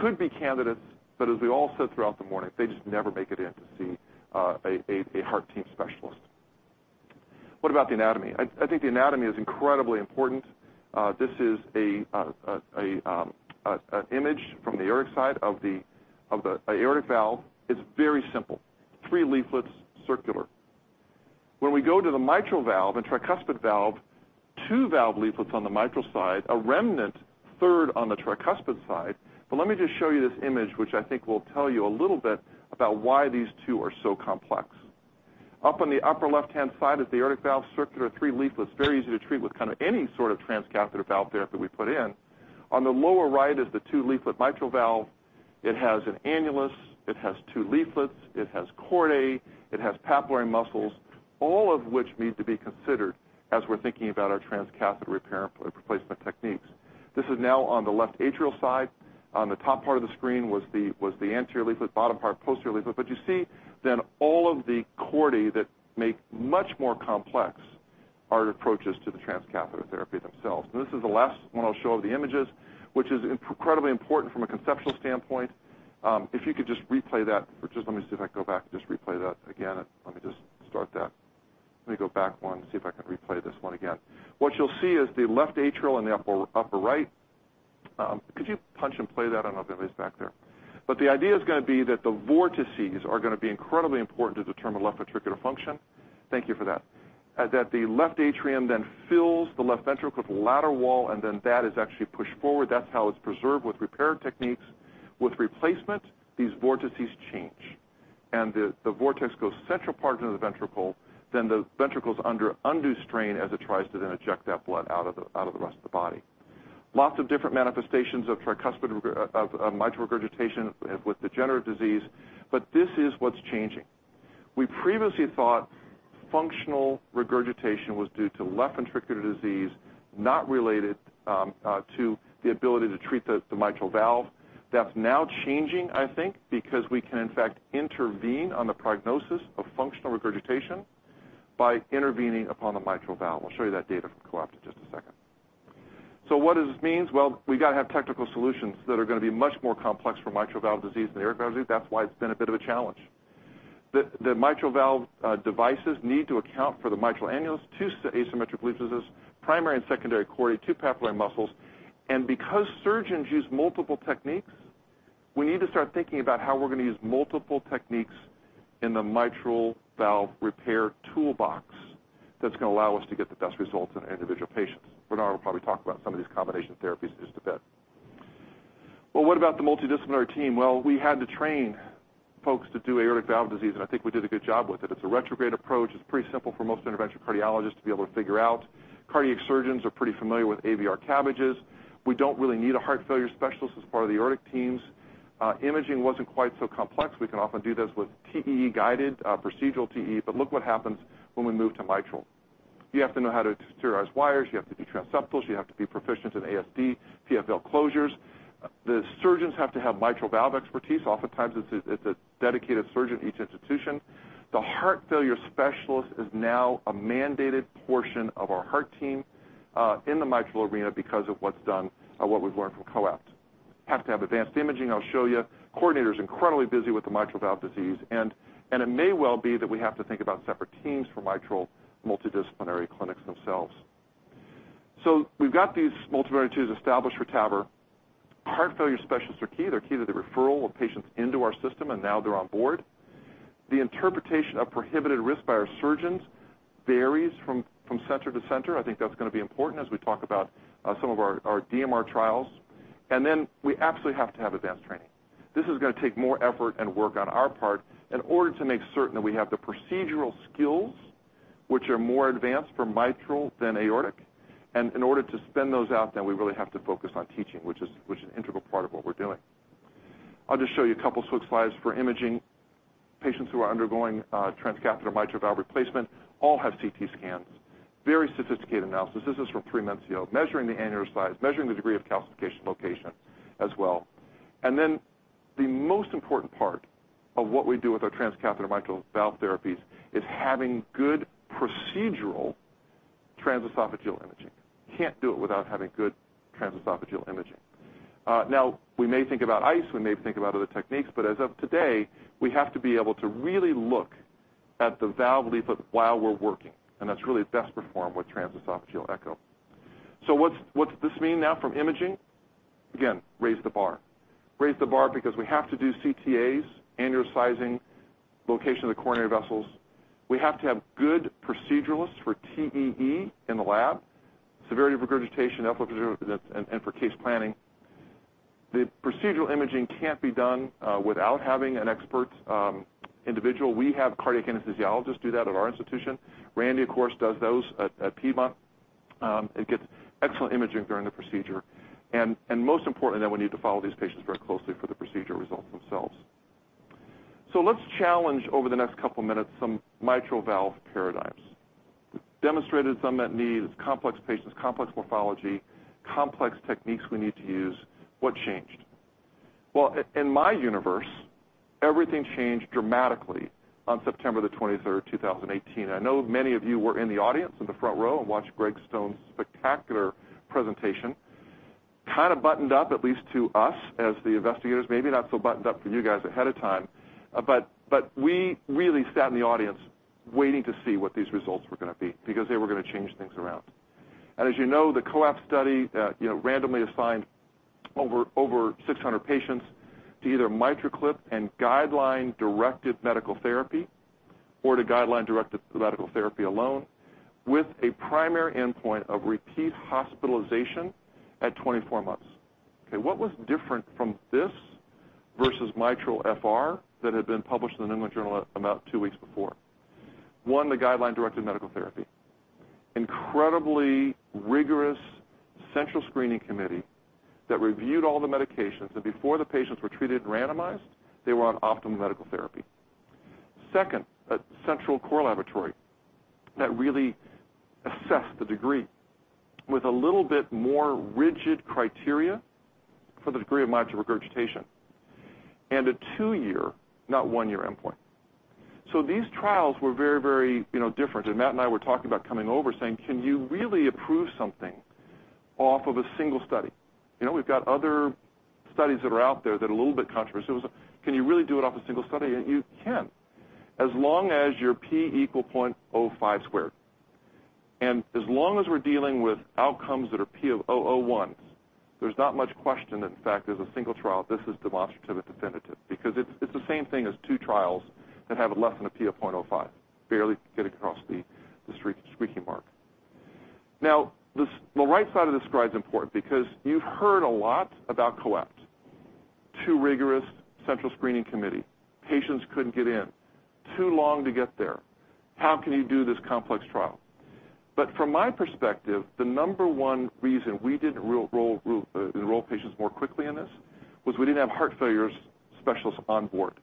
could be candidates, but as we all said throughout the morning, they just never make it in to see a heart team specialist. What about the anatomy? I think the anatomy is incredibly important. This is an image from the aortic side of the aortic valve. It's very simple. Three leaflets, circular. When we go to the mitral valve and tricuspid valve, two valve leaflets on the mitral side, a remnant third on the tricuspid side. Let me just show you this image, which I think will tell you a little bit about why these two are so complex. Up on the upper left-hand side is the aortic valve, circular, three leaflets. Very easy to treat with kind of any sort of transcatheter valve therapy we put in. On the lower right is the two-leaflet mitral valve. It has an annulus, it has two leaflets, it has chordae, it has papillary muscles, all of which need to be considered as we're thinking about our transcatheter repair and replacement techniques. This is now on the left atrial side. On the top part of the screen was the anterior leaflet. Bottom part, posterior leaflet. You see then all of the chordae that make much more complex our approaches to the transcatheter therapy themselves. This is the last one I'll show of the images, which is incredibly important from a conceptual standpoint. If you could just replay that. Let me see if I can go back and just replay that again. Let me just start that. Let me go back one, see if I can replay this one again. What you'll see is the left atrial in the upper right. Could you punch and play that? I don't know if it is back there. The idea is going to be that the vortices are going to be incredibly important to determine left ventricular function. Thank you for that. That the left atrium then fills the left ventricle with the lateral wall, and then that is actually pushed forward. That's how it's preserved with repair techniques. With replacement, these vortices change. The vortex goes central part into the ventricle, then the ventricle is under undue strain as it tries to then eject that blood out of the rest of the body. Lots of different manifestations of mitral regurgitation with degenerative disease, this is what's changing. We previously thought functional regurgitation was due to left ventricular disease, not related to the ability to treat the mitral valve. That's now changing, I think, because we can, in fact, intervene on the prognosis of functional regurgitation by intervening upon the mitral valve. I'll show you that data from COAPT in just a second. What this means? We got to have technical solutions that are going to be much more complex for mitral valve disease than aortic valve disease. That's why it's been a bit of a challenge. The mitral valve devices need to account for the mitral annulus, two asymmetric leaflets, primary and secondary chordae, two papillary muscles, and because surgeons use multiple techniques, we need to start thinking about how we're going to use multiple techniques in the mitral valve repair toolbox that's going to allow us to get the best results in individual patients. Bernard will probably talk about some of these combination therapies in just a bit. What about the multidisciplinary team? We had to train folks to do aortic valve disease, and I think we did a good job with it. It's a retrograde approach. It's pretty simple for most interventional cardiologists to be able to figure out. Cardiac surgeons are pretty familiar with AVR CABG. We don't really need a heart failure specialist as part of the aortic teams. Imaging wasn't quite so complex. We can often do this with TEE-guided, procedural TEE. Look what happens when we move to mitral. You have to know how to exteriorize wires, you have to do transseptals, you have to be proficient in ASD, PFO closures. The surgeons have to have mitral valve expertise. Oftentimes, it's a dedicated surgeon at each institution. The heart failure specialist is now a mandated portion of our heart team, in the mitral arena because of what's done and what we've learned from COAPT. Have to have advanced imaging. I'll show you. Coordinator is incredibly busy with the mitral valve disease, and it may well be that we have to think about separate teams for mitral multidisciplinary clinics themselves. We've got these multidisciplinary teams established for TAVR. Heart failure specialists are key. They're key to the referral of patients into our system, and now they're on board. The interpretation of prohibited risk by our surgeons varies from center to center. I think that's going to be important as we talk about some of our DMR trials. We absolutely have to have advanced training. This is going to take more effort and work on our part in order to make certain that we have the procedural skills which are more advanced for mitral than aortic. In order to spin those out, we really have to focus on teaching, which is an integral part of what we're doing. I'll just show you a couple quick slides for imaging. Patients who are undergoing transcatheter mitral valve replacement all have CT scans. Very sophisticated analysis. This is from three months ago, measuring the annular size, measuring the degree of calcification location as well. The most important part of what we do with our transcatheter mitral valve therapies is having good procedural transesophageal imaging. Can't do it without having good transesophageal imaging. Now, we may think about ICE, we may think about other techniques, but as of today, we have to be able to really look at the valve leaflet while we're working, and that's really best performed with transesophageal echo. What does this mean now from imaging? Again, raise the bar. Raise the bar because we have to do CTAs, annular sizing, location of the coronary vessels. We have to have good proceduralists for TEE in the lab, severity of regurgitation, outflow obstruction, and for case planning. The procedural imaging can't be done without having an expert individual. We have cardiac anesthesiologists do that at our institution. Randy, of course, does those at Piedmont. It gets excellent imaging during the procedure. Most importantly, that we need to follow these patients very closely for the procedure results themselves. Let's challenge over the next couple of minutes some mitral valve paradigms. We've demonstrated some at need. It's complex patients, complex morphology, complex techniques we need to use. What changed? In my universe, everything changed dramatically on September the 23rd, 2018, and I know many of you were in the audience in the front row and watched Gregg Stone's spectacular presentation. Kind of buttoned up, at least to us, as the investigators, maybe not so buttoned up for you guys ahead of time. We really sat in the audience waiting to see what these results were going to be because they were going to change things around. As you know, the COAPT study randomly assigned over 600 patients to either MitraClip and guideline-directed medical therapy or to guideline-directed medical therapy alone with a primary endpoint of repeat hospitalization at 24 months. Okay. What was different from this versus MITRA-FR that had been published in The New England Journal about two weeks before? One, the guideline-directed medical therapy. Incredibly rigorous central screening committee that reviewed all the medications, and before the patients were treated and randomized, they were on optimal medical therapy. Second, a central core laboratory that really assessed the degree with a little bit more rigid criteria for the degree of mitral regurgitation. A two-year, not one-year endpoint. These trials were very different, and Matt and I were talking about coming over saying, "Can you really approve something off of a single study?" We've got other studies that are out there that are a little bit controversial. Can you really do it off a single study? You can. As long as your P equal 0.05 squared. As long as we're dealing with outcomes that are P of 0.001s, there's not much question, in fact, as a single trial, this is demonstrative, it's definitive because it's the same thing as two trials that have a less than a P of 0.05. Barely get across the squeaky mark. The right side of the slide is important because you've heard a lot about COAPT. Too rigorous central screening committee. Patients couldn't get in. Too long to get there. How can you do this complex trial? From my perspective, the number one reason we didn't enroll patients more quickly in this was we didn't have heart failure specialists on board.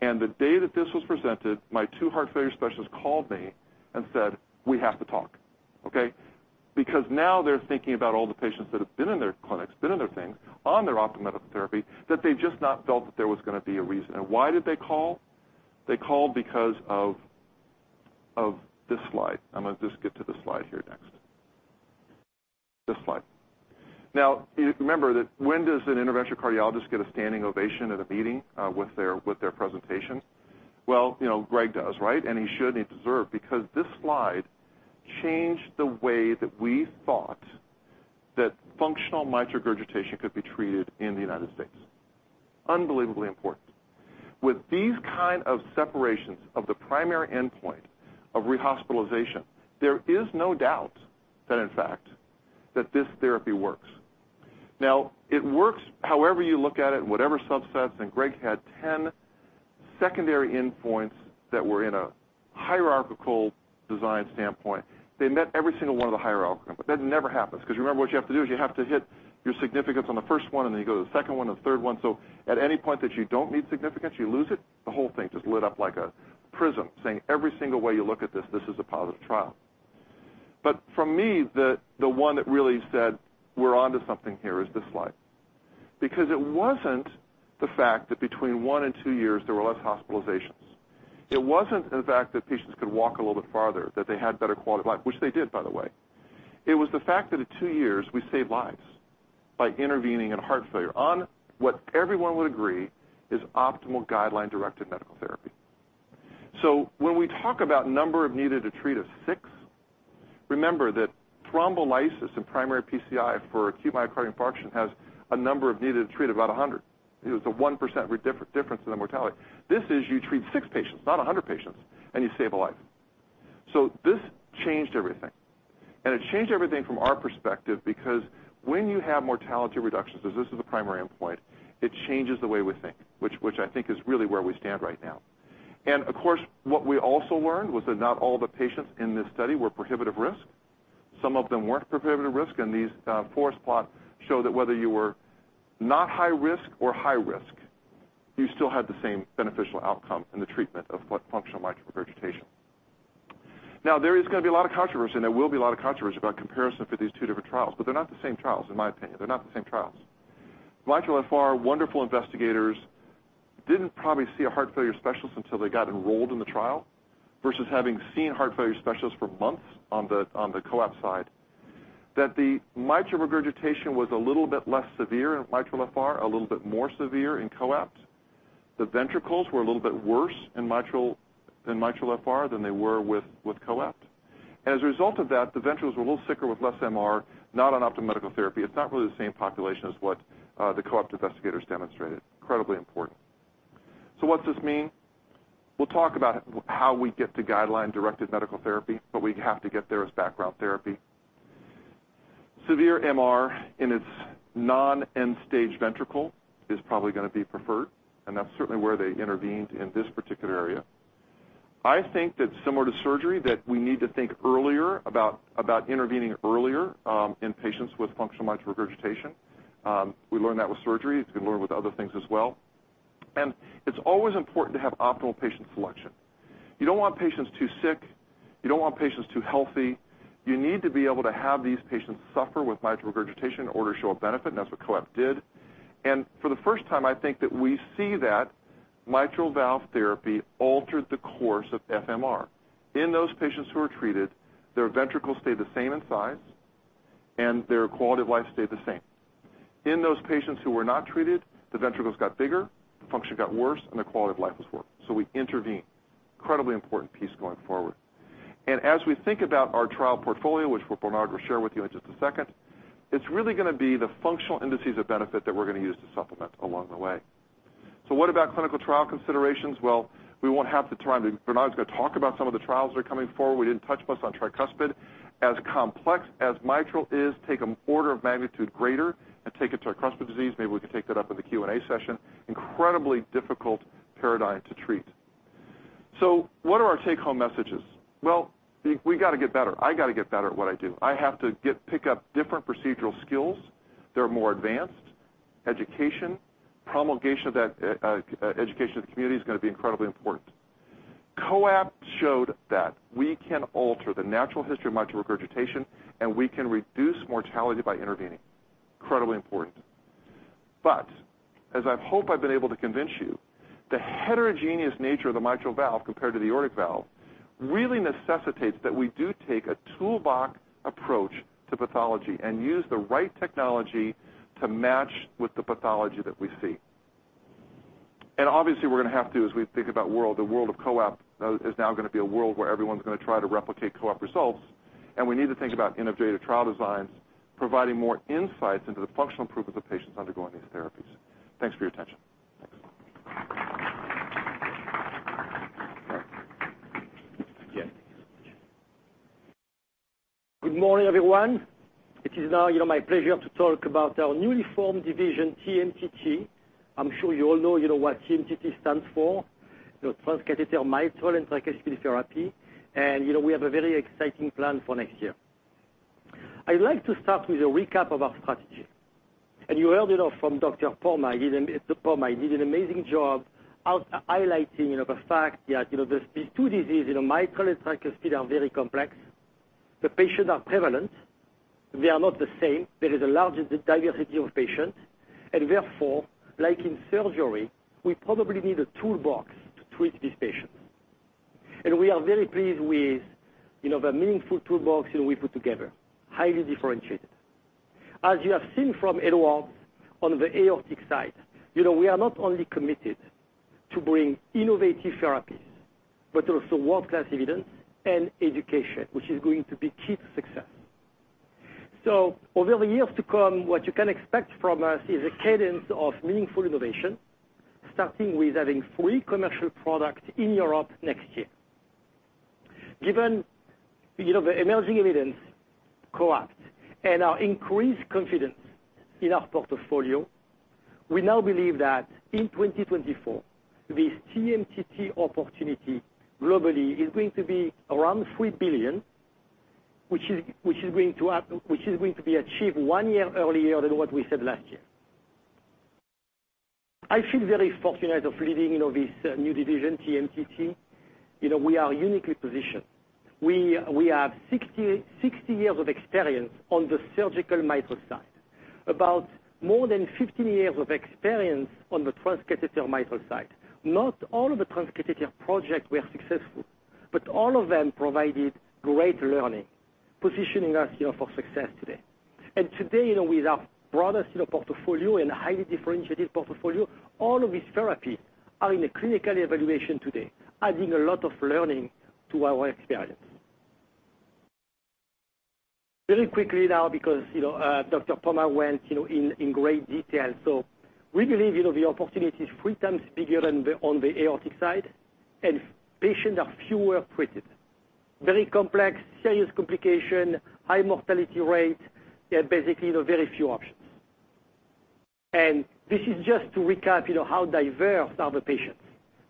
The day that this was presented, my two heart failure specialists called me and said, "We have to talk." Okay. Because now they're thinking about all the patients that have been in their clinics, been in their things, on their optimal medical therapy, that they've just not felt that there was going to be a reason. Why did they call? They called because of this slide. I'm going to just get to the slide here next. This slide. Remember that when does an interventional cardiologist get a standing ovation at a meeting with their presentation? Gregg does, right? He should, and he deserved because this slide changed the way that we thought that functional mitral regurgitation could be treated in the U.S. Unbelievably important. With these kind of separations of the primary endpoint of rehospitalization, there is no doubt that in fact, that this therapy works. It works however you look at it, in whatever subsets, and Gregg had 10 secondary endpoints that were in a hierarchical design standpoint. They met every single one of the hierarchical. That never happens because remember what you have to do is you have to hit your significance on the first one, and then you go to the second one or the third one. At any point that you don't meet significance, you lose it. The whole thing just lit up like a prism, saying every single way you look at this is a positive trial. For me, the one that really said we're onto something here is this slide. It wasn't the fact that between 1 and 2 years, there were less hospitalizations. It wasn't the fact that patients could walk a little bit farther, that they had better quality of life, which they did, by the way. It was the fact that at 2 years, we saved lives by intervening in heart failure on what everyone would agree is optimal guideline-directed medical therapy. When we talk about number of needed to treat of 6, remember that thrombolysis in primary PCI for acute myocardial infarction has a number of needed to treat about 100. It was a 1% difference in the mortality. This is you treat 6 patients, not 100 patients, and you save a life. This changed everything. It changed everything from our perspective because when you have mortality reductions, because this is the primary endpoint, it changes the way we think, which I think is really where we stand right now. Of course, what we also learned was that not all the patients in this study were prohibitive risk. Some of them weren't prohibitive risk, and these forest plots show that whether you were not high risk or high risk, you still had the same beneficial outcome in the treatment of functional mitral regurgitation. There is going to be a lot of controversy, and there will be a lot of controversy about comparison for these two different trials, but they're not the same trials, in my opinion. They're not the same trials. MITRA-FR, wonderful investigators, didn't probably see a heart failure specialist until they got enrolled in the trial, versus having seen heart failure specialists for months on the COAPT side. That the mitral regurgitation was a little bit less severe in MITRA-FR, a little bit more severe in COAPT. The ventricles were a little bit worse in MITRA-FR than they were with COAPT. As a result of that, the ventricles were a little sicker with less MR, not on optimal medical therapy. It's not really the same population as what the COAPT investigators demonstrated. Incredibly important. What does this mean? We'll talk about how we get to guideline-directed medical therapy, but we have to get there as background therapy. Severe MR in its non-end-stage ventricle is probably going to be preferred, and that's certainly where they intervened in this particular area. I think that similar to surgery, that we need to think about intervening earlier in patients with functional mitral regurgitation. We learned that with surgery. It's going to learn with other things as well. It's always important to have optimal patient selection. You don't want patients too sick. You don't want patients too healthy. You need to be able to have these patients suffer with mitral regurgitation in order to show a benefit, and that's what COAPT did. For the first time, I think that we see that mitral valve therapy altered the course of FMR. In those patients who were treated, their ventricles stayed the same in size, and their quality of life stayed the same. In those patients who were not treated, the ventricles got bigger, the function got worse, and the quality of life was worse. We intervene. Incredibly important piece going forward. As we think about our trial portfolio, which Bernard will share with you in just a second, it's really going to be the functional indices of benefit that we're going to use to supplement along the way. What about clinical trial considerations? We won't have the time. Bernard's going to talk about some of the trials that are coming forward. We didn't touch much on tricuspid. As complex as mitral is, take an order of magnitude greater and take it to tricuspid disease. Maybe we can take that up in the Q&A session. Incredibly difficult paradigm to treat. What are our take-home messages? We got to get better. I got to get better at what I do. I have to pick up different procedural skills that are more advanced. Education, promulgation of that education to the community is going to be incredibly important. COAPT showed that we can alter the natural history of mitral regurgitation, and we can reduce mortality by intervening. Incredibly important. As I hope I've been able to convince you, the heterogeneous nature of the mitral valve compared to the aortic valve really necessitates that we do take a toolbox approach to pathology and use the right technology to match with the pathology that we see. Obviously, we're going to have to, as we think about world, the world of COAPT is now going to be a world where everyone's going to try to replicate COAPT results. We need to think about innovative trial designs providing more insights into the functional improvement of patients undergoing these therapies. Thanks for your attention. Good morning, everyone. It is now my pleasure to talk about our newly formed division, TMTT. I'm sure you all know what TMTT stands for, Transcatheter Mitral and Tricuspid Therapy. We have a very exciting plan for next year. I'd like to start with a recap of our strategy. You heard it all from Dr. Popma. He did an amazing job highlighting the fact that these two diseases, mitral and tricuspid, are very complex. The patients are prevalent. They are not the same. There is a large diversity of patients. Therefore, like in surgery, we probably need a toolbox to treat these patients. We are very pleased with the meaningful toolbox we put together. Highly differentiated. As you have seen from Edwards on the aortic side, we are not only committed to bring innovative therapies, but also world-class evidence and education, which is going to be key to success. Over the years to come, what you can expect from us is a cadence of meaningful innovation, starting with having three commercial products in Europe next year. Given the emerging evidence, COAPT, and our increased confidence in our portfolio, we now believe that in 2024, this TMTT opportunity globally is going to be around $3 billion. Which is going to be achieved one year earlier than what we said last year. I feel very fortunate of leading this new division, TMTT. We are uniquely positioned. We have 60 years of experience on the surgical mitral side. About more than 15 years of experience on the transcatheter mitral side. Not all of the transcatheter projects were successful, but all of them provided great learning, positioning us for success today. Today, with our broadest portfolio and highly differentiated portfolio, all of these therapies are in a clinical evaluation today, adding a lot of learning to our experience. Very quickly now because Dr. Popma went in great detail. We believe the opportunity is three times bigger than on the aortic side and patients are fewer treated. Very complex, serious complication, high mortality rate. They are basically very few options. This is just to recap how diverse are the patients.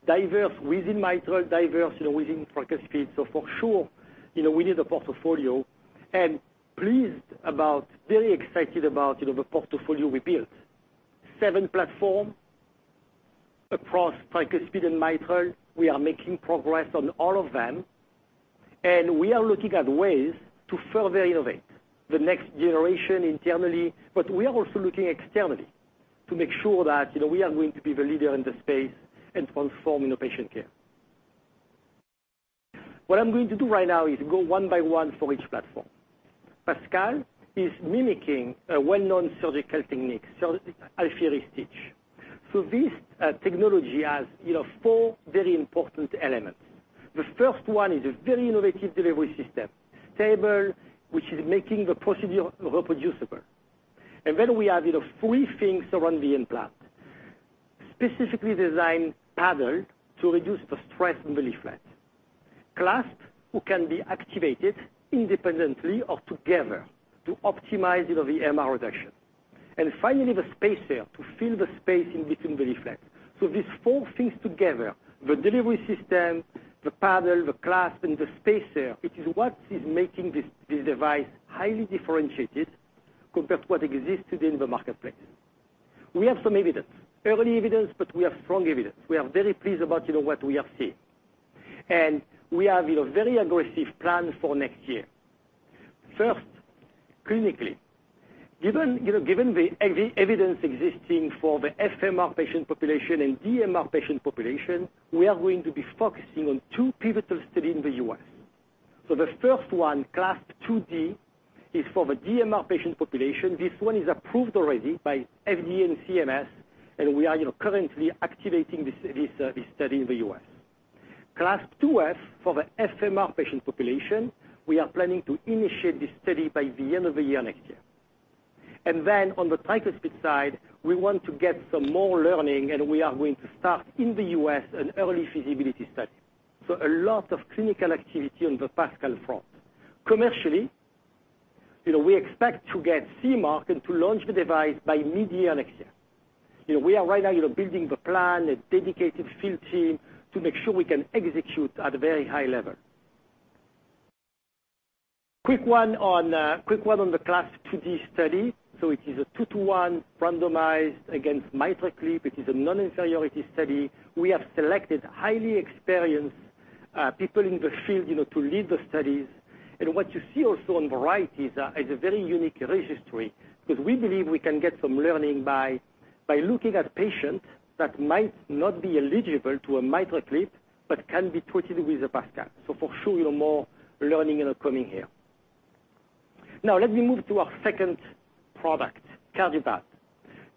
Diverse within mitral, diverse within tricuspid. For sure, we need a portfolio and pleased about, very excited about the portfolio we built. Seven platform across tricuspid and mitral. We are making progress on all of them. We are looking at ways to further innovate the next generation internally, but we are also looking externally to make sure that we are going to be the leader in the space and transform patient care. What I'm going to do right now is go one by one for each platform. PASCAL is mimicking a well-known surgical technique, so Alfieri stitch. This technology has four very important elements. The first one is a very innovative delivery system, stable, which is making the procedure reproducible. Then we have three things around the implant. Specifically designed paddle to reduce the stress on the leaflet. A clasp who can be activated independently or together to optimize the MR reduction. Finally, the spacer to fill the space in between the leaflets. These four things together, the delivery system, the paddle, the clasp, and the spacer, it is what is making this device highly differentiated compared to what exists today in the marketplace. We have some evidence. Early evidence, but we have strong evidence. We are very pleased about what we have seen. We have very aggressive plans for next year. First, clinically. Given the evidence existing for the FMR patient population and DMR patient population, we are going to be focusing on two pivotal study in the U.S. The first one, CLASP IID, is for the DMR patient population. This one is approved already by FDA and CMS, and we are currently activating this study in the U.S. CLASP IIF, for the FMR patient population, we are planning to initiate this study by the end of the year next year. Then on the tricuspid side, we want to get some more learning, and we are going to start in the U.S. an early feasibility study. A lot of clinical activity on the PASCAL front. Commercially, we expect to get CE Mark and to launch the device by mid-year next year. We are right now building the plan, a dedicated field team, to make sure we can execute at a very high level. Quick one on the CLASP IID study. It is a 2 to 1 randomized against MitraClip. It is a non-inferiority study. We have selected highly experienced people in the field to lead the studies. What you see also on the right is a very unique registry, because we believe we can get some learning by looking at patients that might not be eligible to a MitraClip but can be treated with a PASCAL. For sure, more learning coming here. Let me move to our second product, Cardioband.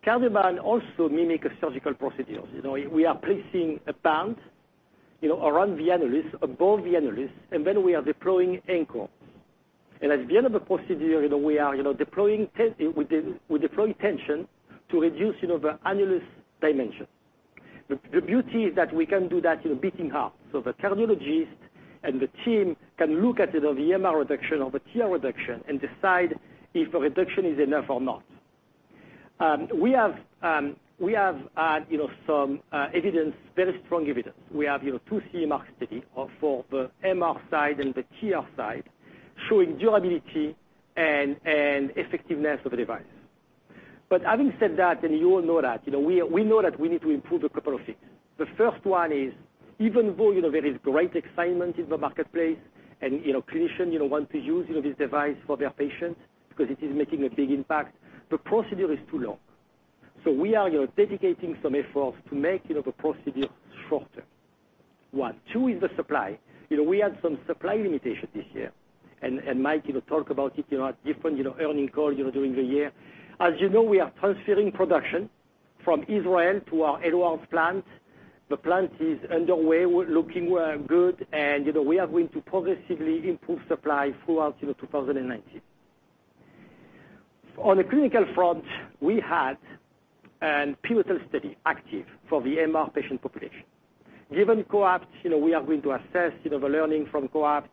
Cardioband also mimic a surgical procedure. We are placing a band around the annulus, above the annulus, then we are deploying anchors. At the end of the procedure, we are deploying tension to reduce the annulus dimension. The beauty is that we can do that in a beating heart. The cardiologist and the team can look at the MR reduction or the TR reduction and decide if a reduction is enough or not. We have some evidence, very strong evidence. We have two CE mark study for the MR side and the TR side, showing durability and effectiveness of the device. Having said that, and you all know that. We know that we need to improve a couple of things. The first one is, even though there is great excitement in the marketplace and clinicians want to use this device for their patients because it is making a big impact, the procedure is too long. We are dedicating some efforts to make the procedure shorter. One. Two is the supply. We had some supply limitations this year, and Mike talk about it at different earning call during the year. As you know, we are transferring production from Israel to our Edwards plant. The plant is underway. We're looking good. We are going to progressively improve supply throughout 2019. On the clinical front, we had a pivotal study, ACTIVE, for the MR patient population. Given COAPT, we are going to assess the learning from COAPT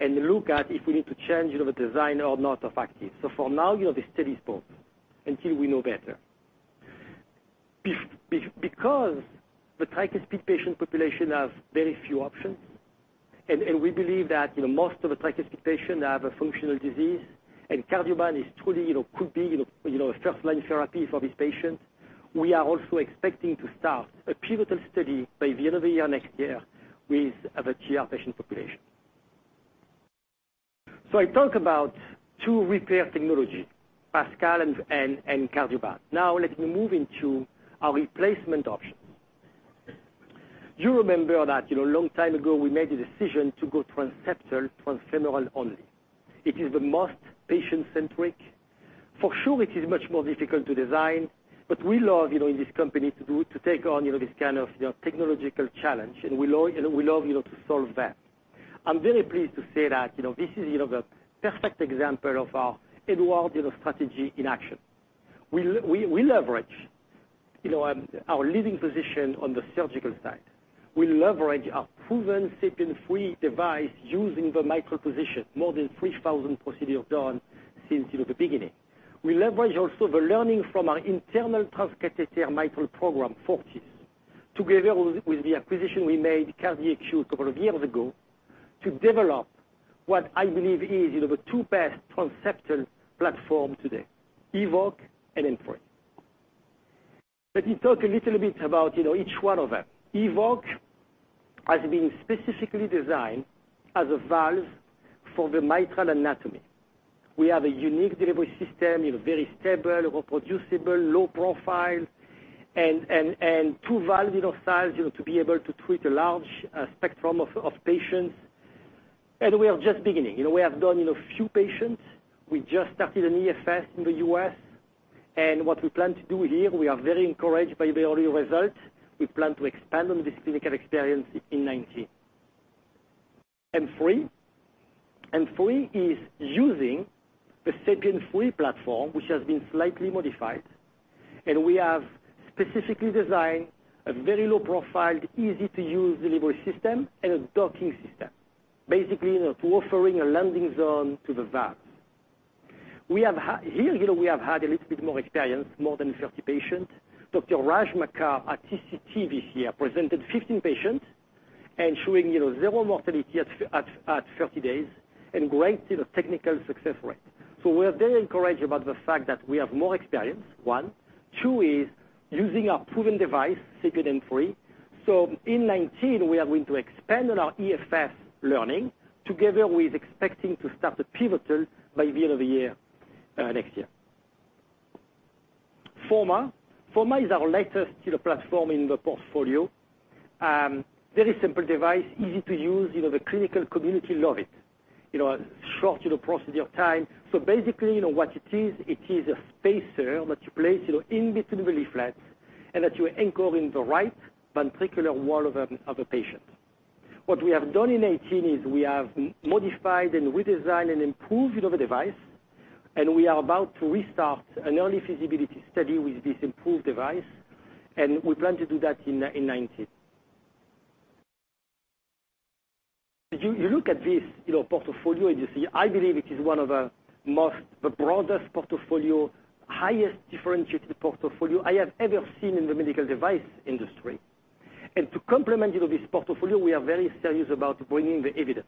and look at if we need to change the design or not of ACTIVE. For now, the study is paused until we know better. Because the tricuspid patient population has very few options, and we believe that most of the tricuspid patients have a functional disease, and Cardioband could be a first-line therapy for these patients, we are also expecting to start a pivotal study by the end of the year next year with the TR patient population. I talk about two repair technology, PASCAL and Cardioband. Let me move into our replacement option. You remember that a long time ago, we made a decision to go transseptal, transfemoral only. It is the most patient-centric. For sure, it is much more difficult to design, we love in this company to take on this kind of technological challenge, we love to solve that. I'm very pleased to say that this is the perfect example of our Edwards strategy in action. We leverage our leading position on the surgical side. We leverage our proven SAPIEN 3 device using the mitral position. More than 3,000 procedures done since the beginning. We leverage also the learning from our internal transcatheter mitral program, Fortis. Together with the acquisition we made, CardiAQ, a couple of years ago, to develop what I believe is the two best transseptal platform today, EVOQUE and Emprint. Let me talk a little bit about each one of them. EVOQUE has been specifically designed as a valve for the mitral anatomy. We have a unique delivery system, very stable, reproducible, low profile, and two valve styles to be able to treat a large spectrum of patients. We are just beginning. We have done a few patients. We just started an EFS in the U.S. What we plan to do here, we are very encouraged by the early results. We plan to expand on this clinical experience in 2019. M3. M3 is using the SAPIEN 3 platform, which has been slightly modified, and we have specifically designed a very low-profiled, easy-to-use delivery system and a docking system. Basically, offering a landing zone to the valve. Here, we have had a little bit more experience, more than 30 patients. Dr. Raj Makkar at TCT this year presented 15 patients, and showing zero mortality at 30 days and great technical success rate. We are very encouraged about the fact that we have more experience, one. Two is using our proven device, SAPIEN 3. In 2019 we are going to expand on our EFS learning together with expecting to start the pivotal by the end of the year, next year. FORMA. FORMA is our latest platform in the portfolio. Very simple device, easy to use. The clinical community love it. Shorter procedure time. Basically, what it is, it is a spacer that you place in between the leaflets and that you anchor in the right ventricular wall of a patient. What we have done in 2018 is we have modified and redesigned and improved the device, and we are about to restart an early feasibility study with this improved device, and we plan to do that in 2019. You look at this portfolio and you see, I believe it is one of the broadest portfolio, highest differentiated portfolio I have ever seen in the medical device industry. To complement this portfolio, we are very serious about bringing the evidence.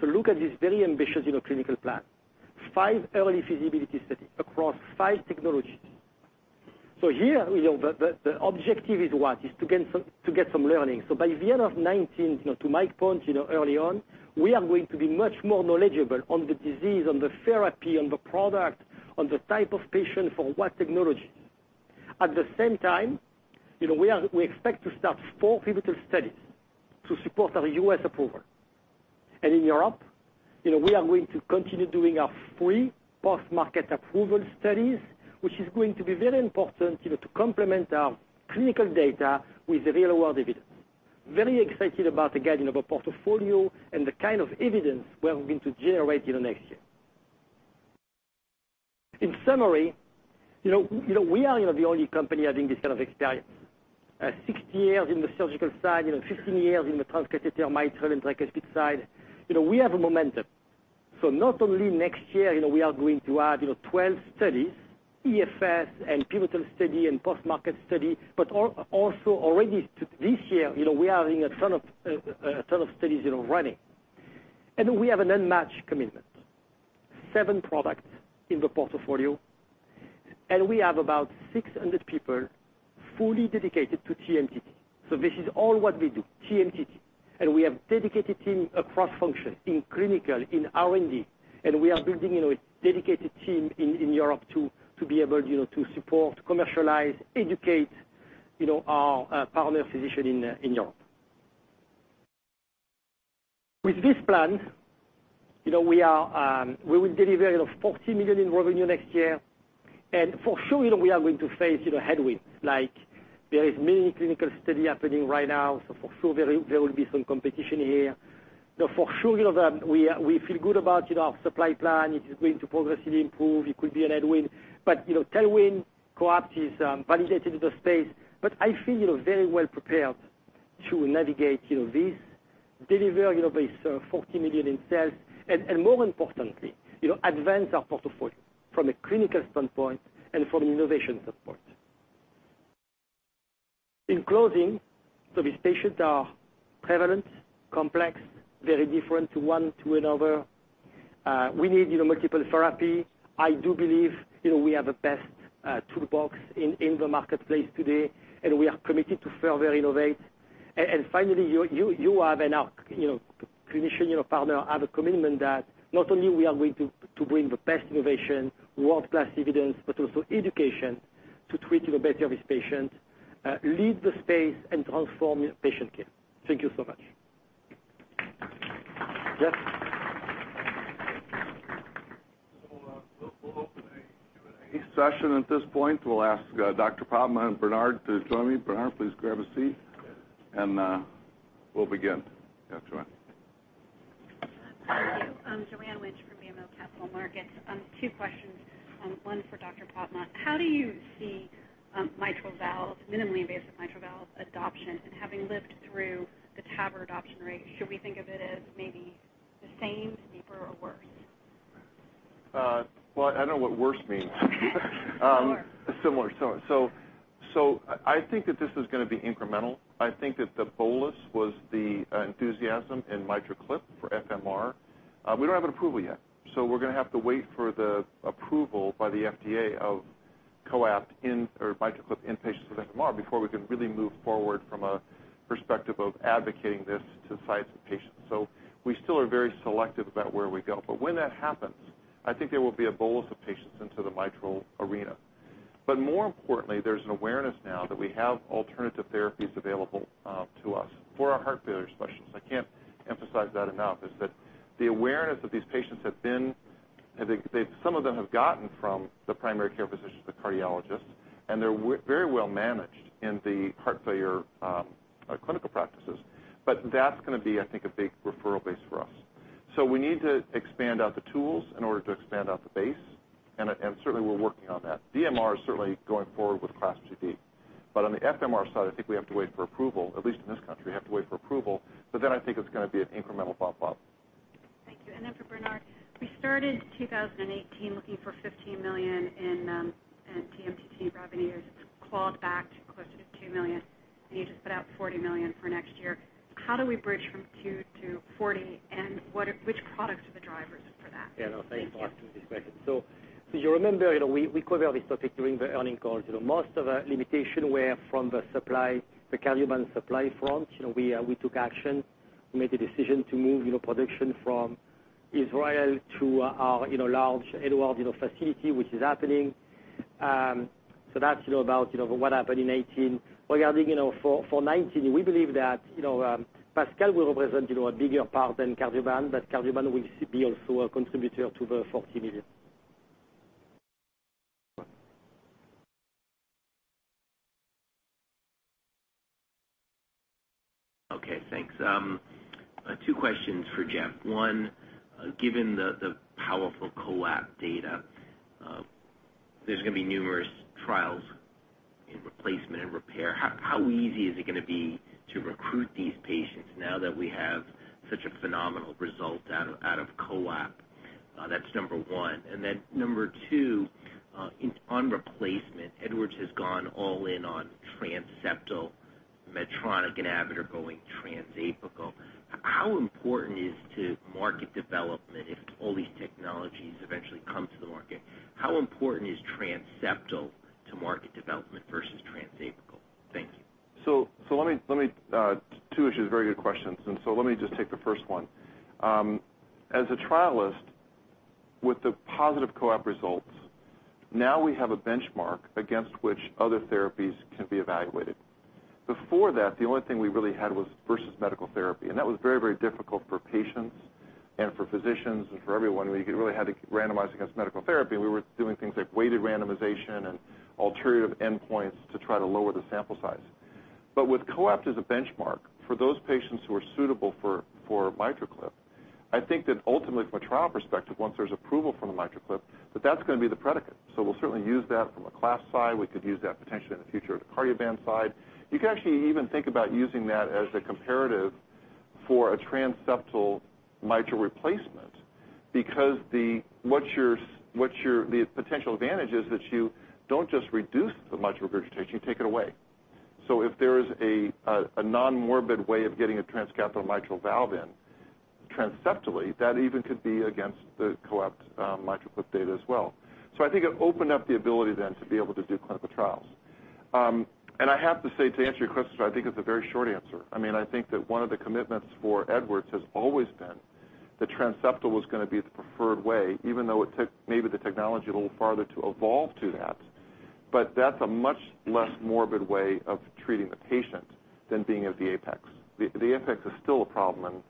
Look at this very ambitious clinical plan. Five early feasibility studies across five technologies. Here, the objective is what? Is to get some learning. By the end of 2019, to Mike's point earlier on, we are going to be much more knowledgeable on the disease, on the therapy, on the product, on the type of patient for what technologies. At the same time, we expect to start four pivotal studies to support our U.S. approval. In Europe, we are going to continue doing our three post-market approval studies, which is going to be very important to complement our clinical data with real-world evidence. Very excited about the guiding of a portfolio and the kind of evidence we are going to generate in the next year. In summary, we are the only company having this kind of experience. 60 years in the surgical side, 15 years in the Transcatheter Mitral and Tricuspid side. We have a momentum. Not only next year we are going to add 12 studies, EFS and pivotal study and post-market study, but also already this year, we are having a ton of studies running. We have an unmatched commitment. Seven products in the portfolio, and we have about 600 people fully dedicated to TMTT. This is all what we do, TMTT. We have dedicated team across function, in clinical, in R&D, and we are building a dedicated team in Europe to be able to support, commercialize, educate our partner physician in Europe. With this plan, we will deliver $40 million in revenue next year. For sure, we are going to face headwinds. There is many clinical study happening right now, for sure there will be some competition here. For sure, we feel good about our supply plan. It is going to progressively improve. It could be an headwind. Tailwind, COAPT is validated in the space. I feel very well prepared to navigate this, deliver this $40 million in sales, and more importantly, advance our portfolio from a clinical standpoint and from an innovation standpoint. In closing. These patients are prevalent, complex, very different to one to another. We need multiple therapy. I do believe we have a best toolbox in the marketplace today, and we are committed to further innovate. Finally, you have and our clinician partner have a commitment that not only we are going to bring the best innovation, world-class evidence, but also education to treat the best of these patients, lead the space, and transform patient care. Thank you so much. Yes. We'll open a Q&A session at this point. We'll ask Dr. Popma and Bernard to join me. Bernard, please grab a seat. We'll begin. Yeah, Joanne. Thank you. Joanne Wuensch from BMO Capital Markets. Two questions. One for Dr. Popma. How do you see minimally invasive mitral valve adoption? Having lived through the TAVR adoption rate, should we think of it as maybe the same, deeper, or worse? Well, I know what worse means. Similar. Similar. I think that this is going to be incremental. I think that the bolus was the enthusiasm in MitraClip for FMR. We don't have an approval yet, so we're going to have to wait for the approval by the FDA of MitraClip in patients with FMR before we can really move forward from a perspective of advocating this to sites and patients. We still are very selective about where we go. When that happens, I think there will be a bolus of patients into the mitral arena. More importantly, there's an awareness now that we have alternative therapies available to us for our heart failure specialists. I can't emphasize that enough, is that the awareness that these patients have gotten from the primary care physicians, the cardiologists, and they're very well-managed in the heart failure clinical practices. That's going to be, I think, a big referral base for us. We need to expand out the tools in order to expand out the base, and certainly, we're working on that. DMR is certainly going forward with CLASP IID. On the FMR side, I think we have to wait for approval, at least in this country, we have to wait for approval, then I think it's going to be an incremental bump up. Thank you. For Bernard. We started 2018 looking for $15 million in TMTT revenue. It's clawed back close to $2 million, and you just put out $40 million for next year. How do we bridge from $2 million to $40 million, and which products are the drivers for that? Thank you. Thanks for asking this question. You remember, we covered this topic during the earning calls. Most of our limitation were from the supply, the Cardioband supply front. We took action. We made the decision to move production from Israel to our large Edwards facility, which is happening. That's about what happened in 2018. Regarding for 2019, we believe that PASCAL will represent a bigger part than Cardioband, but Cardioband will be also a contributor to the $40 million. Okay, thanks. Two questions for Jeff. One, given the powerful COAPT data, there's going to be numerous trials in replacement and repair. How easy is it going to be to recruit these patients now that we have such a phenomenal result out of COAPT? That's number 1. On replacement, Edwards has gone all in on transseptal. Medtronic and Abiomed are going transapical. How important is to market development if all these technologies eventually come to the market? How important is transseptal to market development versus transapical? Thank you. Two issues, very good questions. Let me just take the first one. As a trialist, with the positive COAPT results, now we have a benchmark against which other therapies can be evaluated. Before that, the only thing we really had was versus medical therapy, and that was very, very difficult for patients and for physicians and for everyone. We really had to randomize against medical therapy, and we were doing things like weighted randomization and alternative endpoints to try to lower the sample size. With COAPT as a benchmark, for those patients who are suitable for MitraClip, I think that ultimately from a trial perspective, once there's approval from the MitraClip, that that's going to be the predicate. We'll certainly use that from a CLASP side. We could use that potentially in the future on the Cardioband side. You can actually even think about using that as a comparative for a transseptal mitral replacement, because the potential advantage is that you don't just reduce the mitral regurgitation, you take it away. If there is a non-morbid way of getting a transcatheter mitral valve in transseptally, that even could be against the COAPT MitraClip data as well. I think it opened up the ability then to be able to do clinical trials. I have to say, to answer your question, sir, I think it's a very short answer. I think that one of the commitments for Edwards has always been that transseptal was going to be the preferred way, even though it took maybe the technology a little farther to evolve to that. That's a much less morbid way of treating the patient than being at the apex. The apex is still a problem,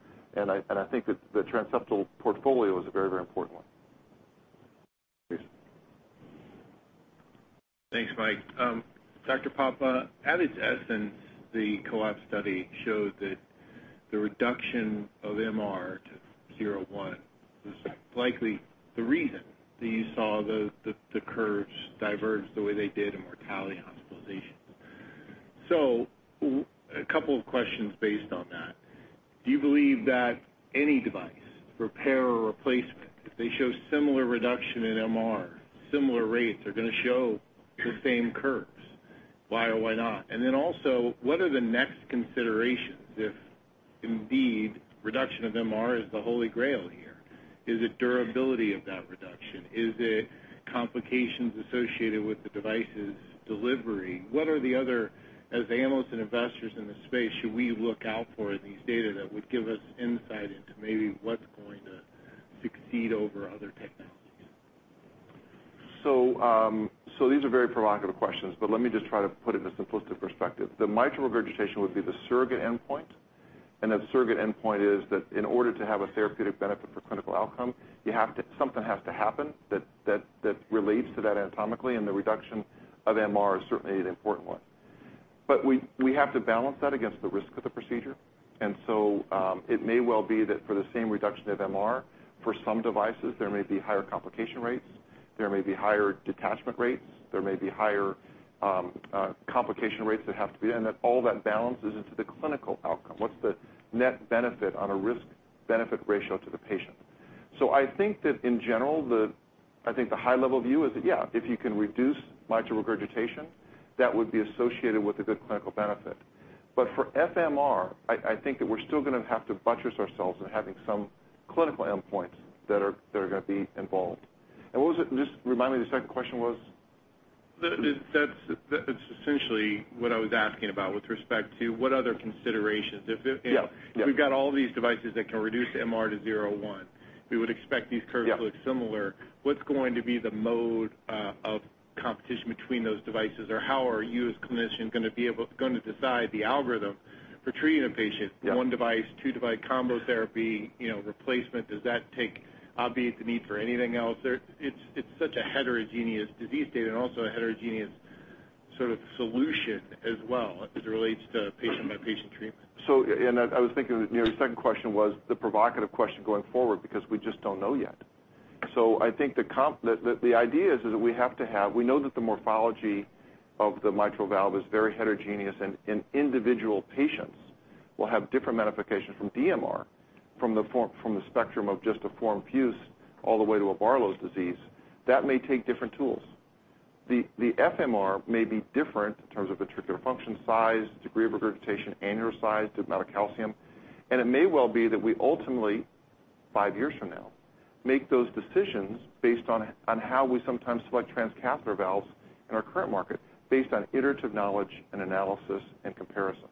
I think that the transseptal portfolio is a very, very important one. Please. Thanks, Mike. Dr. Popma, at its essence, the COAPT study showed that the reduction of MR to 01 was likely the reason that you saw the curves diverge the way they did in mortality and hospitalization. A couple of questions based on that. Do you believe that any device, repair or replacement, if they show similar reduction in MR, similar rates are going to show the same curves? Why or why not? What are the next considerations if indeed reduction of MR is the Holy Grail here? Is it durability of that reduction? Is it complications associated with the device's delivery? What are the other, as analysts and investors in the space, should we look out for in these data that would give us insight into maybe what's going to succeed over other technologies? These are very provocative questions, let me just try to put it in a simplistic perspective. The mitral regurgitation would be the surrogate endpoint, and the surrogate endpoint is that in order to have a therapeutic benefit for clinical outcome, something has to happen that relates to that anatomically, and the reduction of MR is certainly an important one. We have to balance that against the risk of the procedure. It may well be that for the same reduction of MR, for some devices, there may be higher complication rates, there may be higher detachment rates, there may be higher complication rates. All that balances into the clinical outcome. What's the net benefit on a risk-benefit ratio to the patient? I think that in general, I think the high-level view is that, yeah, if you can reduce mitral regurgitation, that would be associated with a good clinical benefit. For FMR, I think that we're still going to have to buttress ourselves in having some clinical endpoints that are going to be involved. What was it? Just remind me, the second question was? That's essentially what I was asking about with respect to what other considerations. Yeah. If we've got all these devices that can reduce MR to 01, we would expect these curves to look similar. What's going to be the mode of competition between those devices? Or how are you as a clinician going to decide the algorithm for treating a patient with one device, two-device combo therapy, replacement? Does that obviate the need for anything else? It's such a heterogeneous disease state and also a heterogeneous sort of solution as well as it relates to patient-by-patient treatment. I was thinking your second question was the provocative question going forward because we just don't know yet. I think the idea is that we have to have. We know that the morphology of the mitral valve is very heterogeneous, and individual patients will have different modifications from DMR, from the spectrum of just a forme fruste all the way to a Barlow's disease, that may take different tools. The FMR may be different in terms of ventricular function, size, degree of regurgitation, aneurysm size, the amount of calcium. It may well be that we ultimately, 5 years from now, make those decisions based on how we sometimes select transcatheter valves in our current market, based on iterative knowledge and analysis and comparisons.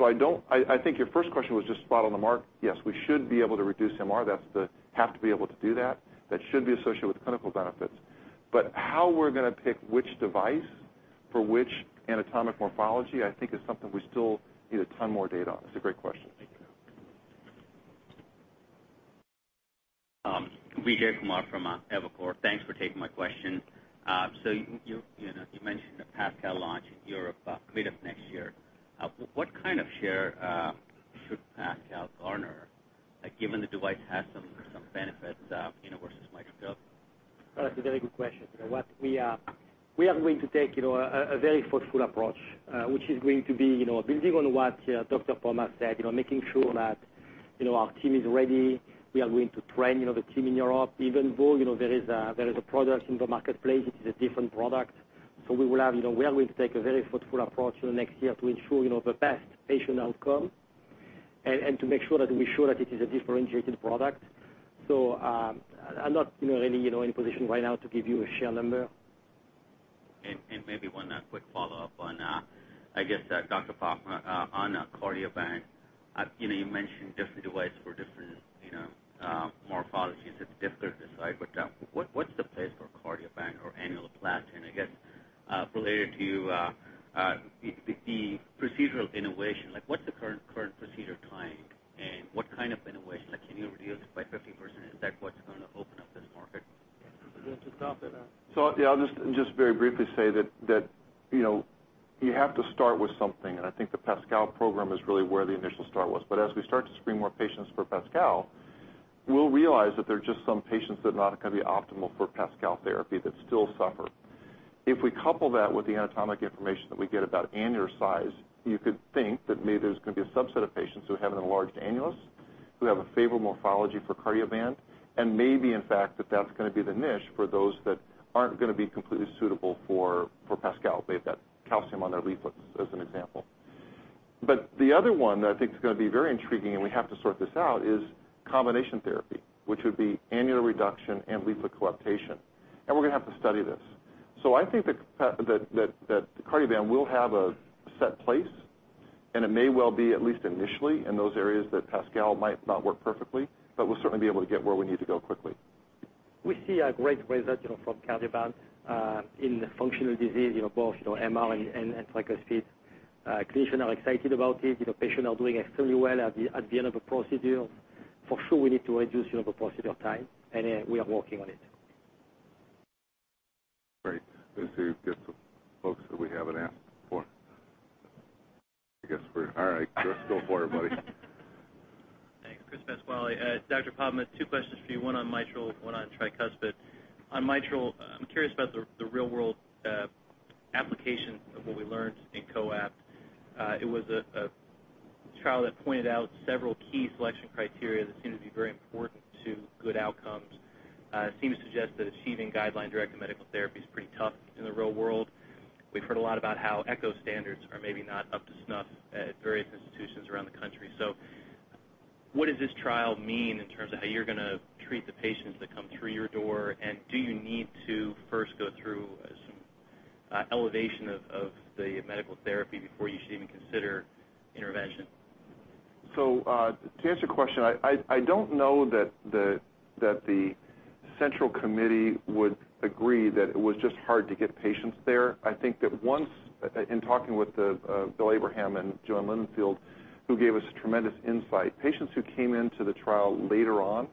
I think your first question was just spot on the mark. Yes, we should be able to reduce MR. That's the have to be able to do that. That should be associated with clinical benefits. How we're going to pick which device for which anatomic morphology, I think is something we still need a ton more data on. It's a great question. Thank you. Vijay Kumar from Evercore. Thanks for taking my question. You mentioned the PASCAL launch in Europe creative next year. What kind of share should PASCAL garner? Given the device has some benefits versus MitraClip. That's a very good question. We are going to take a very thoughtful approach, which is going to be building on what Dr. Popma said, making sure that our team is ready. We are going to train the team in Europe, even though there is a product in the marketplace, it is a different product. We are going to take a very thoughtful approach in the next year to ensure the best patient outcome and to make sure that we ensure that it is a differentiated product. I'm not really in a position right now to give you a share number. Maybe one quick follow-up on, I guess, Dr. Popma, on Cardioband. You mentioned different devices for different morphologies. It's difficult to decide, but what's the place for Cardioband or annuloplasty, I guess, related to the procedural innovation? What's the current procedure time and what kind of innovation? Can you reduce it by 50%? Is that what's going to open up this market? You want to take that? I'll just very briefly say that you have to start with something, and I think the PASCAL program is really where the initial start was. As we start to screen more patients for PASCAL, we'll realize that there are just some patients that are not going to be optimal for PASCAL therapy that still suffer. If we couple that with the anatomic information that we get about aneurysm size, you could think that maybe there's going to be a subset of patients who have an enlarged annulus, who have a favorable morphology for Cardioband, and maybe, in fact, that's going to be the niche for those that aren't going to be completely suitable for PASCAL. They have that calcium on their leaflets, as an example. The other one that I think is going to be very intriguing, and we have to sort this out, is combination therapy, which would be annular reduction and leaflet coaptation. We're going to have to study this. I think that Cardioband will have a set place, and it may well be, at least initially, in those areas that PASCAL might not work perfectly, but we'll certainly be able to get where we need to go quickly. We see a great result from Cardioband in the functional disease, both MR and tricuspid. Clinicians are excited about it. Patients are doing extremely well at the end of a procedure. For sure, we need to reduce the procedure time, and we are working on it. Great. Let's see, get the folks that we haven't asked before. I guess we're all right. Chris, go for it, buddy. Thanks. Chris Pasquale. Dr. Popma, two questions for you, one on mitral, one on tricuspid. On mitral, I am curious about the real-world application of what we learned in COAPT. It was a trial that pointed out several key selection criteria that seem to be very important to good outcomes. It seems to suggest that achieving guideline-directed medical therapy is pretty tough in the real world. We have heard a lot about how echo standards are maybe not up to snuff at various institutions around the country. What does this trial mean in terms of how you are going to treat the patients that come through your door? Do you need to first go through some elevation of the medical therapy before you should even consider intervention? To answer your question, I do not know that the central committee would agree that it was just hard to get patients there. I think that once, in talking with Bill Abraham and JoAnn Lindenfeld, who gave us tremendous insight, patients who came into the trial later on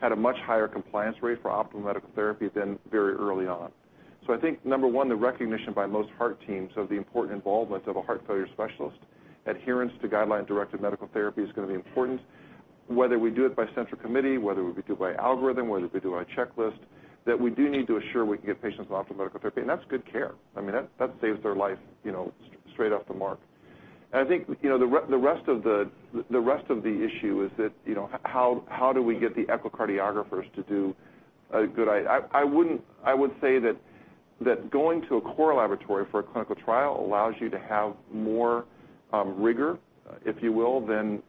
had a much higher compliance rate for optimal medical therapy than very early on. I think, number 1, the recognition by most heart teams of the important involvement of a heart failure specialist, adherence to guideline-directed medical therapy is going to be important. Whether we do it by central committee, whether we do it by algorithm, whether we do it by checklist, that we do need to assure we can get patients on optimal medical therapy, and that is good care. I mean, that saves their life straight off the mark. I think the rest of the issue is that how do we get the echocardiographers to do a good. I would say that going to a core laboratory for a clinical trial allows you to have more rigor, if you will, than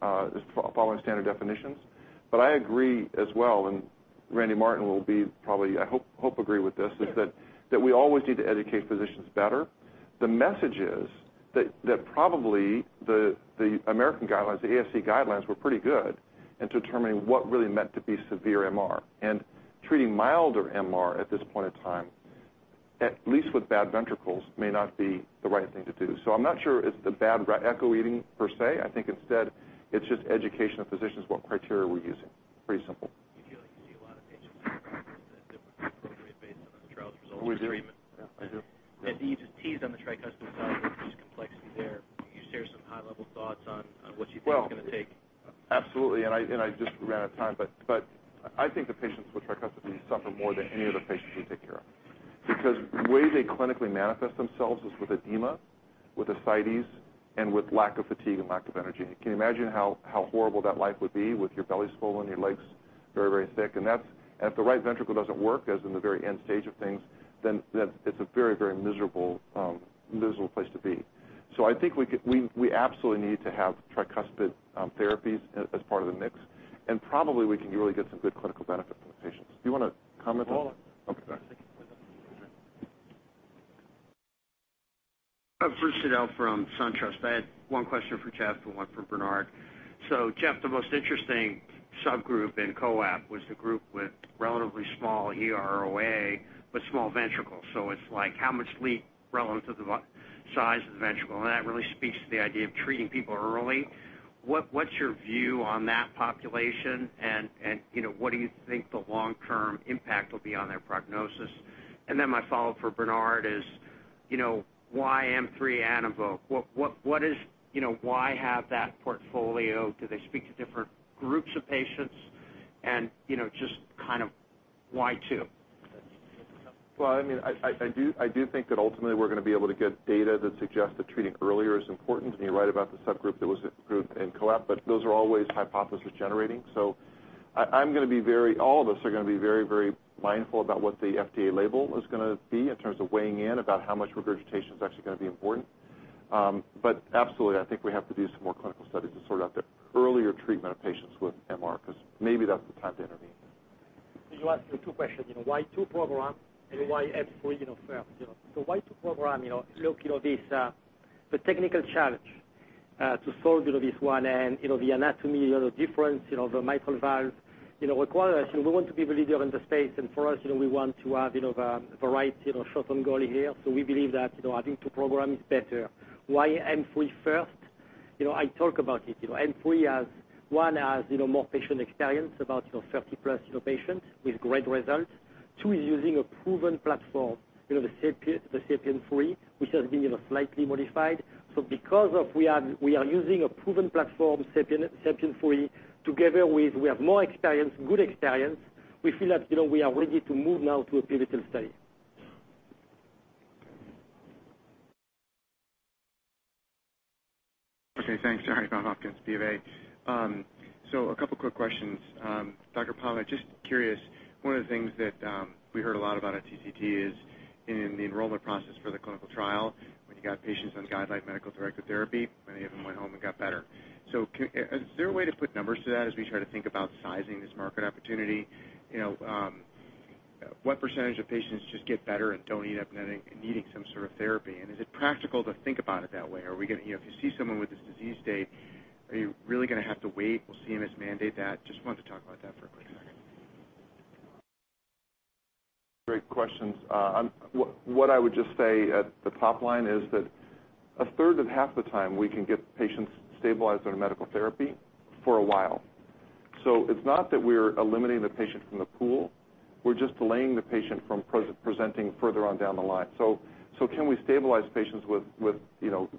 following standard definitions. I agree as well, and Randy Martin will be probably, I hope, agree with this, is that we always need to educate physicians better. The message is that probably the American guidelines, the ASE guidelines, were pretty good in determining what really meant to be severe MR. Treating milder MR at this point in time, at least with bad ventricles, may not be the right thing to do. I am not sure it is the bad echo reading per se. I think instead it is just education of physicians, what criteria we are using. Pretty simple. That would be appropriate based on the trial's results and treatment. We do. Yeah. You just teased on the tricuspid valve, there's complexity there. Can you share some high-level thoughts on what you think it's going to take? Absolutely, I just ran out of time. I think the patients with tricuspid suffer more than any other patients we take care of. The way they clinically manifest themselves is with edema, with ascites, and with lack of fatigue and lack of energy. Can you imagine how horrible that life would be with your belly swollen, your legs very thick? If the right ventricle doesn't work, as in the very end stage of things, it's a very miserable place to be. I think we absolutely need to have tricuspid therapies as part of the mix, and probably we can really get some good clinical benefit for the patients. Do you want to comment on that? No. Okay. I'll take it for them. Bruce Nudell from SunTrust. I had one question for Jeff and one for Bernard. Jeff, the most interesting subgroup in COAPT was the group with relatively small EROA, but small ventricles. It's like how much leak relevant to the size of the ventricle, and that really speaks to the idea of treating people early. What's your view on that population, and what do you think the long-term impact will be on their prognosis? And then my follow-up for Bernard is why SAPIEN M3? Why have that portfolio? Do they speak to different groups of patients? And just kind of why two? I do think that ultimately we're going to be able to get data that suggests that treating earlier is important. And you're right about the subgroup that was approved in COAPT, but those are always hypothesis-generating. All of us are going to be very mindful about what the FDA label is going to be in terms of weighing in about how much regurgitation is actually going to be important. But absolutely, I think we have to do some more clinical studies to sort out the earlier treatment of patients with MR, because maybe that's the time to intervene. You asked two questions, why two programs and why M3 first. The why two program, look, this the technical challenge to solve this one and the anatomy difference. The mitral valve requires us, we want to be the leader in the space and for us, we want to have a variety of short-term goal in here. We believe that having two programs is better. Why M3 first? I talk about it. M3 has, one, has more patient experience, about 30-plus patients with great results. Two, is using a proven platform, the SAPIEN 3, which has been slightly modified. Because we are using a proven platform, SAPIEN 3, together with we have more experience, good experience, we feel that we are ready to move now to a pivotal study. Okay, thanks. Sorry. Bob Hopkins, BofA. A couple of quick questions. Dr. Popma, just curious, one of the things that we heard a lot about at TCT is in the enrollment process for the clinical trial, when you got patients on guideline medical directed therapy, many of them went home and got better. Is there a way to put numbers to that as we try to think about sizing this market opportunity? What percentage of patients just get better and don't end up needing some sort of therapy? And is it practical to think about it that way? If you see someone with this disease state, are you really going to have to wait? We'll see CMS mandate that. Just wanted to talk about that for a quick second. Great questions. What I would just say at the top line is that a third of half the time, we can get patients stabilized on a medical therapy for a while. It's not that we're eliminating the patient from the pool, we're just delaying the patient from presenting further on down the line. Can we stabilize patients with,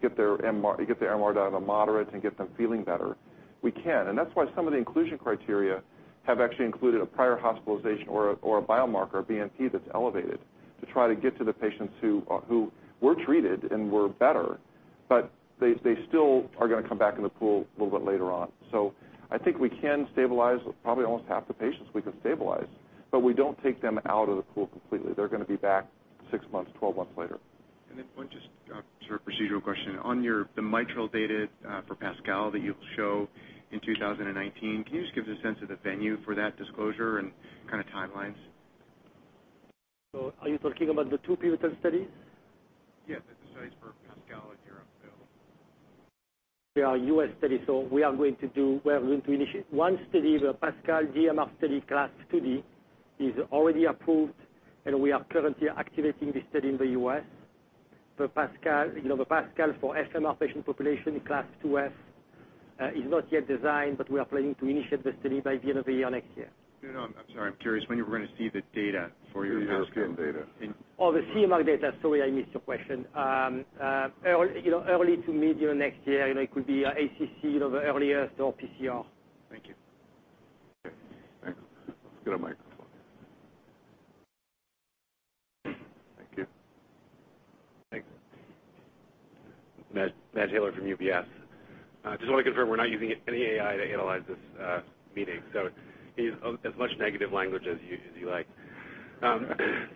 get their MR down to moderate and get them feeling better? We can, that's why some of the inclusion criteria have actually included a prior hospitalization or a biomarker, a BNP that's elevated to try to get to the patients who were treated and were better. They still are going to come back in the pool a little bit later on. I think we can stabilize, probably almost half the patients we can stabilize, but we don't take them out of the pool completely. They're going to be back six months, 12 months later. One just sort of procedural question. On your, the mitral data for PASCAL that you'll show in 2019, can you just give us a sense of the venue for that disclosure and kind of timelines? Are you talking about the two pivotal studies? Yes, the studies for PASCAL and JUPITER. They are U.S. studies. We are going to initiate one study, the PASCAL DMR study, Class II D, is already approved, and we are currently activating the study in the U.S. The PASCAL for FMR patient population, Class II F, is not yet designed. We are planning to initiate the study by the end of the year next year. I'm sorry. I'm curious when we're going to see the data for your PASCAL- The MR data. Oh, the CMR data. Sorry, I missed your question. Early to midyear next year. It could be ACC, the earliest, or PCR. Thank you. Okay, thanks. Let's get a microphone. Thank you. Thanks. Matt Taylor from UBS. Just want to confirm we're not using any AI to analyze this meeting. Use as much negative language as you like.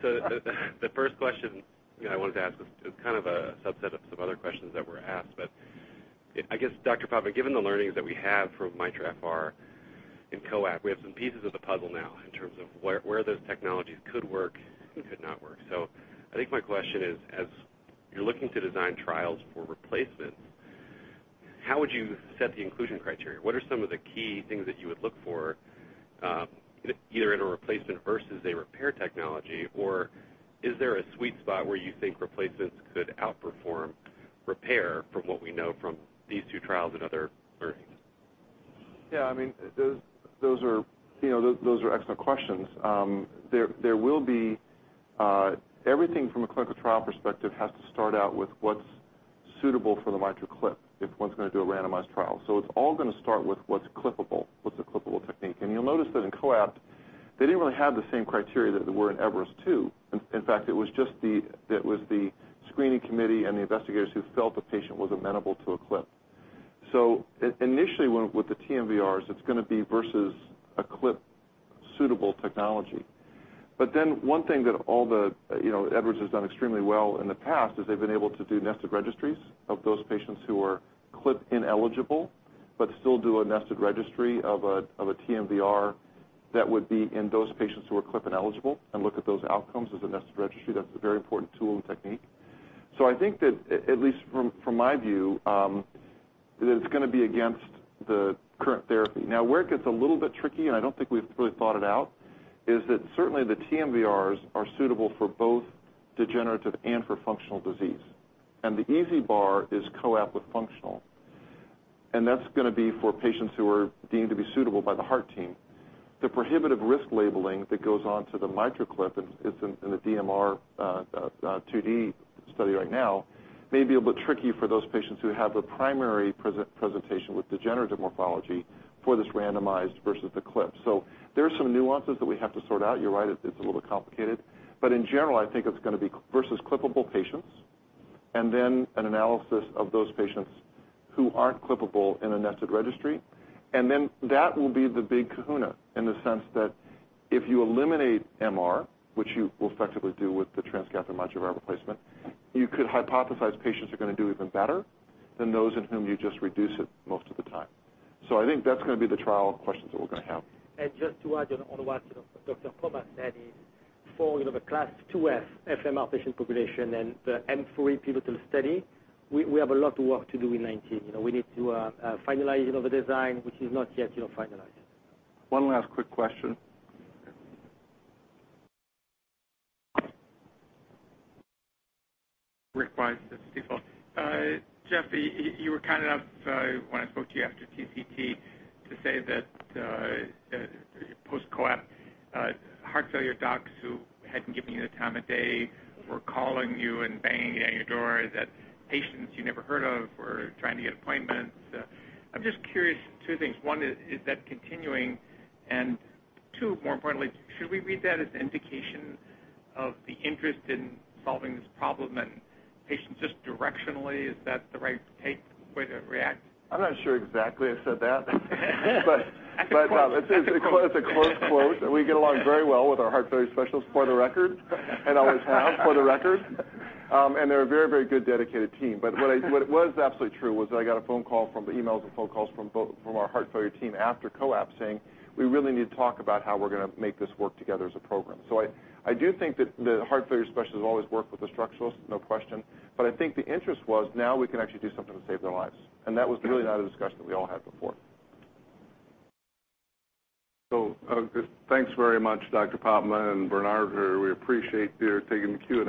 The first question I wanted to ask is kind of a subset of some other questions that were asked. I guess, Dr. Popma, given the learnings that we have from MITRA-FR and COAPT, we have some pieces of the puzzle now in terms of where those technologies could work and could not work. I think my question is, as you're looking to design trials for replacements, how would you set the inclusion criteria? What are some of the key things that you would look for either in a replacement versus a repair technology, or is there a sweet spot where you think replacements could outperform repair from what we know from these two trials and other learnings? Yeah, those are excellent questions. Everything from a clinical trial perspective has to start out with what's suitable for the MitraClip, if one's going to do a randomized trial. It's all going to start with what's clippable, what's a clippable technique. You'll notice that in COAPT, they didn't really have the same criteria that there were in EVEREST II. In fact, it was the screening committee and the investigators who felt the patient was amenable to a clip. Initially, with the TMVRs, it's going to be versus a clip-suitable technology. One thing that Edwards has done extremely well in the past is they've been able to do nested registries of those patients who are clip-ineligible, but still do a nested registry of a TMVR that would be in those patients who are clip-ineligible and look at those outcomes as a nested registry. That's a very important tool and technique. I think that, at least from my view, that it's going to be against the current therapy. Now, where it gets a little bit tricky, I don't think we've really thought it out, is that certainly the TMVRs are suitable for both degenerative and for functional disease. The PASCAL is COAPT with functional, and that's going to be for patients who are deemed to be suitable by the heart team. The prohibitive risk labeling that goes on to the MitraClip, it's in the DMR 2D study right now, may be a bit tricky for those patients who have a primary presentation with degenerative morphology for this randomized versus the clip. There's some nuances that we have to sort out. You're right, it's a little bit complicated. In general, I think it's going to be versus clippable patients, and then an analysis of those patients who aren't clippable in a nested registry. That will be the big kahuna in the sense that if you eliminate MR, which you will effectively do with the transcatheter mitral valve replacement, you could hypothesize patients are going to do even better than those in whom you just reduce it most of the time. I think that's going to be the trial questions that we're going to have. Just to add on what Dr. Popma said is for the Class IIs FMR patient population and the M3 pivotal study, we have a lot of work to do in 2019. We need to finalize the design, which is not yet finalized. One last quick question. Rick Wise, Stifel. Jeff, you were kind enough when I spoke to you after TCT to say that post-COAPT heart failure docs who hadn't given you the time of day were calling you and banging on your door, that patients you never heard of were trying to get appointments. I'm just curious, two things. One, is that continuing? Two, more importantly, should we read that as an indication of the interest in solving this problem and patients just directionally, is that the right way to react? I'm not sure exactly I said that. I could quote. It's a close quote. We get along very well with our heart failure specialists, for the record. Always have, for the record. They're a very good dedicated team. What is absolutely true was that I got emails and phone calls from our heart failure team after COAPT saying, "We really need to talk about how we're going to make this work together as a program." I do think that the heart failure specialists always work with the structuralists, no question. I think the interest was now we can actually do something to save their lives. That was really not a discussion that we all had before. Thanks very much, Dr. Popma and Bernard. We appreciate you taking the Q&A.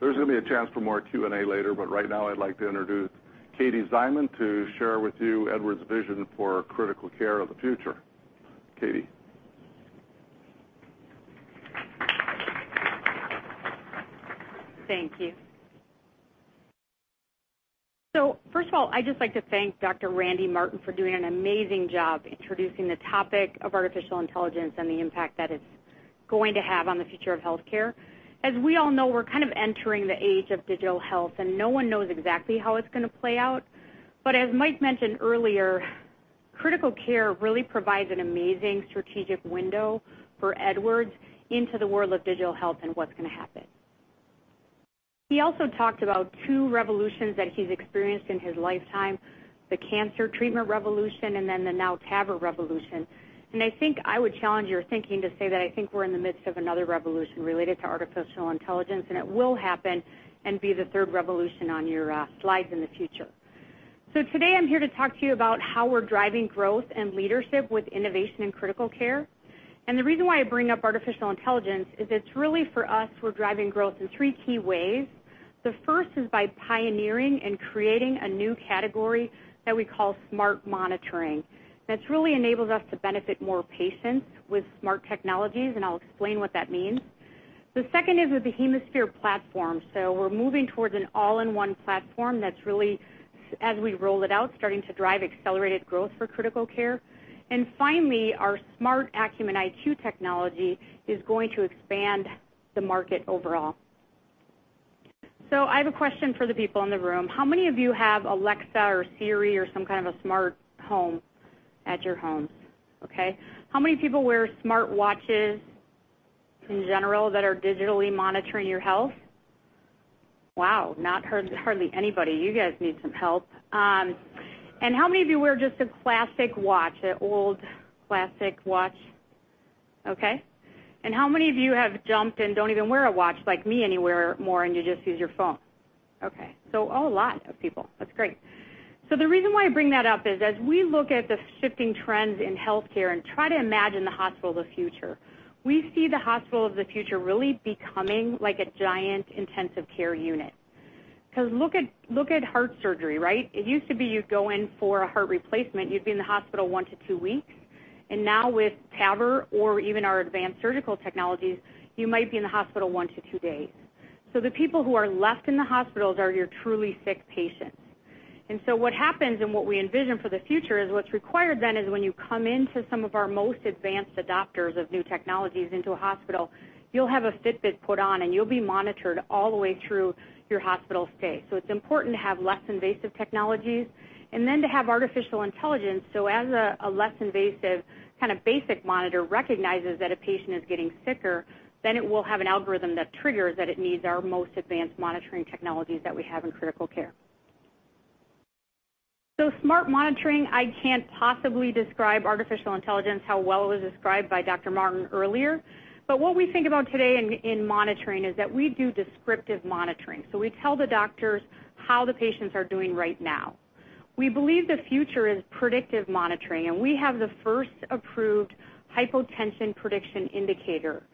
There's going to be a chance for more Q&A later, but right now I'd like to introduce Katie Szyman to share with you Edwards' vision for critical care of the future. Katie. Thank you. First of all, I'd just like to thank Dr. Randy Martin for doing an amazing job introducing the topic of artificial intelligence and the impact that it's going to have on the future of healthcare. As we all know, we're kind of entering the age of digital health, and no one knows exactly how it's going to play out. As Mike mentioned earlier, critical care really provides an amazing strategic window for Edwards into the world of digital health and what's going to happen. He also talked about two revolutions that he's experienced in his lifetime, the cancer treatment revolution and then the now TAVR revolution. I think I would challenge your thinking to say that I think we're in the midst of another revolution related to artificial intelligence, and it will happen and be the third revolution on your slides in the future. Today, I'm here to talk to you about how we're driving growth and leadership with innovation in critical care. The reason why I bring up artificial intelligence is it's really for us, we're driving growth in three key ways. The first is by pioneering and creating a new category that we call smart monitoring. That's really enabled us to benefit more patients with smart technologies, and I'll explain what that means. The second is with the HemoSphere platform. We're moving towards an all-in-one platform that's really, as we roll it out, starting to drive accelerated growth for critical care. Finally, our smart Acumen IQ technology is going to expand the market overall. I have a question for the people in the room. How many of you have Alexa or Siri or some kind of a smart home at your home? Okay. How many people wear smartwatches in general that are digitally monitoring your health? Wow. Hardly anybody. You guys need some help. How many of you wear just a classic watch, an old classic watch? Okay. How many of you have jumped and don't even wear a watch like me anymore, and you just use your phone? Okay. A lot of people. That's great. The reason why I bring that up is as we look at the shifting trends in healthcare and try to imagine the hospital of the future, we see the hospital of the future really becoming like a giant intensive care unit. Because look at heart surgery, right? It used to be you'd go in for a heart replacement, you'd be in the hospital 1-2 weeks. Now with TAVR or even our advanced surgical technologies, you might be in the hospital 1-2 days. The people who are left in the hospitals are your truly sick patients. What happens and what we envision for the future is what's required then is when you come into some of our most advanced adopters of new technologies into a hospital, you'll have a Fitbit put on, and you'll be monitored all the way through your hospital stay. It's important to have less invasive technologies and to have artificial intelligence, as a less invasive, kind of basic monitor recognizes that a patient is getting sicker, it will have an algorithm that triggers that it needs our most advanced monitoring technologies that we have in critical care. Smart monitoring, I can't possibly describe artificial intelligence how well it was described by Dr. Martin earlier. What we think about today in monitoring is that we do descriptive monitoring. We tell the doctors how the patients are doing right now. We believe the future is predictive monitoring, and we have the first approved hypotension prediction indicator,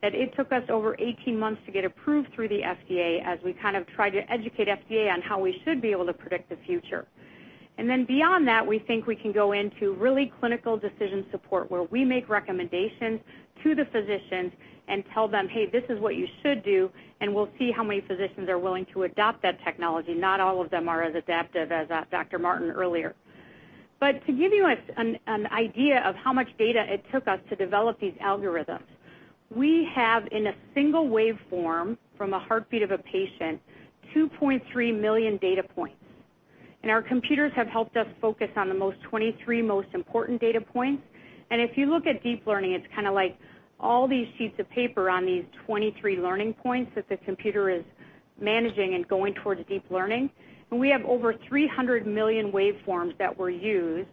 that it took us over 18 months to get approved through the FDA as we kind of tried to educate FDA on how we should be able to predict the future. Beyond that, we think we can go into really clinical decision support, where we make recommendations to the physicians and tell them, "Hey, this is what you should do," we'll see how many physicians are willing to adopt that technology. Not all of them are as adaptive as Dr. Martin earlier. To give you an idea of how much data it took us to develop these algorithms, we have, in a single waveform from a heartbeat of a patient, 2.3 million data points. Our computers have helped us focus on the 23 most important data points. If you look at deep learning, it's kind of like all these sheets of paper on these 23 learning points that the computer is managing and going towards deep learning. We have over 300 million waveforms that were used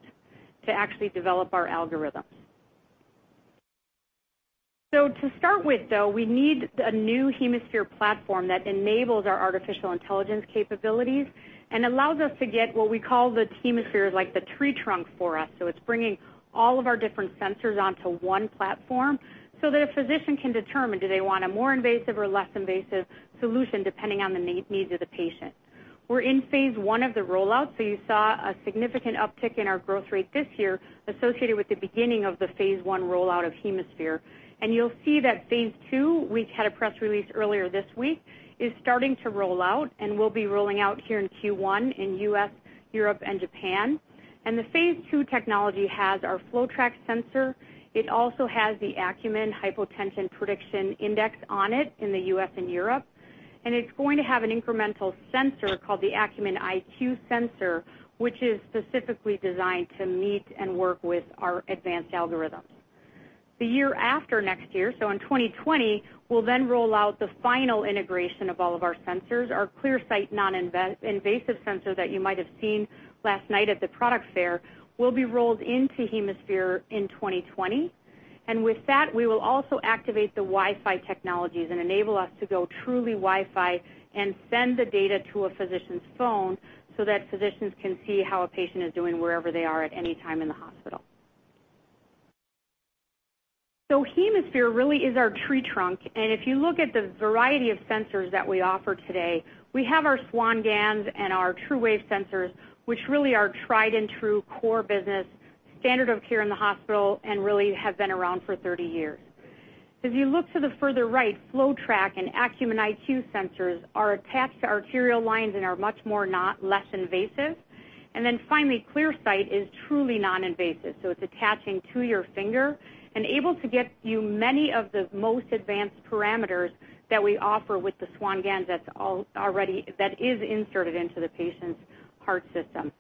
to actually develop our algorithms. To start with, though, we need a new HemoSphere platform that enables our artificial intelligence capabilities and allows us to get what we call the HemoSphere, like the tree trunk for us. So it is bringing all of our different sensors onto one platform, so that a physician can determine, do they want a more invasive or less invasive solution depending on the needs of the patient? We are in phase I of the rollout, so you saw a significant uptick in our growth rate this year associated with the beginning of the phase I rollout of HemoSphere. You will see that phase II, we had a press release earlier this week, is starting to roll out and will be rolling out here in Q1 in U.S., Europe, and Japan. The phase II technology has our FloTrac sensor. It also has the Acumen Hypotension Prediction Index on it in the U.S. and Europe. It is going to have an incremental sensor called the Acumen IQ sensor, which is specifically designed to meet and work with our advanced algorithms. The year after next year, so in 2020, we will then roll out the final integration of all of our sensors. Our ClearSight noninvasive sensor that you might have seen last night at the product fair will be rolled into HemoSphere in 2020. With that, we will also activate the Wi-Fi technologies and enable us to go truly Wi-Fi and send the data to a physician's phone so that physicians can see how a patient is doing wherever they are at any time in the hospital. HemoSphere really is our tree trunk, and if you look at the variety of sensors that we offer today, we have our Swan-Ganz and our TruWave sensors, which really are tried and true core business, standard of care in the hospital, and really have been around for 30 years. If you look to the further right, FloTrac and Acumen IQ sensors are attached to arterial lines and are much more, not less invasive. Then finally, ClearSight is truly non-invasive, so it is attaching to your finger and able to get you many of the most advanced parameters that we offer with the Swan-Ganz that is inserted into the patient's heart system.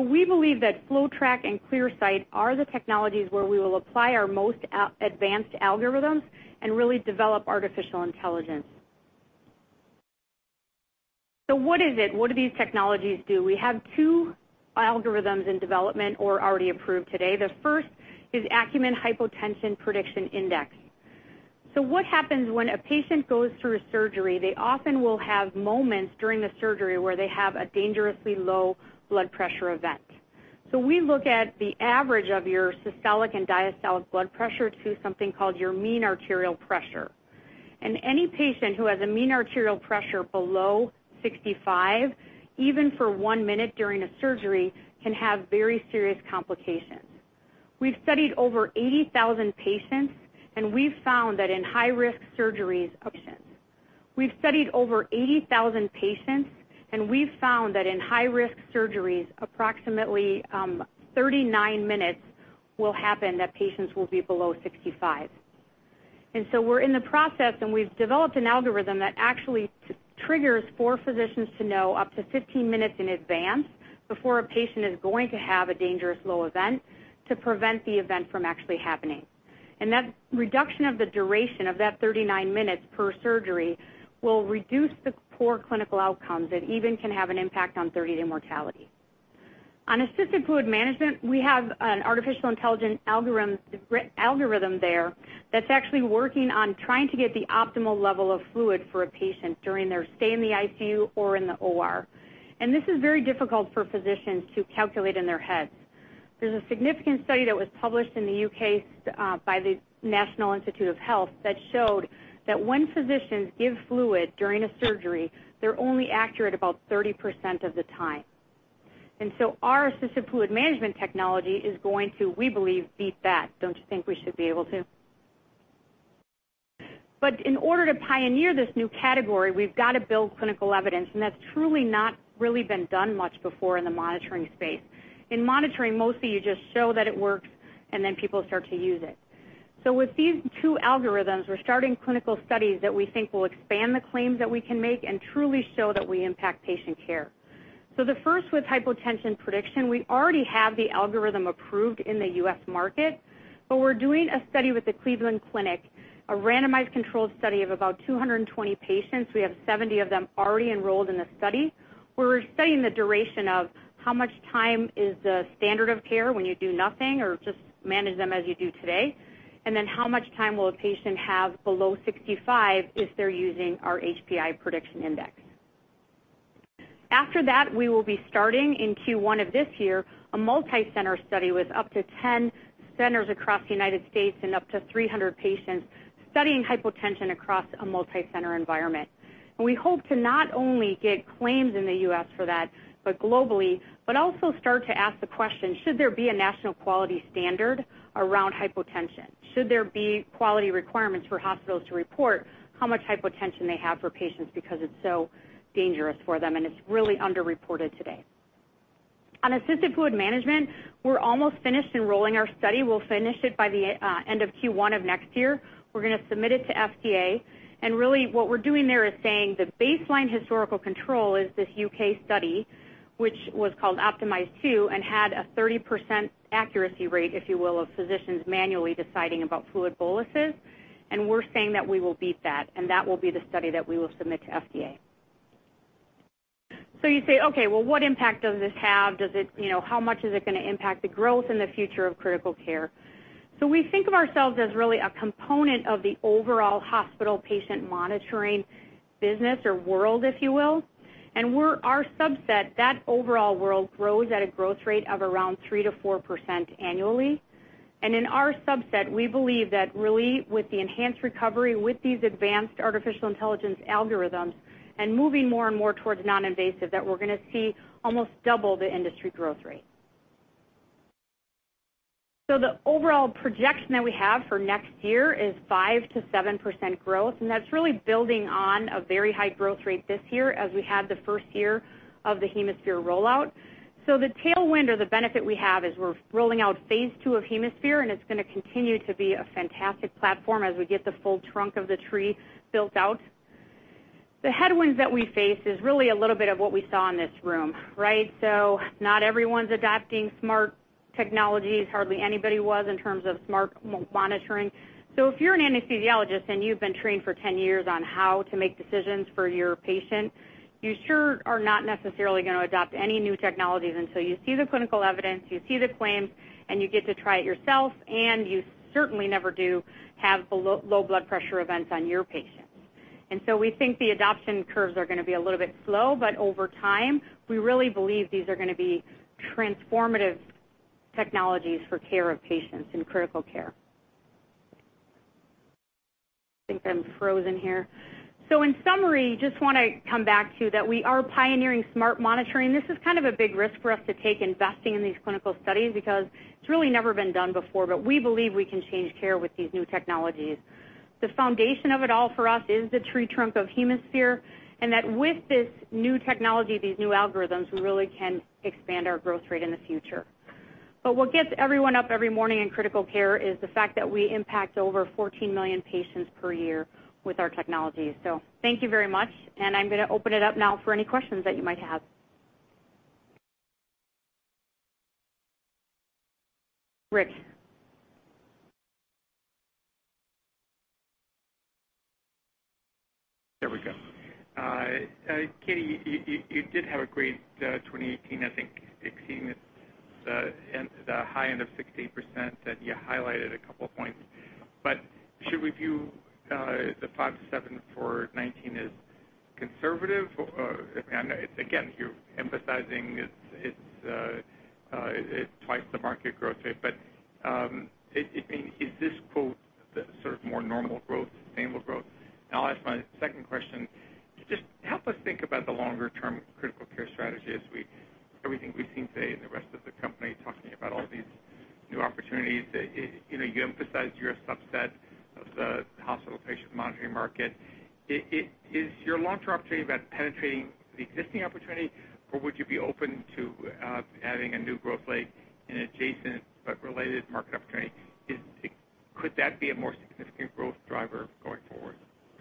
We believe that FloTrac and ClearSight are the technologies where we will apply our most advanced algorithms and really develop artificial intelligence. What is it? What do these technologies do? We have two algorithms in development or already approved today. The first is Acumen Hypotension Prediction Index. What happens when a patient goes through surgery, they often will have moments during the surgery where they have a dangerously low blood pressure event. We look at the average of your systolic and diastolic blood pressure to something called your mean arterial pressure. Any patient who has a mean arterial pressure below 65, even for one minute during a surgery, can have very serious complications. We have studied over 80,000 patients, and we have found that in high-risk surgeries, approximately 39 minutes will happen that patients will be below 65. We are in the process, and we have developed an algorithm that actually triggers for physicians to know up to 15 minutes in advance, before a patient is going to have a dangerous low event, to prevent the event from actually happening. That reduction of the duration of that 39 minutes per surgery will reduce the poor clinical outcomes and even can have an impact on 30-day mortality. On assisted fluid management, we have an artificial intelligence algorithm there that's actually working on trying to get the optimal level of fluid for a patient during their stay in the ICU or in the OR. This is very difficult for physicians to calculate in their heads. There's a significant study that was published in the U.K. by the National Institute of Health that showed that when physicians give fluid during a surgery, they're only accurate about 30% of the time. Our assistive fluid management technology is going to, we believe, beat that. Don't you think we should be able to? In order to pioneer this new category, we've got to build clinical evidence, and that's truly not really been done much before in the monitoring space. In monitoring, mostly you just show that it works, people start to use it. With these two algorithms, we're starting clinical studies that we think will expand the claims that we can make and truly show that we impact patient care. The first with hypotension prediction, we already have the algorithm approved in the U.S. market, but we're doing a study with the Cleveland Clinic, a randomized controlled study of about 220 patients. We have 70 of them already enrolled in the study. We're studying the duration of how much time is the standard of care when you do nothing or just manage them as you do today, and then how much time will a patient have below 65 if they're using our HPI prediction index. After that, we will be starting in Q1 of this year, a multi-center study with up to 10 centers across the United States and up to 300 patients studying hypotension across a multi-center environment. We hope to not only get claims in the U.S. for that, but globally, but also start to ask the question, should there be a national quality standard around hypotension? Should there be quality requirements for hospitals to report how much hypotension they have for patients because it's so dangerous for them, and it's really under-reported today. On assisted fluid management, we're almost finished enrolling our study. We'll finish it by the end of Q1 of next year. We're going to submit it to FDA, and really what we're doing there is saying the baseline historical control is this U.K. study, which was called OPTIMISE II and had a 30% accuracy rate, if you will, of physicians manually deciding about fluid boluses, and we're saying that we will beat that, and that will be the study that we will submit to FDA. You say, "Okay, well, what impact does this have? How much is it going to impact the growth in the future of critical care?" We think of ourselves as really a component of the overall hospital patient monitoring business or world, if you will. Our subset, that overall world grows at a growth rate of around 3%-4% annually. In our subset, we believe that really with the enhanced recovery, with these advanced artificial intelligence algorithms and moving more and more towards non-invasive, that we're going to see almost double the industry growth rate. The overall projection that we have for next year is 5%-7% growth, and that's really building on a very high growth rate this year as we had the first year of the HemoSphere rollout. The tailwind or the benefit we have is we're rolling out phase II of HemoSphere, it's going to continue to be a fantastic platform as we get the full trunk of the tree built out. The headwinds that we face is a little bit of what we saw in this room. Not everyone's adopting smart technologies. Hardly anybody was in terms of smart monitoring. If you're an anesthesiologist and you've been trained for 10 years on how to make decisions for your patient, you sure are not necessarily going to adopt any new technologies until you see the clinical evidence, you see the claims, and you get to try it yourself, and you certainly never do have low blood pressure events on your patients. We think the adoption curves are going to be a little bit slow, over time, we believe these are going to be transformative technologies for care of patients in critical care. I think I'm frozen here. In summary, just want to come back to that we are pioneering smart monitoring. This is a big risk for us to take investing in these clinical studies because it's never been done before, we believe we can change care with these new technologies. The foundation of it all for us is the tree trunk of HemoSphere, that with this new technology, these new algorithms, we can expand our growth rate in the future. What gets everyone up every morning in critical care is the fact that we impact over 14 million patients per year with our technology. Thank you very much, I'm going to open it up now for any questions that you might have. Rick. There we go. Katie, you did have a great 2018. I think exceeding the high end of 6% to 8% that you highlighted a couple of points. Should we view the 5%-7% for 2019 as conservative? Again, you're emphasizing it's twice the market growth rate, is this sort of more normal growth, sustainable growth? I'll ask my second question. Just help us think about the longer term critical care strategy as everything we've seen today and the rest of the company talking about all these new opportunities. You emphasized you're a subset of the hospital patient monitoring market. Is your long-term opportunity about penetrating the existing opportunity, or would you be open to adding a new growth leg in adjacent but related market opportunity? Could that be a more significant growth driver going forward?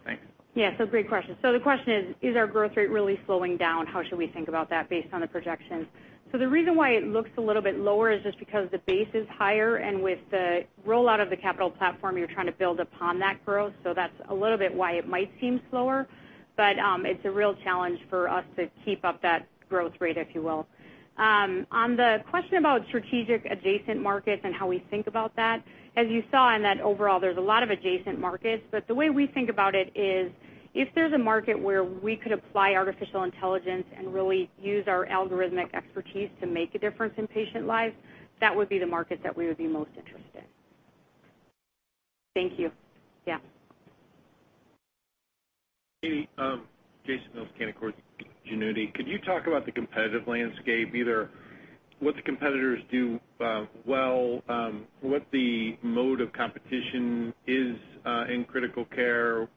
Thanks. Yeah, great question. The question is our growth rate really slowing down? How should we think about that based on the projections? The reason why it looks a little bit lower is just because the base is higher, and with the rollout of the capital platform, you're trying to build upon that growth. That's a little bit why it might seem slower, but it's a real challenge for us to keep up that growth rate, if you will. On the question about strategic adjacent markets and how we think about that, as you saw in that overall, there's a lot of adjacent markets, but the way we think about it is if there's a market where we could apply artificial intelligence and really use our algorithmic expertise to make a difference in patient lives, that would be the market that we would be most interested in. Thank you. Yeah. Katie, Jason Mills, Canaccord Genuity. Could you talk about the competitive landscape, either what the competitors do well, what the mode of competition is in Critical Care,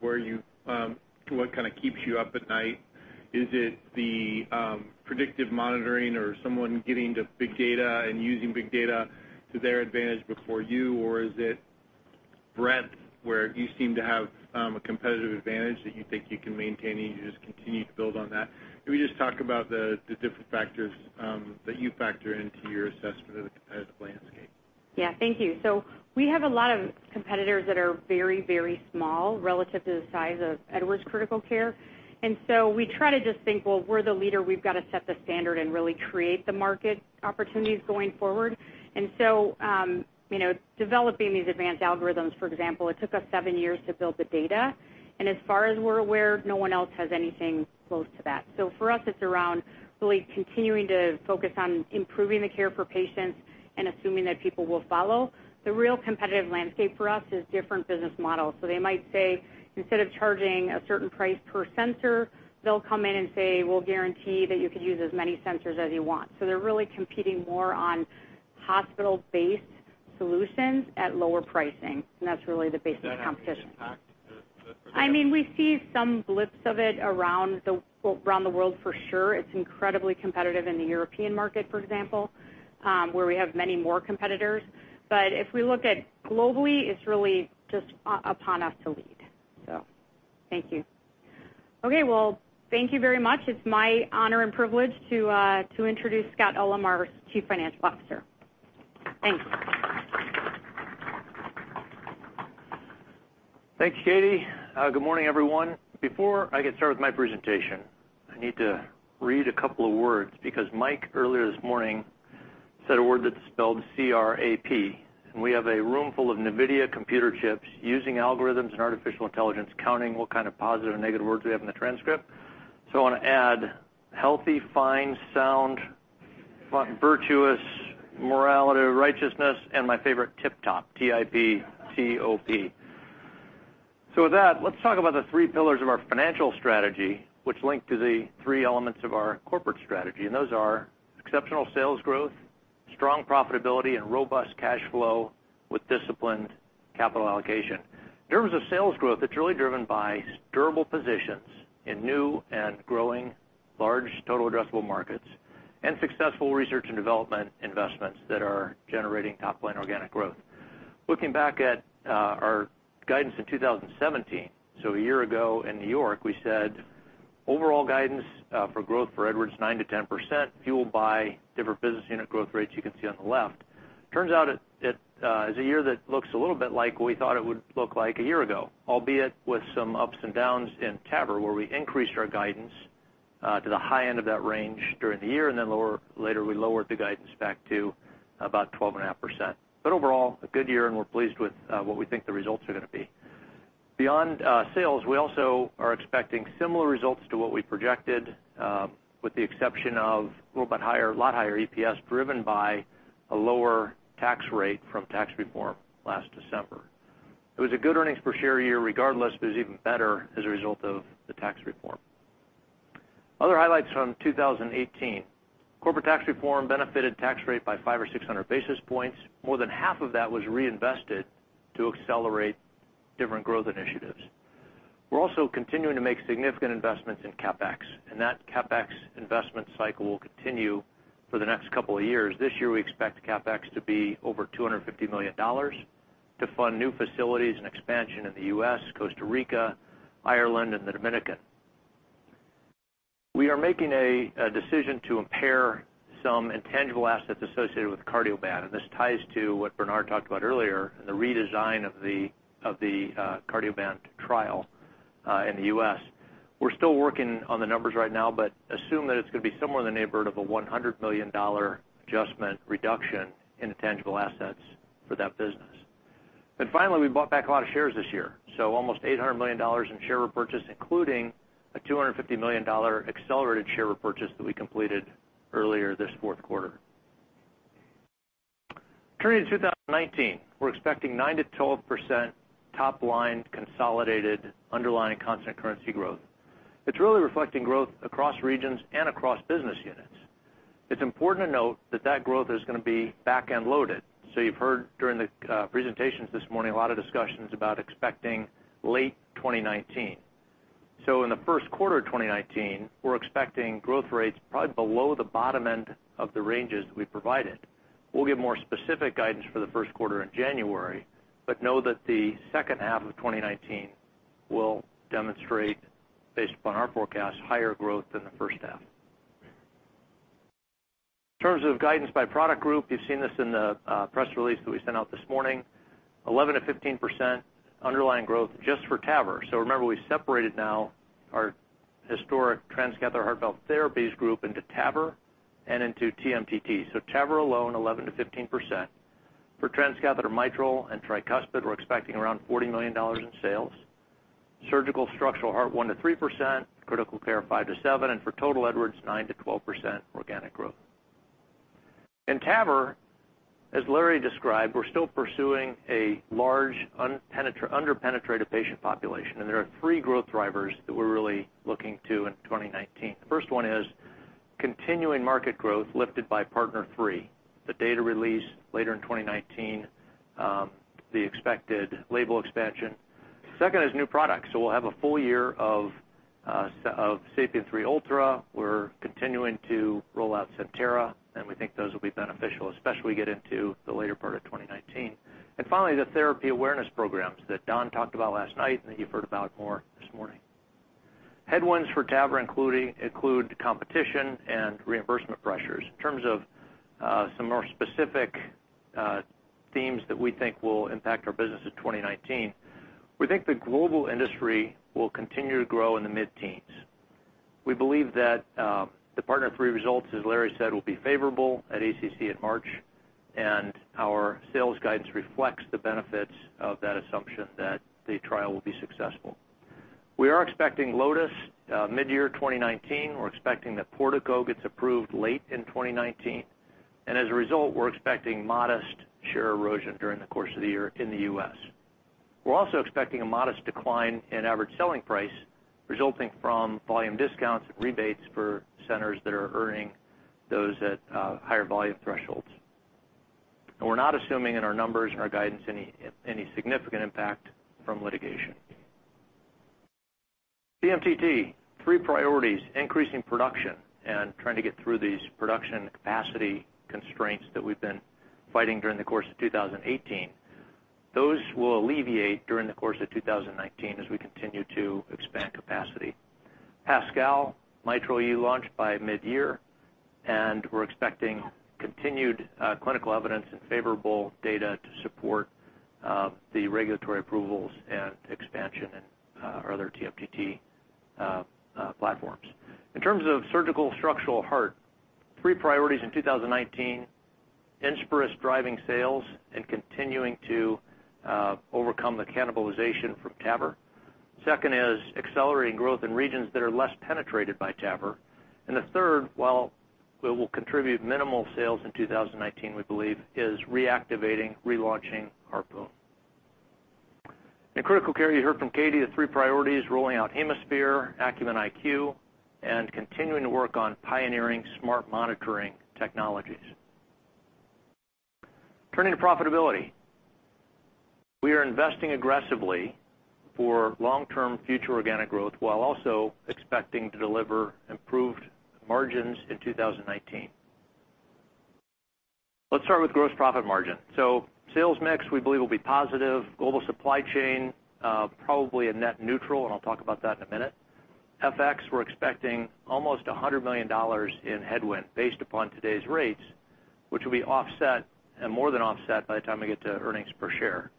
what kind of keeps you up at night? Is it the predictive monitoring or someone getting to big data and using big data to their advantage before you? Is it breadth, where you seem to have a competitive advantage that you think you can maintain and you just continue to build on that? Can we just talk about the different factors that you factor into your assessment of the competitive landscape? Yeah. Thank you. We have a lot of competitors that are very small relative to the size of Edwards Critical Care. We try to just think, well, we're the leader, we've got to set the standard and really create the market opportunities going forward. Developing these advanced algorithms, for example, it took us seven years to build the data, and as far as we're aware, no one else has anything close to that. For us, it's around really continuing to focus on improving the care for patients and assuming that people will follow. The real competitive landscape for us is different business models. They might say, instead of charging a certain price per sensor, they'll come in and say, "We'll guarantee that you could use as many sensors as you want." They're really competing more on hospital-based solutions at lower pricing, and that's really the basis of competition. Is that having an impact? We see some blips of it around the world for sure. It's incredibly competitive in the European market, for example, where we have many more competitors. If we look at globally, it's really just upon us to lead. Thank you. Well, thank you very much. It's my honor and privilege to introduce Scott Ullem, our Chief Financial Officer. Thanks. Thanks, Katie. Good morning, everyone. Before I get started with my presentation, I need to read a couple of words because Mike, earlier this morning, said a word that's spelled C-R-A-P. We have a room full of Nvidia computer chips using algorithms and artificial intelligence, counting what kind of positive and negative words we have in the transcript. I want to add healthy, fine, sound, virtuous, morality, righteousness, and my favorite, tip-top, T-I-P-T-O-P. With that, let's talk about the three pillars of our financial strategy, which link to the three elements of our corporate strategy. Those are exceptional sales growth, strong profitability, and robust cash flow with disciplined capital allocation. In terms of sales growth, it's really driven by durable positions in new and growing large total addressable markets and successful research and development investments that are generating top-line organic growth. Looking back at our guidance in 2017, a year ago in New York, we said overall guidance for growth for Edwards, 9%-10%, fueled by different business unit growth rates you can see on the left. Turns out it is a year that looks a little bit like what we thought it would look like a year ago, albeit with some ups and downs in TAVR, where we increased our guidance to the high end of that range during the year, and then later we lowered the guidance back to about 12.5%. Overall, a good year, and we're pleased with what we think the results are going to be. Beyond sales, we also are expecting similar results to what we projected, with the exception of a lot higher EPS driven by a lower tax rate from tax reform last December. It was a good earnings per share year regardless, but it was even better as a result of the tax reform. Other highlights from 2018. Corporate tax reform benefited tax rate by 5 or 600 basis points. More than half of that was reinvested to accelerate different growth initiatives. We're also continuing to make significant investments in CapEx, and that CapEx investment cycle will continue for the next couple of years. This year, we expect CapEx to be over $250 million to fund new facilities and expansion in the U.S., Costa Rica, Ireland, and the Dominican. We are making a decision to impair some intangible assets associated with Cardioband, and this ties to what Bernard talked about earlier in the redesign of the Cardioband trial in the U.S. Assume that it's going to be somewhere in the neighborhood of a $100 million adjustment reduction in intangible assets for that business. Finally, we bought back a lot of shares this year. Almost $800 million in share repurchase, including a $250 million accelerated share repurchase that we completed earlier this fourth quarter. Turning to 2019, we're expecting 9%-12% top-line consolidated underlying constant currency growth. It's really reflecting growth across regions and across business units. It's important to note that that growth is going to be back-end loaded. You've heard during the presentations this morning a lot of discussions about expecting late 2019. In the first quarter of 2019, we're expecting growth rates probably below the bottom end of the ranges that we provided. We'll give more specific guidance for the first quarter in January, but know that the second half of 2019 will demonstrate, based upon our forecast, higher growth than the first half. In terms of guidance by product group, you've seen this in the press release that we sent out this morning, 11%-15% underlying growth just for TAVR. Remember, we separated now our historic transcatheter Heart Valve Therapies group into TAVR and into TMTT. TAVR alone, 11%-15%. For Transcatheter Mitral and Tricuspid, we're expecting around $40 million in sales. Surgical Structural Heart, 1%-3%, Critical Care 5%-7%, and for total Edwards, 9%-12% organic growth. In TAVR, as Larry described, we're still pursuing a large under-penetrated patient population, and there are three growth drivers that we're really looking to in 2019. The first one is continuing market growth lifted by PARTNER 3, the data release later in 2019, the expected label expansion. Second is new products. We'll have a full year of SAPIEN 3 Ultra. We're continuing to roll out Centera, and we think those will be beneficial, especially as we get into the later part of 2019. Finally, the therapy awareness programs that Don talked about last night and that you've heard about more this morning. Headwinds for TAVR include competition and reimbursement pressures. In terms of some more specific themes that we think will impact our business in 2019, we think the global industry will continue to grow in the mid-teens. We believe that the PARTNER 3 results, as Larry said, will be favorable at ACC in March, and our sales guidance reflects the benefits of that assumption that the trial will be successful. We are expecting Lotus mid-year 2019. We're expecting that Portico gets approved late in 2019. As a result, we're expecting modest share erosion during the course of the year in the U.S. We're also expecting a modest decline in average selling price resulting from volume discounts and rebates for centers that are earning those at higher volume thresholds. We're not assuming in our numbers and our guidance any significant impact from litigation. TMTT, three priorities, increasing production and trying to get through these production capacity constraints that we've been fighting during the course of 2018. Those will alleviate during the course of 2019 as we continue to expand capacity. PASCAL, MitraClip EU launch by mid-year, and we're expecting continued clinical evidence and favorable data to support the regulatory approvals and expansion in our other TMTT platforms. In terms of Surgical Structural Heart, three priorities in 2019, INSPIRIS driving sales and continuing to overcome the cannibalization from TAVR. Second is accelerating growth in regions that are less penetrated by TAVR. The third, while it will contribute minimal sales in 2019, we believe, is reactivating, relaunching, HeartFlow. In critical care, you heard from Katie the three priorities, rolling out HemoSphere, Acumen IQ, and continuing to work on pioneering smart monitoring technologies. Turning to profitability. We are investing aggressively for long-term future organic growth while also expecting to deliver improved margins in 2019. Let's start with gross profit margin. Sales mix we believe will be positive. Global supply chain, probably a net neutral, and I'll talk about that in a minute. FX, we're expecting almost $100 million in headwind based upon today's rates, which will be more than offset by the time we get to earnings per share.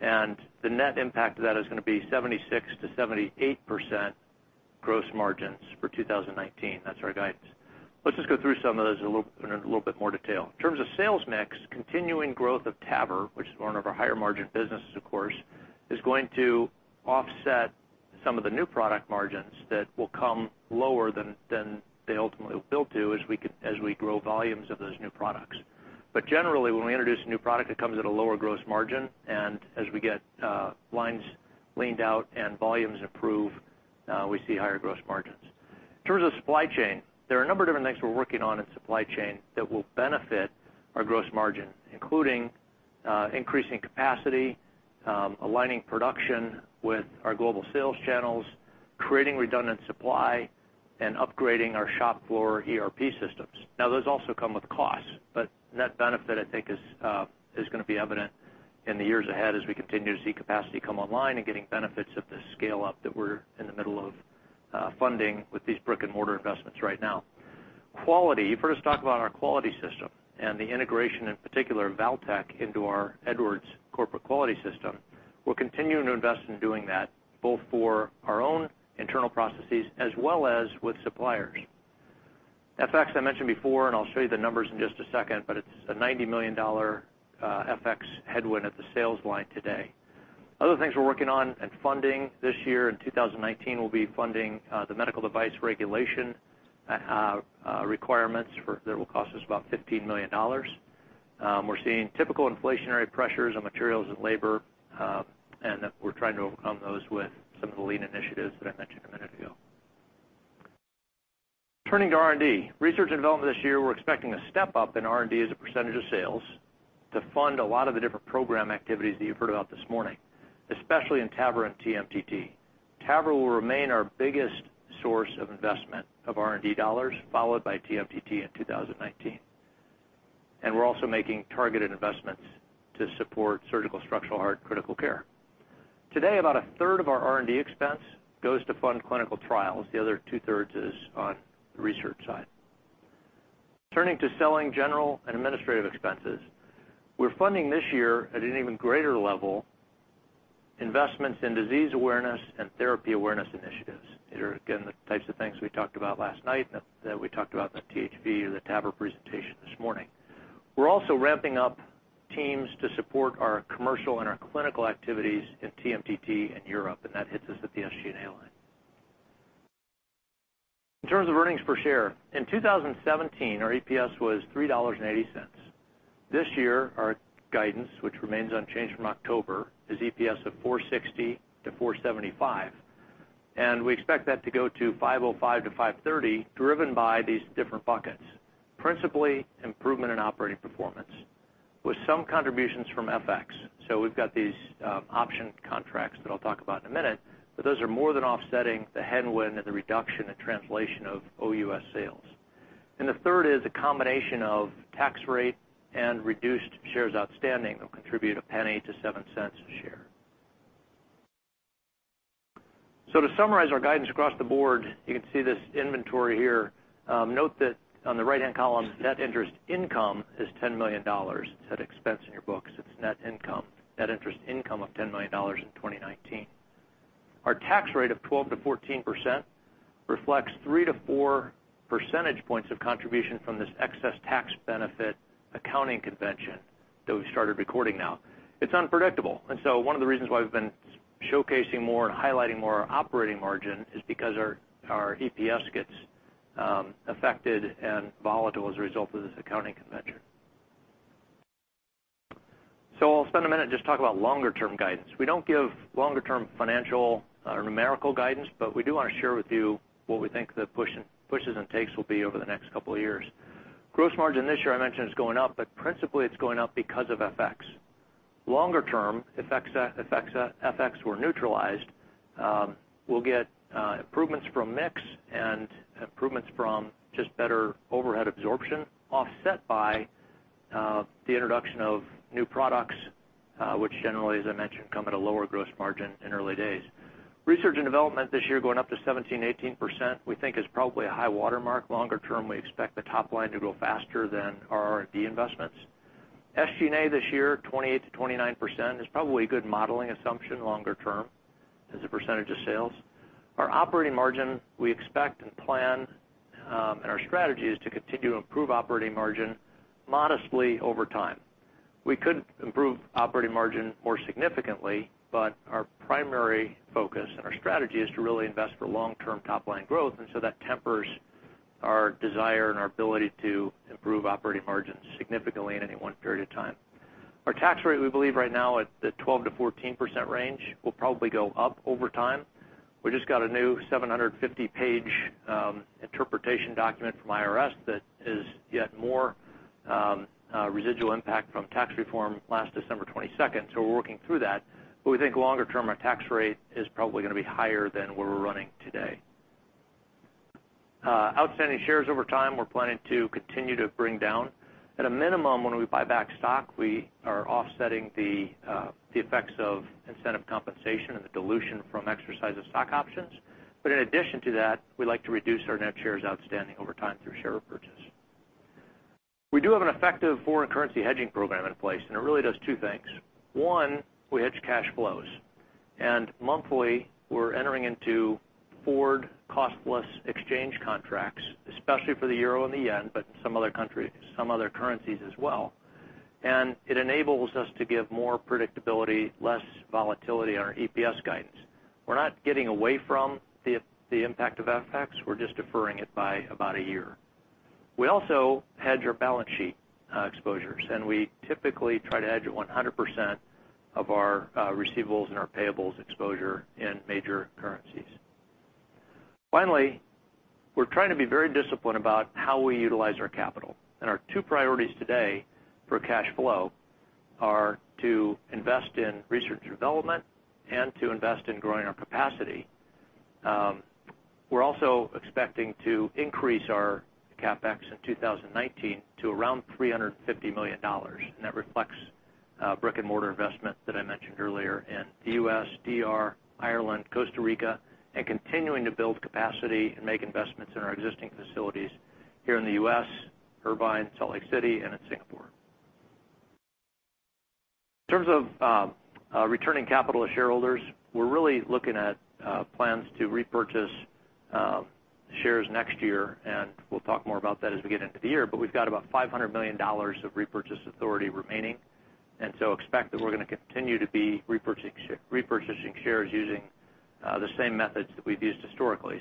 The net impact of that is going to be 76%-78% gross margins for 2019. That's our guidance. Let's just go through some of those in a little bit more detail. In terms of sales mix, continuing growth of TAVR, which is one of our higher margin businesses, of course, is going to offset some of the new product margins that will come lower than they ultimately will build to as we grow volumes of those new products. Generally, when we introduce a new product, it comes at a lower gross margin, and as we get lines leaned out and volumes improve, we see higher gross margins. In terms of supply chain, there are a number of different things we're working on in supply chain that will benefit our gross margin, including increasing capacity, aligning production with our global sales channels, creating redundant supply, and upgrading our shop floor ERP systems. Those also come with costs, but net benefit, I think is going to be evident in the years ahead as we continue to see capacity come online and getting benefits of the scale-up that we're in the middle of funding with these brick-and-mortar investments right now. Quality. You've heard us talk about our quality system and the integration, in particular, of Valtech into our Edwards corporate quality system. We're continuing to invest in doing that, both for our own internal processes as well as with suppliers. FX, I mentioned before, I'll show you the numbers in just a second, but it's a $90 million FX headwind at the sales line today. Other things we're working on and funding this year in 2019 will be funding the Medical Device Regulation requirements that will cost us about $15 million. We're seeing typical inflationary pressures on materials and labor, and we're trying to overcome those with some of the lean initiatives that I mentioned a minute ago. Turning to R&D. Research and development this year, we're expecting a step-up in R&D as a percentage of sales to fund a lot of the different program activities that you've heard about this morning, especially in TAVR and TMTT. TAVR will remain our biggest source of investment of R&D dollars, followed by TMTT in 2019. We're also making targeted investments to support Surgical Structural Heart Critical Care. Today, about a third of our R&D expense goes to fund clinical trials. The other two-thirds is on the research side. Turning to selling, general, and administrative expenses. We're funding this year at an even greater level, investments in disease awareness and therapy awareness initiatives. These are, again, the types of things we talked about last night and that we talked about in the THV or the TAVR presentation this morning. We're also ramping up teams to support our commercial and our clinical activities in TMTT in Europe, and that hits us at the SG&A line. In terms of earnings per share, in 2017, our EPS was $3.80. This year, our guidance, which remains unchanged from October, is EPS of $4.60-$4.75. We expect that to go to $5.05-$5.30, driven by these different buckets. Principally, improvement in operating performance, with some contributions from FX. We've got these option contracts that I'll talk about in a minute, but those are more than offsetting the headwind and the reduction and translation of OUS sales. The third is a combination of tax rate and reduced shares outstanding that will contribute $0.01-$0.07 a share. To summarize our guidance across the board, you can see this inventory here. Note that on the right-hand column, net interest income is $10 million. It's an expense in your books. It's net income, net interest income of $10 million in 2019. Our tax rate of 12%-14% reflects three to four percentage points of contribution from this excess tax benefit accounting convention that we've started recording now. It's unpredictable, one of the reasons why we've been showcasing more and highlighting more our operating margin is because our EPS gets affected and volatile as a result of this accounting convention. I'll spend a minute and just talk about longer-term guidance. We don't give longer-term financial or numerical guidance, we do want to share with you what we think the pushes and takes will be over the next couple of years. Gross margin this year, I mentioned, is going up, principally it's going up because of FX. Longer term, if FX were neutralized, we'll get improvements from mix and improvements from just better overhead absorption offset by the introduction of new products, which generally, as I mentioned, come at a lower gross margin in early days. Research and development this year going up to 17%, 18%, we think is probably a high water mark. Longer term, we expect the top line to grow faster than our R&D investments. SG&A this year, 28%-29%, is probably a good modeling assumption longer term as a percentage of sales. Our operating margin, we expect and plan, our strategy is to continue to improve operating margin modestly over time. We could improve operating margin more significantly, our primary focus and our strategy is to really invest for long-term top-line growth, that tempers our desire and our ability to improve operating margins significantly in any one period of time. Our tax rate, we believe right now at the 12%-14% range, will probably go up over time. We just got a new 750-page interpretation document from IRS that is yet more residual impact from tax reform last December 22nd, we're working through that. We think longer term, our tax rate is probably going to be higher than what we're running today. Outstanding shares over time, we're planning to continue to bring down. At a minimum, when we buy back stock, we are offsetting the effects of incentive compensation and the dilution from exercise of stock options. In addition to that, we'd like to reduce our net shares outstanding over time through share repurchase. We do have an effective foreign currency hedging program in place, it really does two things. One, we hedge cash flows. Monthly, we're entering into forward costless exchange contracts, especially for the euro and the yen, some other currencies as well. It enables us to give more predictability, less volatility on our EPS guidance. We're not getting away from the impact of FX. We're just deferring it by about a year. We also hedge our balance sheet exposures, we typically try to hedge 100% of our receivables and our payables exposure in major currencies. Finally, we're trying to be very disciplined about how we utilize our capital. Our two priorities today for cash flow are to invest in R&D and to invest in growing our capacity. We're also expecting to increase our CapEx in 2019 to around $350 million, that reflects brick-and-mortar investment that I mentioned earlier in the U.S., D.R., Ireland, Costa Rica, continuing to build capacity and make investments in our existing facilities here in the U.S., Irvine, Salt Lake City, and in Singapore. In terms of returning capital to shareholders, we're really looking at plans to repurchase shares next year, we'll talk more about that as we get into the year, we've got about $500 million of repurchase authority remaining. Expect that we're going to continue to be repurchasing shares using the same methods that we've used historically.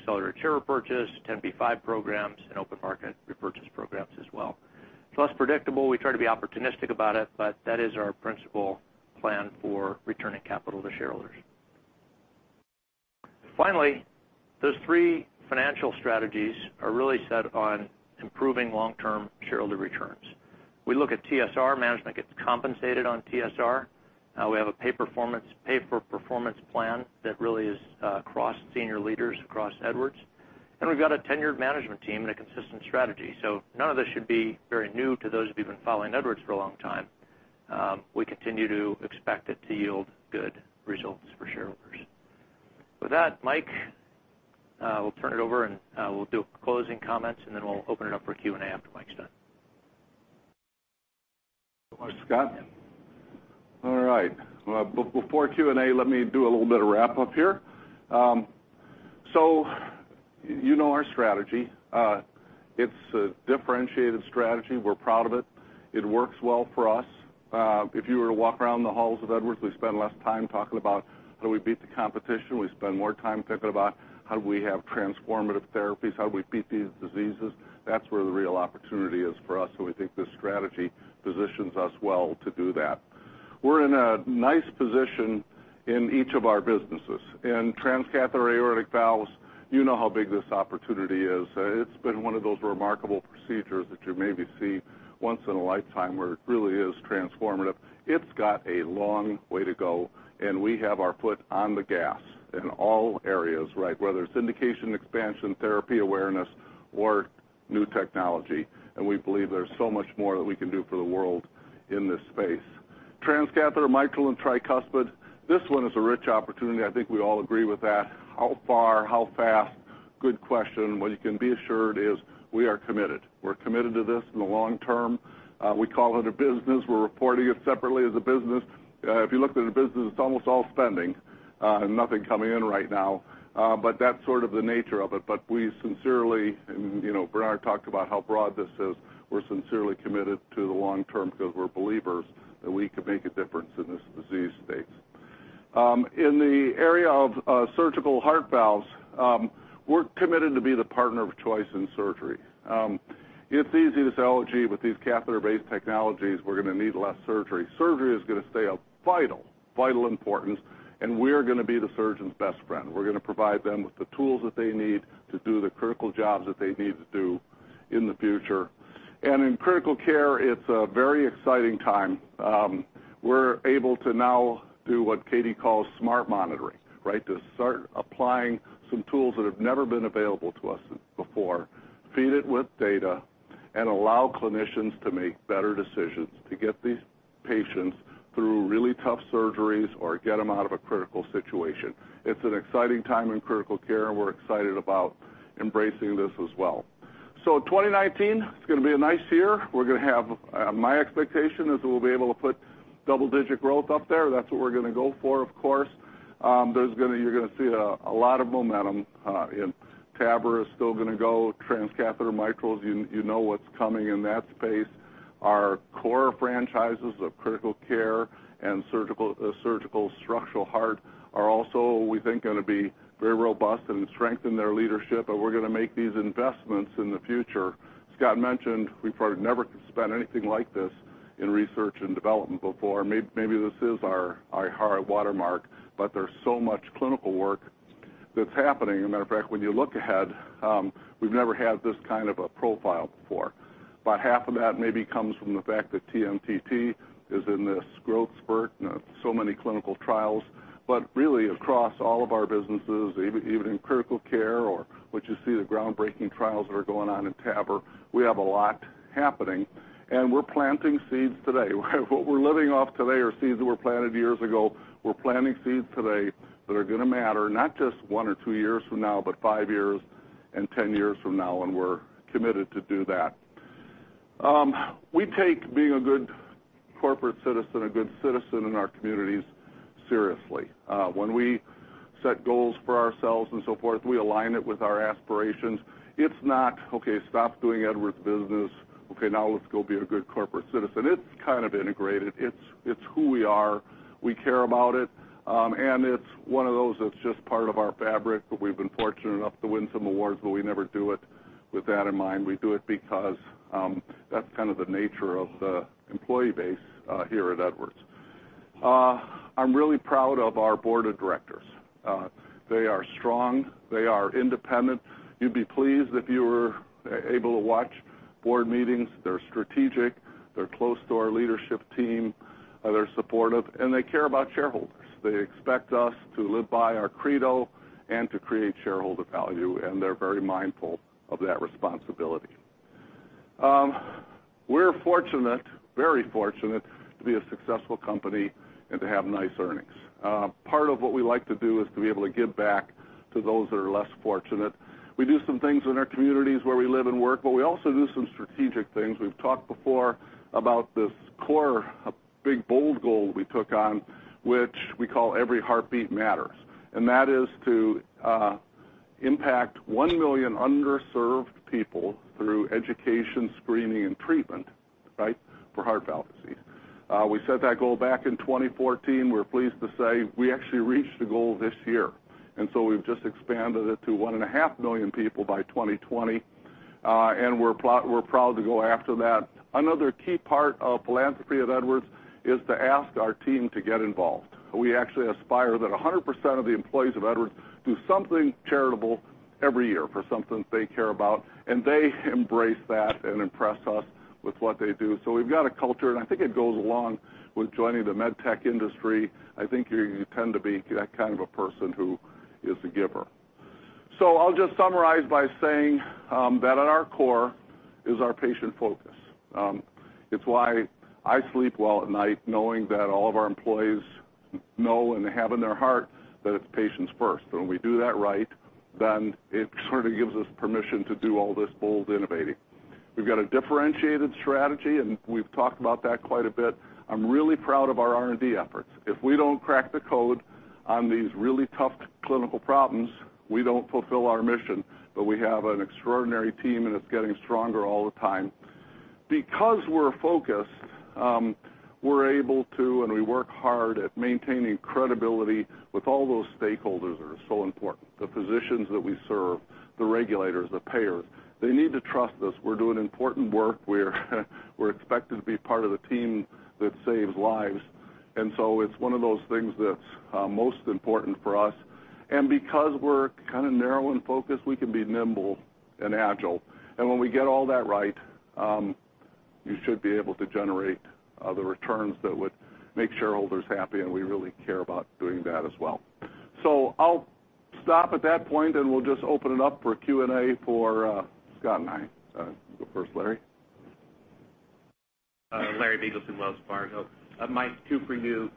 Accelerated share repurchase, 10b5-1 programs, and open market repurchase programs as well. It's less predictable. We try to be opportunistic about it, but that is our principal plan for returning capital to shareholders. Finally, those three financial strategies are really set on improving long-term shareholder returns. We look at TSR. Management gets compensated on TSR. We have a pay-for-performance plan that really is across senior leaders across Edwards. We've got a tenured management team and a consistent strategy. None of this should be very new to those of you who've been following Edwards for a long time. We continue to expect it to yield good results for shareholders. With that, Mike, we'll turn it over, and we'll do closing comments, and then we'll open it up for Q&A after Mike's done. Thanks so much, Scott. All right. Well, before Q&A, let me do a little bit of wrap-up here. You know our strategy. It's a differentiated strategy. We're proud of it. It works well for us. If you were to walk around the halls of Edwards, we spend less time talking about how do we beat the competition. We spend more time thinking about how do we have transformative therapies, how do we beat these diseases. That's where the real opportunity is for us, we think this strategy positions us well to do that. We're in a nice position in each of our businesses. In transcatheter aortic valves, you know how big this opportunity is. It's been one of those remarkable procedures that you maybe see once in a lifetime, where it really is transformative. It's got a long way to go, and we have our foot on the gas in all areas, whether it's indication expansion, therapy awareness, or new technology. We believe there's so much more that we can do for the world in this space. Transcatheter Mitral and Tricuspid, this one is a rich opportunity. I think we all agree with that. How far, how fast? Good question. What you can be assured is we are committed. We're committed to this in the long term. We call it a business. We're reporting it separately as a business. If you looked at a business, it's almost all spending, and nothing coming in right now. That's sort of the nature of it. We sincerely, and Bernard talked about how broad this is, we're sincerely committed to the long term because we're believers that we can make a difference in this disease space. In the area of surgical heart valves, we're committed to be the partner of choice in surgery. It's easy to say, "Oh, gee, with these catheter-based technologies, we're going to need less surgery." Surgery is going to stay of vital importance, and we're going to be the surgeon's best friend. We're going to provide them with the tools that they need to do the critical jobs that they need to do in the future. In critical care, it's a very exciting time. We're able to now do what Katie calls smart monitoring. To start applying some tools that have never been available to us before, feed it with data, and allow clinicians to make better decisions to get these patients through really tough surgeries or get them out of a critical situation. It's an exciting time in critical care, and we're excited about embracing this as well. 2019, it's going to be a nice year. My expectation is we'll be able to put double-digit growth up there. That's what we're going to go for, of course. You're going to see a lot of momentum, and TAVR is still going to go. Transcatheter mitral, you know what's coming in that space. Our core franchises of critical care and Surgical Structural Heart are also, we think, going to be very robust and strengthen their leadership, and we're going to make these investments in the future. Scott mentioned we've never spent anything like this in research and development before. Maybe this is our high watermark, but there's so much clinical work that's happening. A matter of fact, when you look ahead, we've never had this kind of a profile before. About half of that maybe comes from the fact that TMTT is in this growth spurt and so many clinical trials. Really, across all of our businesses, even in critical care or what you see the groundbreaking trials that are going on in TAVR, we have a lot happening, and we're planting seeds today. What we're living off today are seeds that were planted years ago. We're planting seeds today that are going to matter, not just one or two years from now, but five years and 10 years from now, and we're committed to do that. We take being a good corporate citizen, a good citizen in our communities, seriously. When we set goals for ourselves and so forth, we align it with our aspirations. It's not, "Okay, stop doing Edwards business. Okay, now let's go be a good corporate citizen." It's kind of integrated. It's who we are. We care about it. It's one of those that's just part of our fabric, but we've been fortunate enough to win some awards. We never do it with that in mind. We do it because that's kind of the nature of the employee base here at Edwards. I'm really proud of our board of directors. They are strong. They are independent. You'd be pleased if you were able to watch board meetings. They're strategic. They're close to our leadership team. They're supportive, and they care about shareholders. They expect us to live by our credo and to create shareholder value. They're very mindful of that responsibility. We're fortunate, very fortunate, to be a successful company and to have nice earnings. Part of what we like to do is to be able to give back to those that are less fortunate. We do some things in our communities where we live and work, but we also do some strategic things. We've talked before about this core, big, bold goal we took on, which we call Every Heartbeat Matters. That is to impact 1 million underserved people through education, screening, and treatment for heart valve disease. We set that goal back in 2014. We're pleased to say we actually reached the goal this year. We've just expanded it to 1.5 million people by 2020. We're proud to go after that. Another key part of philanthropy at Edwards is to ask our team to get involved. We actually aspire that 100% of the employees of Edwards do something charitable every year for something they care about, and they embrace that and impress us with what they do. We've got a culture, and I think it goes along with joining the med tech industry. I think you tend to be that kind of a person who is a giver. I'll just summarize by saying that at our core is our patient focus. It's why I sleep well at night knowing that all of our employees know and they have in their heart that it's patients first. When we do that right, it sort of gives us permission to do all this bold innovating. We've got a differentiated strategy, and we've talked about that quite a bit. I'm really proud of our R&D efforts. If we don't crack the code on these really tough clinical problems, we don't fulfill our mission. We have an extraordinary team, and it's getting stronger all the time. Because we're focused, we're able to, and we work hard at maintaining credibility with all those stakeholders that are so important, the physicians that we serve, the regulators, the payers. They need to trust us. We're doing important work. We're expected to be part of the team that saves lives. It's one of those things that's most important for us. Because we're kind of narrow in focus, we can be nimble and agile. When we get all that right, you should be able to generate the returns that would make shareholders happy, and we really care about doing that as well. I'll stop at that point, and we'll just open it up for Q&A for Scott and I. You go first, Larry. Larry Biegelsen, Wells Fargo. Mike, two for you.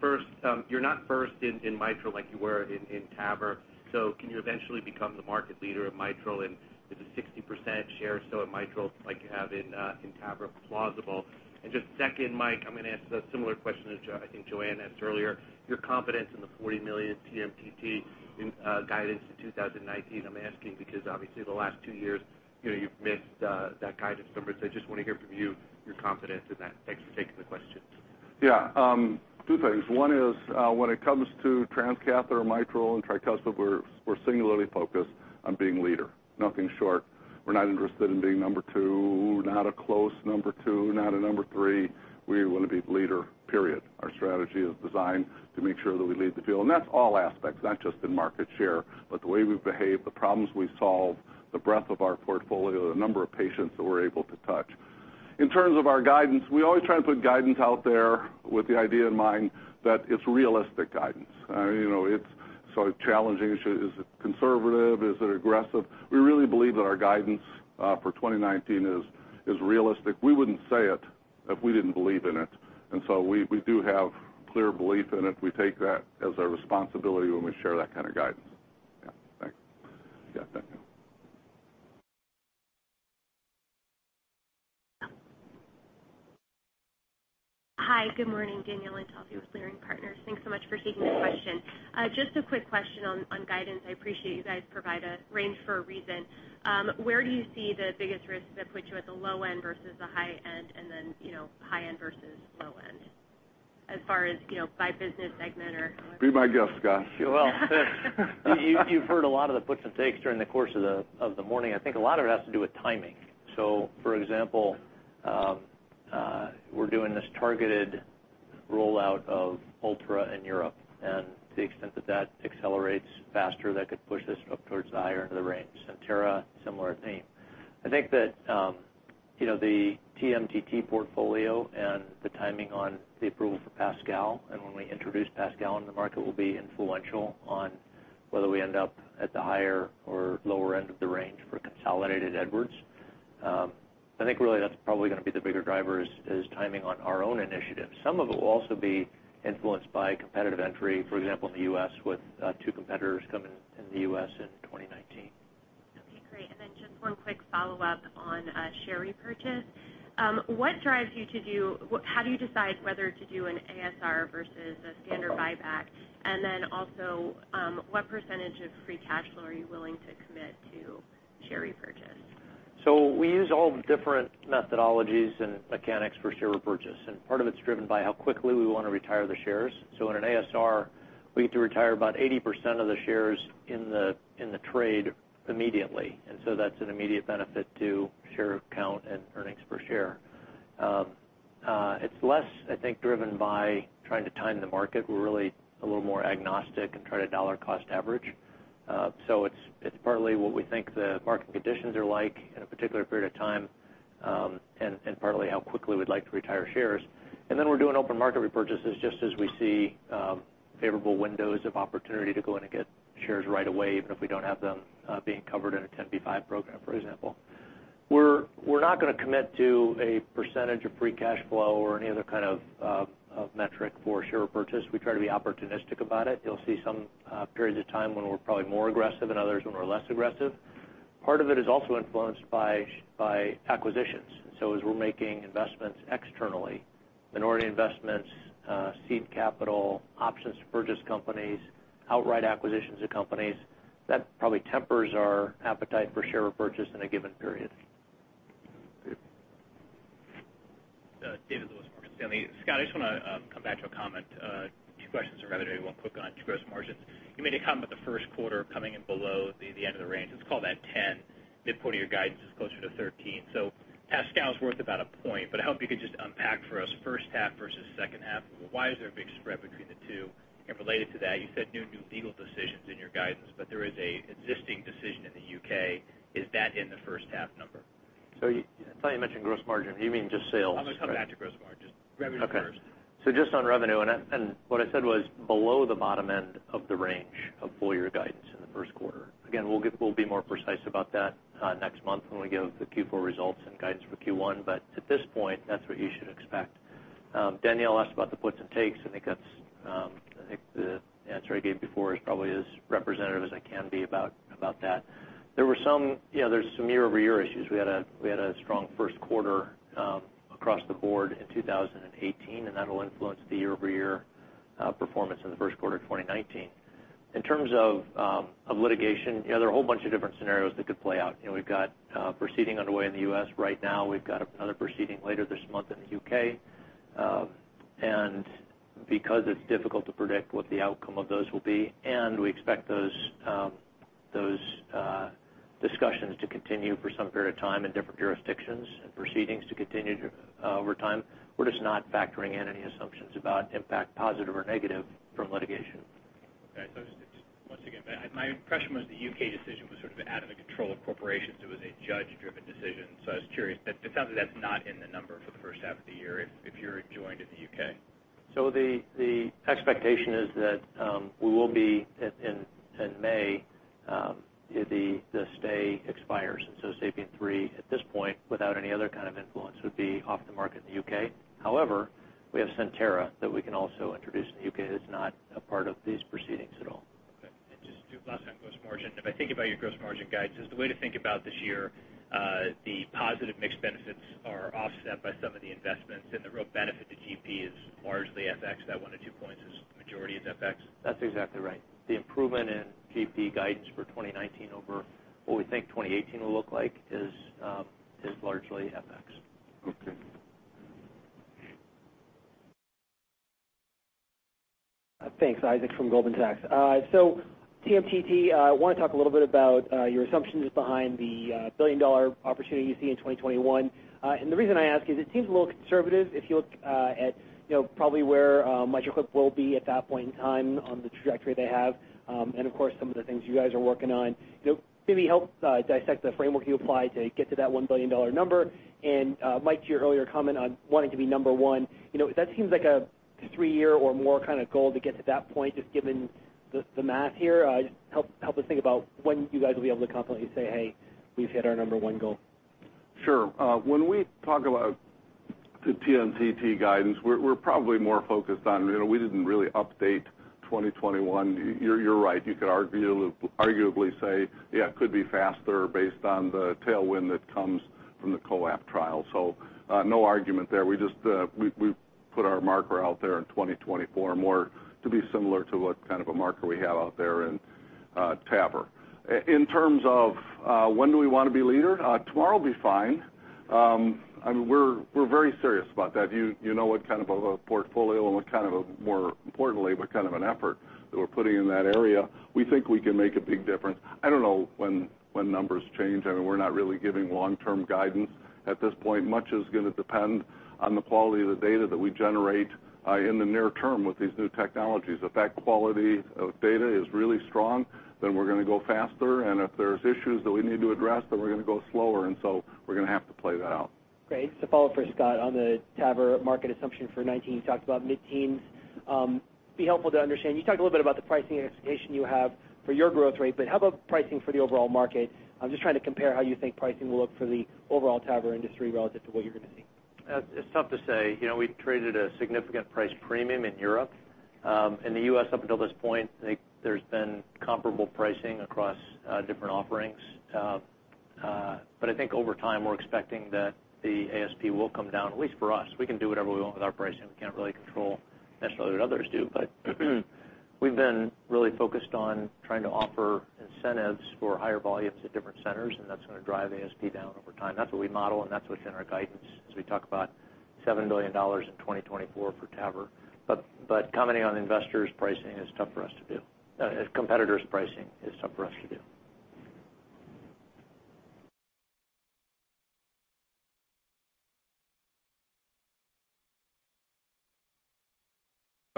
First, you're not first in mitral like you were in TAVR, can you eventually become the market leader of mitral? Is a 60% share or so at mitral like you have in TAVR plausible? Just second, Mike, I'm going to ask a similar question to, I think Joanne asked earlier, your confidence in the $40 million TMTT in guidance to 2019. I'm asking because obviously the last 2 years, you've missed that guidance number. I just want to hear from you your confidence in that. Thanks for taking the questions. 2 things. When it comes to Transcatheter Mitral and Tricuspid, we're singularly focused on being leader. Nothing short. We're not interested in being number 2, not a close number 2, not a number 3. We want to be leader, period. Our strategy is designed to make sure that we lead the field. That's all aspects, not just in market share, but the way we behave, the problems we solve, the breadth of our portfolio, the number of patients that we're able to touch. In terms of our guidance, we always try to put guidance out there with the idea in mind that it's realistic guidance. It's sort of challenging. Is it conservative? Is it aggressive? We really believe that our guidance for 2019 is realistic. We wouldn't say it if we didn't believe in it. We do have clear belief in it. We take that as our responsibility when we share that kind of guidance. Thanks. Scott, thank you. Hi, good morning. Danielle Antalffy with Leerink Partners. Thanks so much for taking the question. Just a quick question on guidance. I appreciate you guys provide a range for a reason. Where do you see the biggest risks that put you at the low end versus the high end, and then high end versus low end, as far as by business segment or- Be my guest, Scott. You've heard a lot of the puts and takes during the course of the morning. I think a lot of it has to do with timing. For example, we're doing this targeted rollout of Ultra in Europe, and to the extent that accelerates faster, that could push this up towards the higher end of the range. Centera, similar theme. I think that the TMTT portfolio and the timing on the approval for PASCAL and when we introduce PASCAL in the market will be influential on whether we end up at the higher or lower end of the range for consolidated Edwards. I think really that's probably going to be the bigger driver is timing on our own initiatives. Some of it will also be influenced by competitive entry. For example, in the U.S. with two competitors coming in the U.S. in 2019. Okay, great. Then just one quick follow-up on share repurchase. How do you decide whether to do an ASR versus a standard buyback? Also, what % of free cash flow are you willing to commit to share repurchase? We use all different methodologies and mechanics for share repurchase, and part of it's driven by how quickly we want to retire the shares. In an ASR, we get to retire about 80% of the shares in the trade immediately. That's an immediate benefit to share count and earnings per share. It's less, I think, driven by trying to time the market. We're really a little more agnostic and try to dollar cost average. It's partly what we think the market conditions are like in a particular period of time, and partly how quickly we'd like to retire shares. We're doing open market repurchases just as we see favorable windows of opportunity to go in and get shares right away, even if we don't have them being covered in a 10b5 program, for example. We're not going to commit to a % of free cash flow or any other kind of metric for share repurchase. We try to be opportunistic about it. You'll see some periods of time when we're probably more aggressive and others when we're less aggressive. Part of it is also influenced by acquisitions. As we're making investments externally, minority investments, seed capital, options to purchase companies, outright acquisitions of companies, that probably tempers our appetite for share repurchase in a given period. Great. David Lewis, Morgan Stanley. Scott, I just want to come back to a comment, two questions rather, one quick on gross margins. You made a comment the first quarter coming in below the end of the range. Let's call that 10. Midpoint of your guidance is closer to 13. PASCAL's worth about one point, but I hope you could just unpack for us first half versus second half. Why is there a big spread between the two? Related to that, you said no new legal decisions in your guidance, but there is an existing decision in the U.K. Is that in the first half number? I thought you mentioned gross margin. You mean just sales? I'm going to come back to gross margin. Revenue first. Just on revenue, what I said was below the bottom end of the range of full-year guidance in the first quarter. We'll be more precise about that next month when we give the Q4 results and guidance for Q1, at this point, that's what you should expect. Danielle asked about the puts and takes. I think the answer I gave before is probably as representative as I can be about that. There's some year-over-year issues. We had a strong first quarter across the board in 2018, that'll influence the year-over-year performance in the first quarter of 2019. In terms of litigation, there are a whole bunch of different scenarios that could play out. We've got a proceeding underway in the U.S. right now. We've got another proceeding later this month in the U.K. Because it's difficult to predict what the outcome of those will be, we expect those discussions to continue for some period of time in different jurisdictions and proceedings to continue over time, we're just not factoring in any assumptions about impact, positive or negative, from litigation. Okay. Just once again, my impression was the U.K. decision was out of the control of corporations. It was a judge-driven decision. I was curious. It sounds like that's not in the number for the first half of the year if you're enjoined in the U.K. The expectation is that we will be in May, the stay expires. SAPIEN 3, at this point, without any other kind of influence, would be off the market in the U.K. However, we have Centera that we can also introduce in the U.K. that's not a part of these proceedings at all. Okay. Just two last on gross margin. If I think about your gross margin guides, is the way to think about this year, the positive mix benefits are offset by some of the investments and the real benefit to GP is largely FX, that 1-2 points is majority is FX? That's exactly right. The improvement in GP guidance for 2019 over what we think 2018 will look like is largely FX. Okay. Thanks. Isaac from Goldman Sachs. TMTT, I want to talk a little bit about your assumptions behind the billion-dollar opportunity you see in 2021. The reason I ask is it seems a little conservative if you look at probably where MitraClip will be at that point in time on the trajectory they have, and of course, some of the things you guys are working on. Maybe help dissect the framework you applied to get to that $1 billion number. Mike, to your earlier comment on wanting to be number one, that seems like a three-year or more kind of goal to get to that point, just given the math here. Just help us think about when you guys will be able to confidently say, "Hey, we've hit our number one goal. Sure. When we talk about the TMTT guidance, we're probably more focused on, we didn't really update 2021. You're right. You could arguably say, yeah, it could be faster based on the tailwind that comes from the COAPT trial. No argument there. We put our marker out there in 2024 more to be similar to what kind of a marker we have out there in TAVR. In terms of when do we want to be leader, tomorrow will be fine. I mean, we're very serious about that. You know what kind of a portfolio and more importantly, what kind of an effort that we're putting in that area. We think we can make a big difference. I don't know when numbers change. I mean, we're not really giving long-term guidance at this point. Much is going to depend on the quality of the data that we generate in the near term with these new technologies. If that quality of data is really strong, then we're going to go faster, and if there's issues that we need to address, then we're going to go slower. We're going to have to play that out. Great. Follow for Scott on the TAVR market assumption for 2019. You talked about mid-teens. Be helpful to understand, you talked a little bit about the pricing expectation you have for your growth rate, but how about pricing for the overall market? I'm just trying to compare how you think pricing will look for the overall TAVR industry relative to what you're going to see. It's tough to say. We traded a significant price premium in Europe. In the U.S. up until this point, I think there's been comparable pricing across different offerings. I think over time, we're expecting that the ASP will come down, at least for us. We can do whatever we want with our pricing. We can't really control necessarily what others do, but we've been really focused on trying to offer incentives for higher volumes at different centers, and that's going to drive ASP down over time. That's what we model, and that's what's in our guidance as we talk about $7 billion in 2024 for TAVR. Commenting on competitors' pricing is tough for us to do.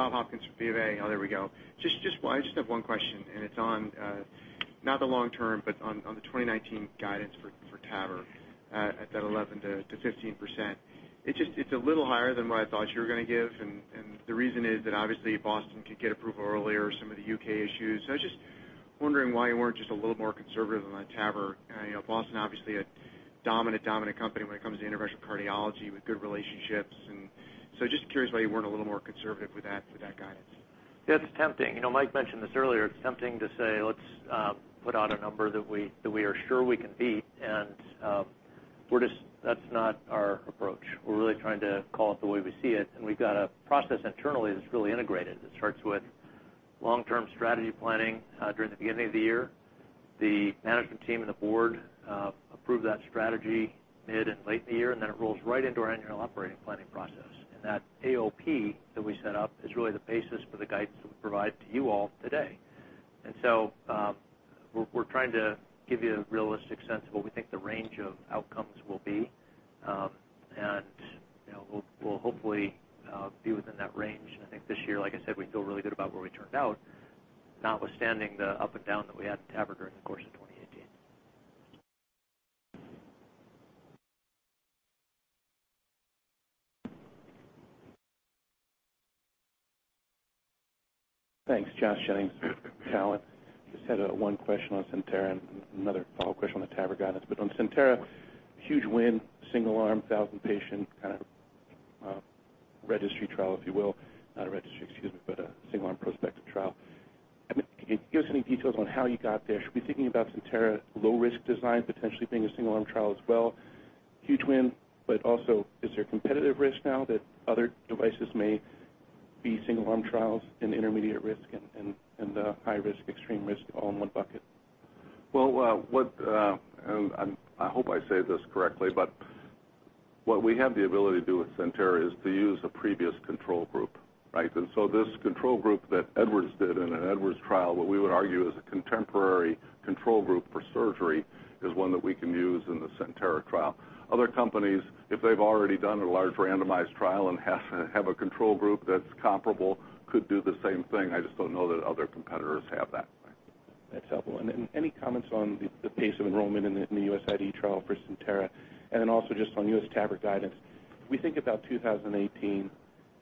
Bob Hopkins from B of A. Oh, there we go. I just have one question, and it's on not the long term, but on the 2019 guidance for TAVR at that 11%-15%. It's a little higher than what I thought you were going to give, and the reason is that obviously Boston could get approval earlier, some of the U.K. issues. I was just wondering why you weren't just a little more conservative on that TAVR. Boston obviously a dominant company when it comes to interventional cardiology with good relationships, just curious why you weren't a little more conservative with that guidance. Yeah, it's tempting. Mike Mussallem mentioned this earlier. It's tempting to say let's put out a number that we are sure we can beat, that's not our approach. We're really trying to call it the way we see it, we've got a process internally that's really integrated, that starts with long-term strategy planning during the beginning of the year. The management team and the board approve that strategy mid and late in the year, it rolls right into our annual operating planning process. That AOP that we set up is really the basis for the guidance that we provide to you all today. We're trying to give you a realistic sense of what we think the range of outcomes will be. We'll hopefully be within that range. I think this year, like I said, we feel really good about where we turned out, notwithstanding the up and down that we had in TAVR during the course of 2018. Thanks. Josh Jennings, Cowen. Just had one question on CENTERA and another follow question on the TAVR guidance. On CENTERA, huge win, single-arm, 1,000-patient kind of registry trial, if you will. Not a registry, excuse me, but a single-arm prospective trial. Can you give us any details on how you got there? Should we be thinking about CENTERA low-risk design potentially being a single-arm trial as well? Huge win, also is there competitive risk now that other devices may be single-arm trials in intermediate-risk and the high-risk, extreme-risk all in one bucket? Well, I hope I say this correctly, what we have the ability to do with CENTERA is to use a previous control group, right? This control group that Edwards did in an Edwards trial, what we would argue is a contemporary control group for surgery, is one that we can use in the CENTERA trial. Other companies, if they've already done a large randomized trial and have a control group that's comparable, could do the same thing. I just don't know that other competitors have that. That's helpful. Any comments on the pace of enrollment in the U.S. IDE trial for CENTERA? Also just on U.S. TAVR guidance. We think about 2018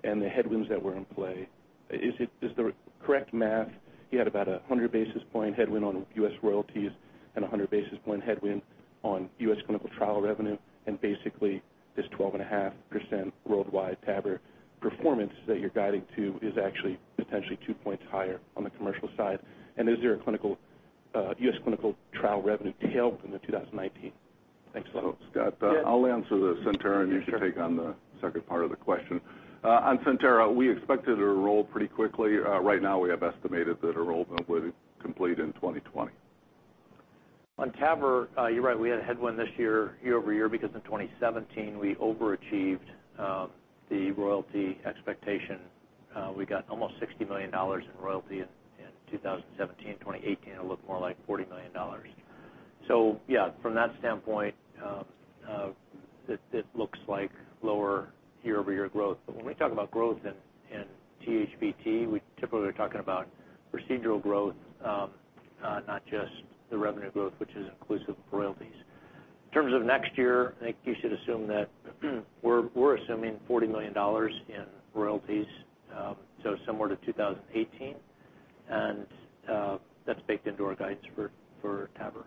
and the headwinds that were in play. Is the correct math, you had about 100 basis point headwind on U.S. royalties and 100 basis point headwind on U.S. clinical trial revenue, and basically this 12.5% worldwide TAVR performance that you're guiding to is actually potentially two points higher on the commercial side. Is there a U.S. clinical trial revenue tail in the 2019? Thanks a lot. Scott, I'll answer the CENTERA, and you can take on the second part of the question. On CENTERA, we expected to enroll pretty quickly. Right now we have estimated that enrollment will complete in 2020. On TAVR, you're right, we had a headwind this year-over-year, because in 2017, we overachieved the royalty expectation. We got almost $60 million in royalty in 2017. 2018, it'll look more like $40 million. Yeah, from that standpoint, it looks like lower year-over-year growth. When we talk about growth in THV, we typically are talking about procedural growth, not just the revenue growth, which is inclusive of royalties. In terms of next year, I think you should assume that we're assuming $40 million in royalties, similar to 2018, and that's baked into our guides for TAVR.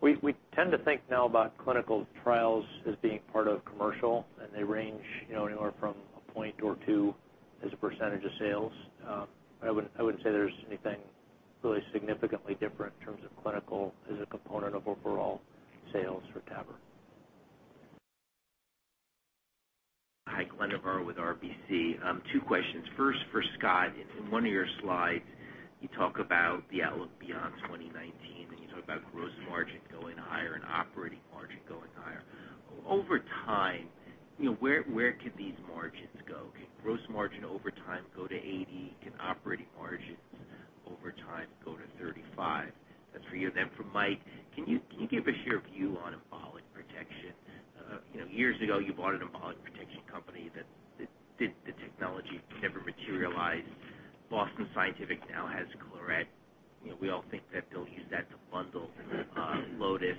We tend to think now about clinical trials as being part of commercial, and they range anywhere from a point or two as a percentage of sales. I wouldn't say there's anything really significantly different in terms of clinical as a component of overall sales for TAVR. Hi, Glenn Novarro with RBC. Two questions. First for Scott. In one of your slides, you talk about the outlook beyond 2019, you talk about gross margin going higher and operating margin going higher. Over time, where could these margins go? Can gross margin over time go to 80? Can operating margins over time go to 35? That's for you. For Mike, can you give us your view on embolic protection? Years ago, you bought an embolic protection company that the technology never materialized. Boston Scientific now has SENTINEL. We all think that they'll use that to bundle Lotus.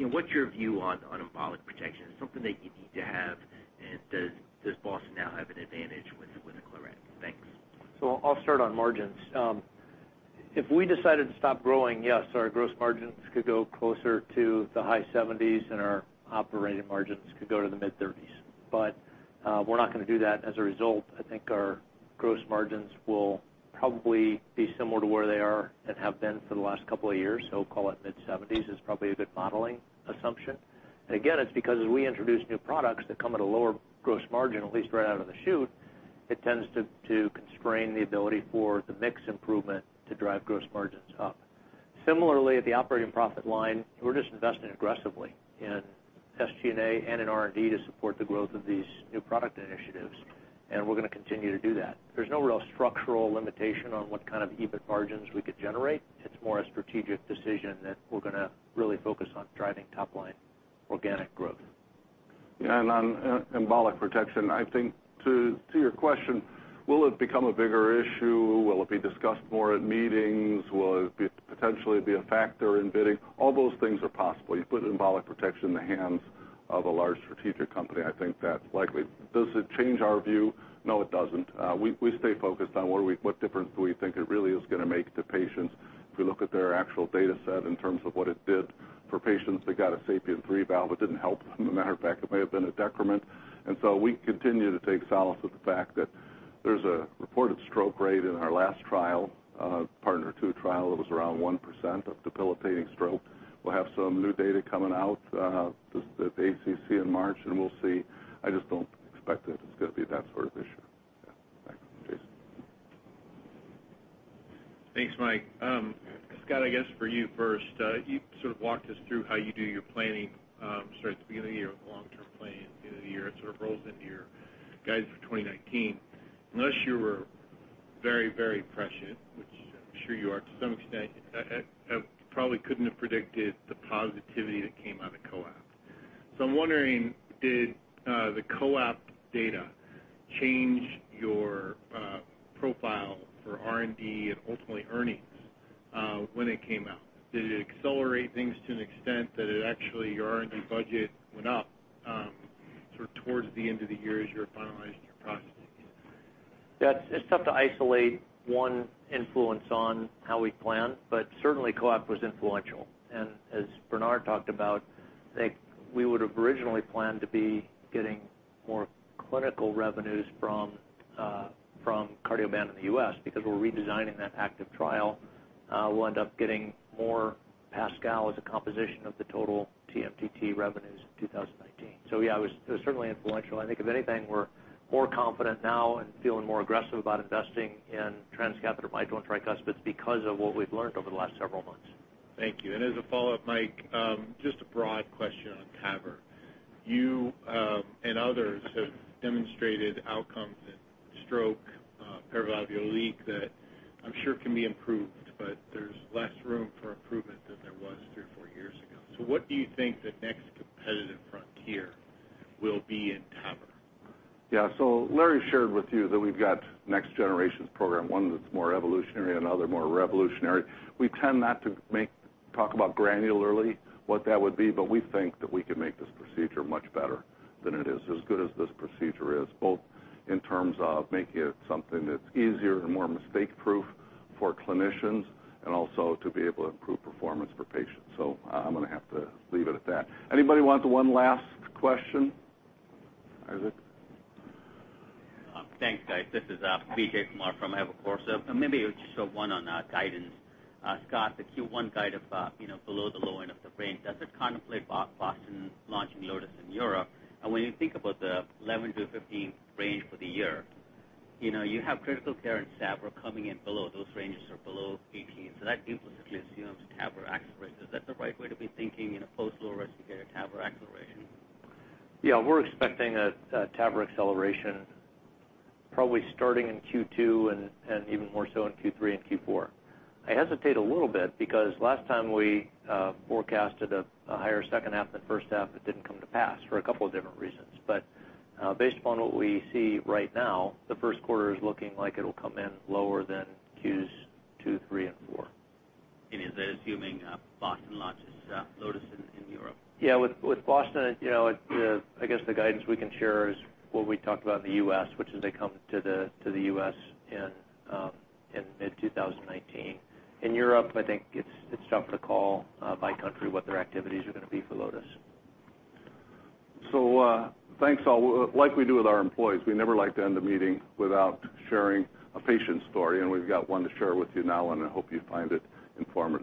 What's your view on embolic protection? Is it something that you need to have, and does Boston now have an advantage with the SENTINEL? Thanks. I'll start on margins. If we decided to stop growing, yes, our gross margins could go closer to the high 70s, our operating margins could go to the mid-30s. We're not going to do that. As a result, I think our gross margins will probably be similar to where they are and have been for the last couple of years. Call it mid 70s is probably a good modeling assumption. Again, it's because as we introduce new products that come at a lower gross margin, at least right out of the chute, it tends to constrain the ability for the mix improvement to drive gross margins up. Similarly, at the operating profit line, we're just investing aggressively in SG&A and in R&D to support the growth of these new product initiatives, and we're going to continue to do that. There's no real structural limitation on what kind of EBIT margins we could generate. It's more a strategic decision that we're going to really focus on driving top-line organic growth. On embolic protection, I think to your question, will it become a bigger issue? Will it be discussed more at meetings? Will it potentially be a factor in bidding? All those things are possible. You put embolic protection in the hands of a large strategic company, I think that's likely. Does it change our view? No, it doesn't. We stay focused on what difference do we think it really is going to make to patients. If we look at their actual data set in terms of what it did for patients that got a SAPIEN 3 valve, it didn't help them. As a matter of fact, it may have been a detriment. We continue to take solace with the fact that there's a reported stroke rate in our last trial, PARTNER 2 trial. It was around 1% of debilitating stroke. We'll have some new data coming out at ACC in March. We'll see. I just don't expect that it's going to be that sort of issue. Yeah. Thanks, Jason. Thanks, Mike. Scott, I guess for you first. You sort of walked us through how you do your planning, start at the beginning of the year with long-term planning, end of the year, it sort of rolls into your guidance for 2019. Unless you were very, very prescient, which I'm sure you are to some extent, I probably couldn't have predicted the positivity that came out of COAPT. I'm wondering, did the COAPT data change your. Profile for R&D and ultimately earnings when it came out. Did it accelerate things to an extent that it actually, your R&D budget went up sort of towards the end of the year as you were finalizing your processes? Yeah. It's tough to isolate one influence on how we plan, certainly COAPT was influential, and as Bernard talked about, I think we would've originally planned to be getting more clinical revenues from Cardioband in the U.S. because we're redesigning that ACTIVE trial. We'll end up getting more PASCAL as a composition of the total TMTT revenues in 2019. Yeah, it was certainly influential. I think if anything, we're more confident now and feeling more aggressive about investing in Transcatheter Mitral and Tricuspid because of what we've learned over the last several months. Thank you. As a follow-up, Mike, just a broad question on TAVR. You, and others have demonstrated outcomes in stroke, paravalvular leak that I'm sure can be improved, but there's less room for improvement than there was three or four years ago. What do you think the next competitive frontier will be in TAVR? Yeah. Larry shared with you that we've got next generations program, one that's more evolutionary, another more revolutionary. We tend not to talk about granularly what that would be, we think that we can make this procedure much better than it is, as good as this procedure is, both in terms of making it something that's easier and more mistake-proof for clinicians, and also to be able to improve performance for patients. I'm going to have to leave it at that. Anybody want the one last question? Isaac? Thanks, guys. This is Vijay Kumar from Evercore. Maybe just one on guidance. Scott, the Q1 guide of below the low end of the range, does it contemplate Boston launching Lotus in Europe? When you think about the 11-15 range for the year, you have Critical Care and Surgical Structural Heart coming in below, those ranges are below 18. That implicitly assumes TAVR accelerates. Is that the right way to be thinking in a post-low-risk TAVR acceleration? Yeah. We're expecting a TAVR acceleration probably starting in Q2 and even more so in Q3 and Q4. I hesitate a little bit because last time we forecasted a higher second half than first half, it didn't come to pass, for a couple of different reasons. Based upon what we see right now, the first quarter is looking like it'll come in lower than Qs two, three, and four. Is that assuming Boston Scientific launches Lotus in Europe? Yeah. With Boston Scientific, I guess the guidance we can share is what we talked about in the U.S., which is they come to the U.S. in mid-2019. In Europe, I think it's tough to call by country what their activities are going to be for Lotus. Thanks all. Like we do with our employees, we never like to end the meeting without sharing a patient story, and we've got one to share with you now, and I hope you find it informative.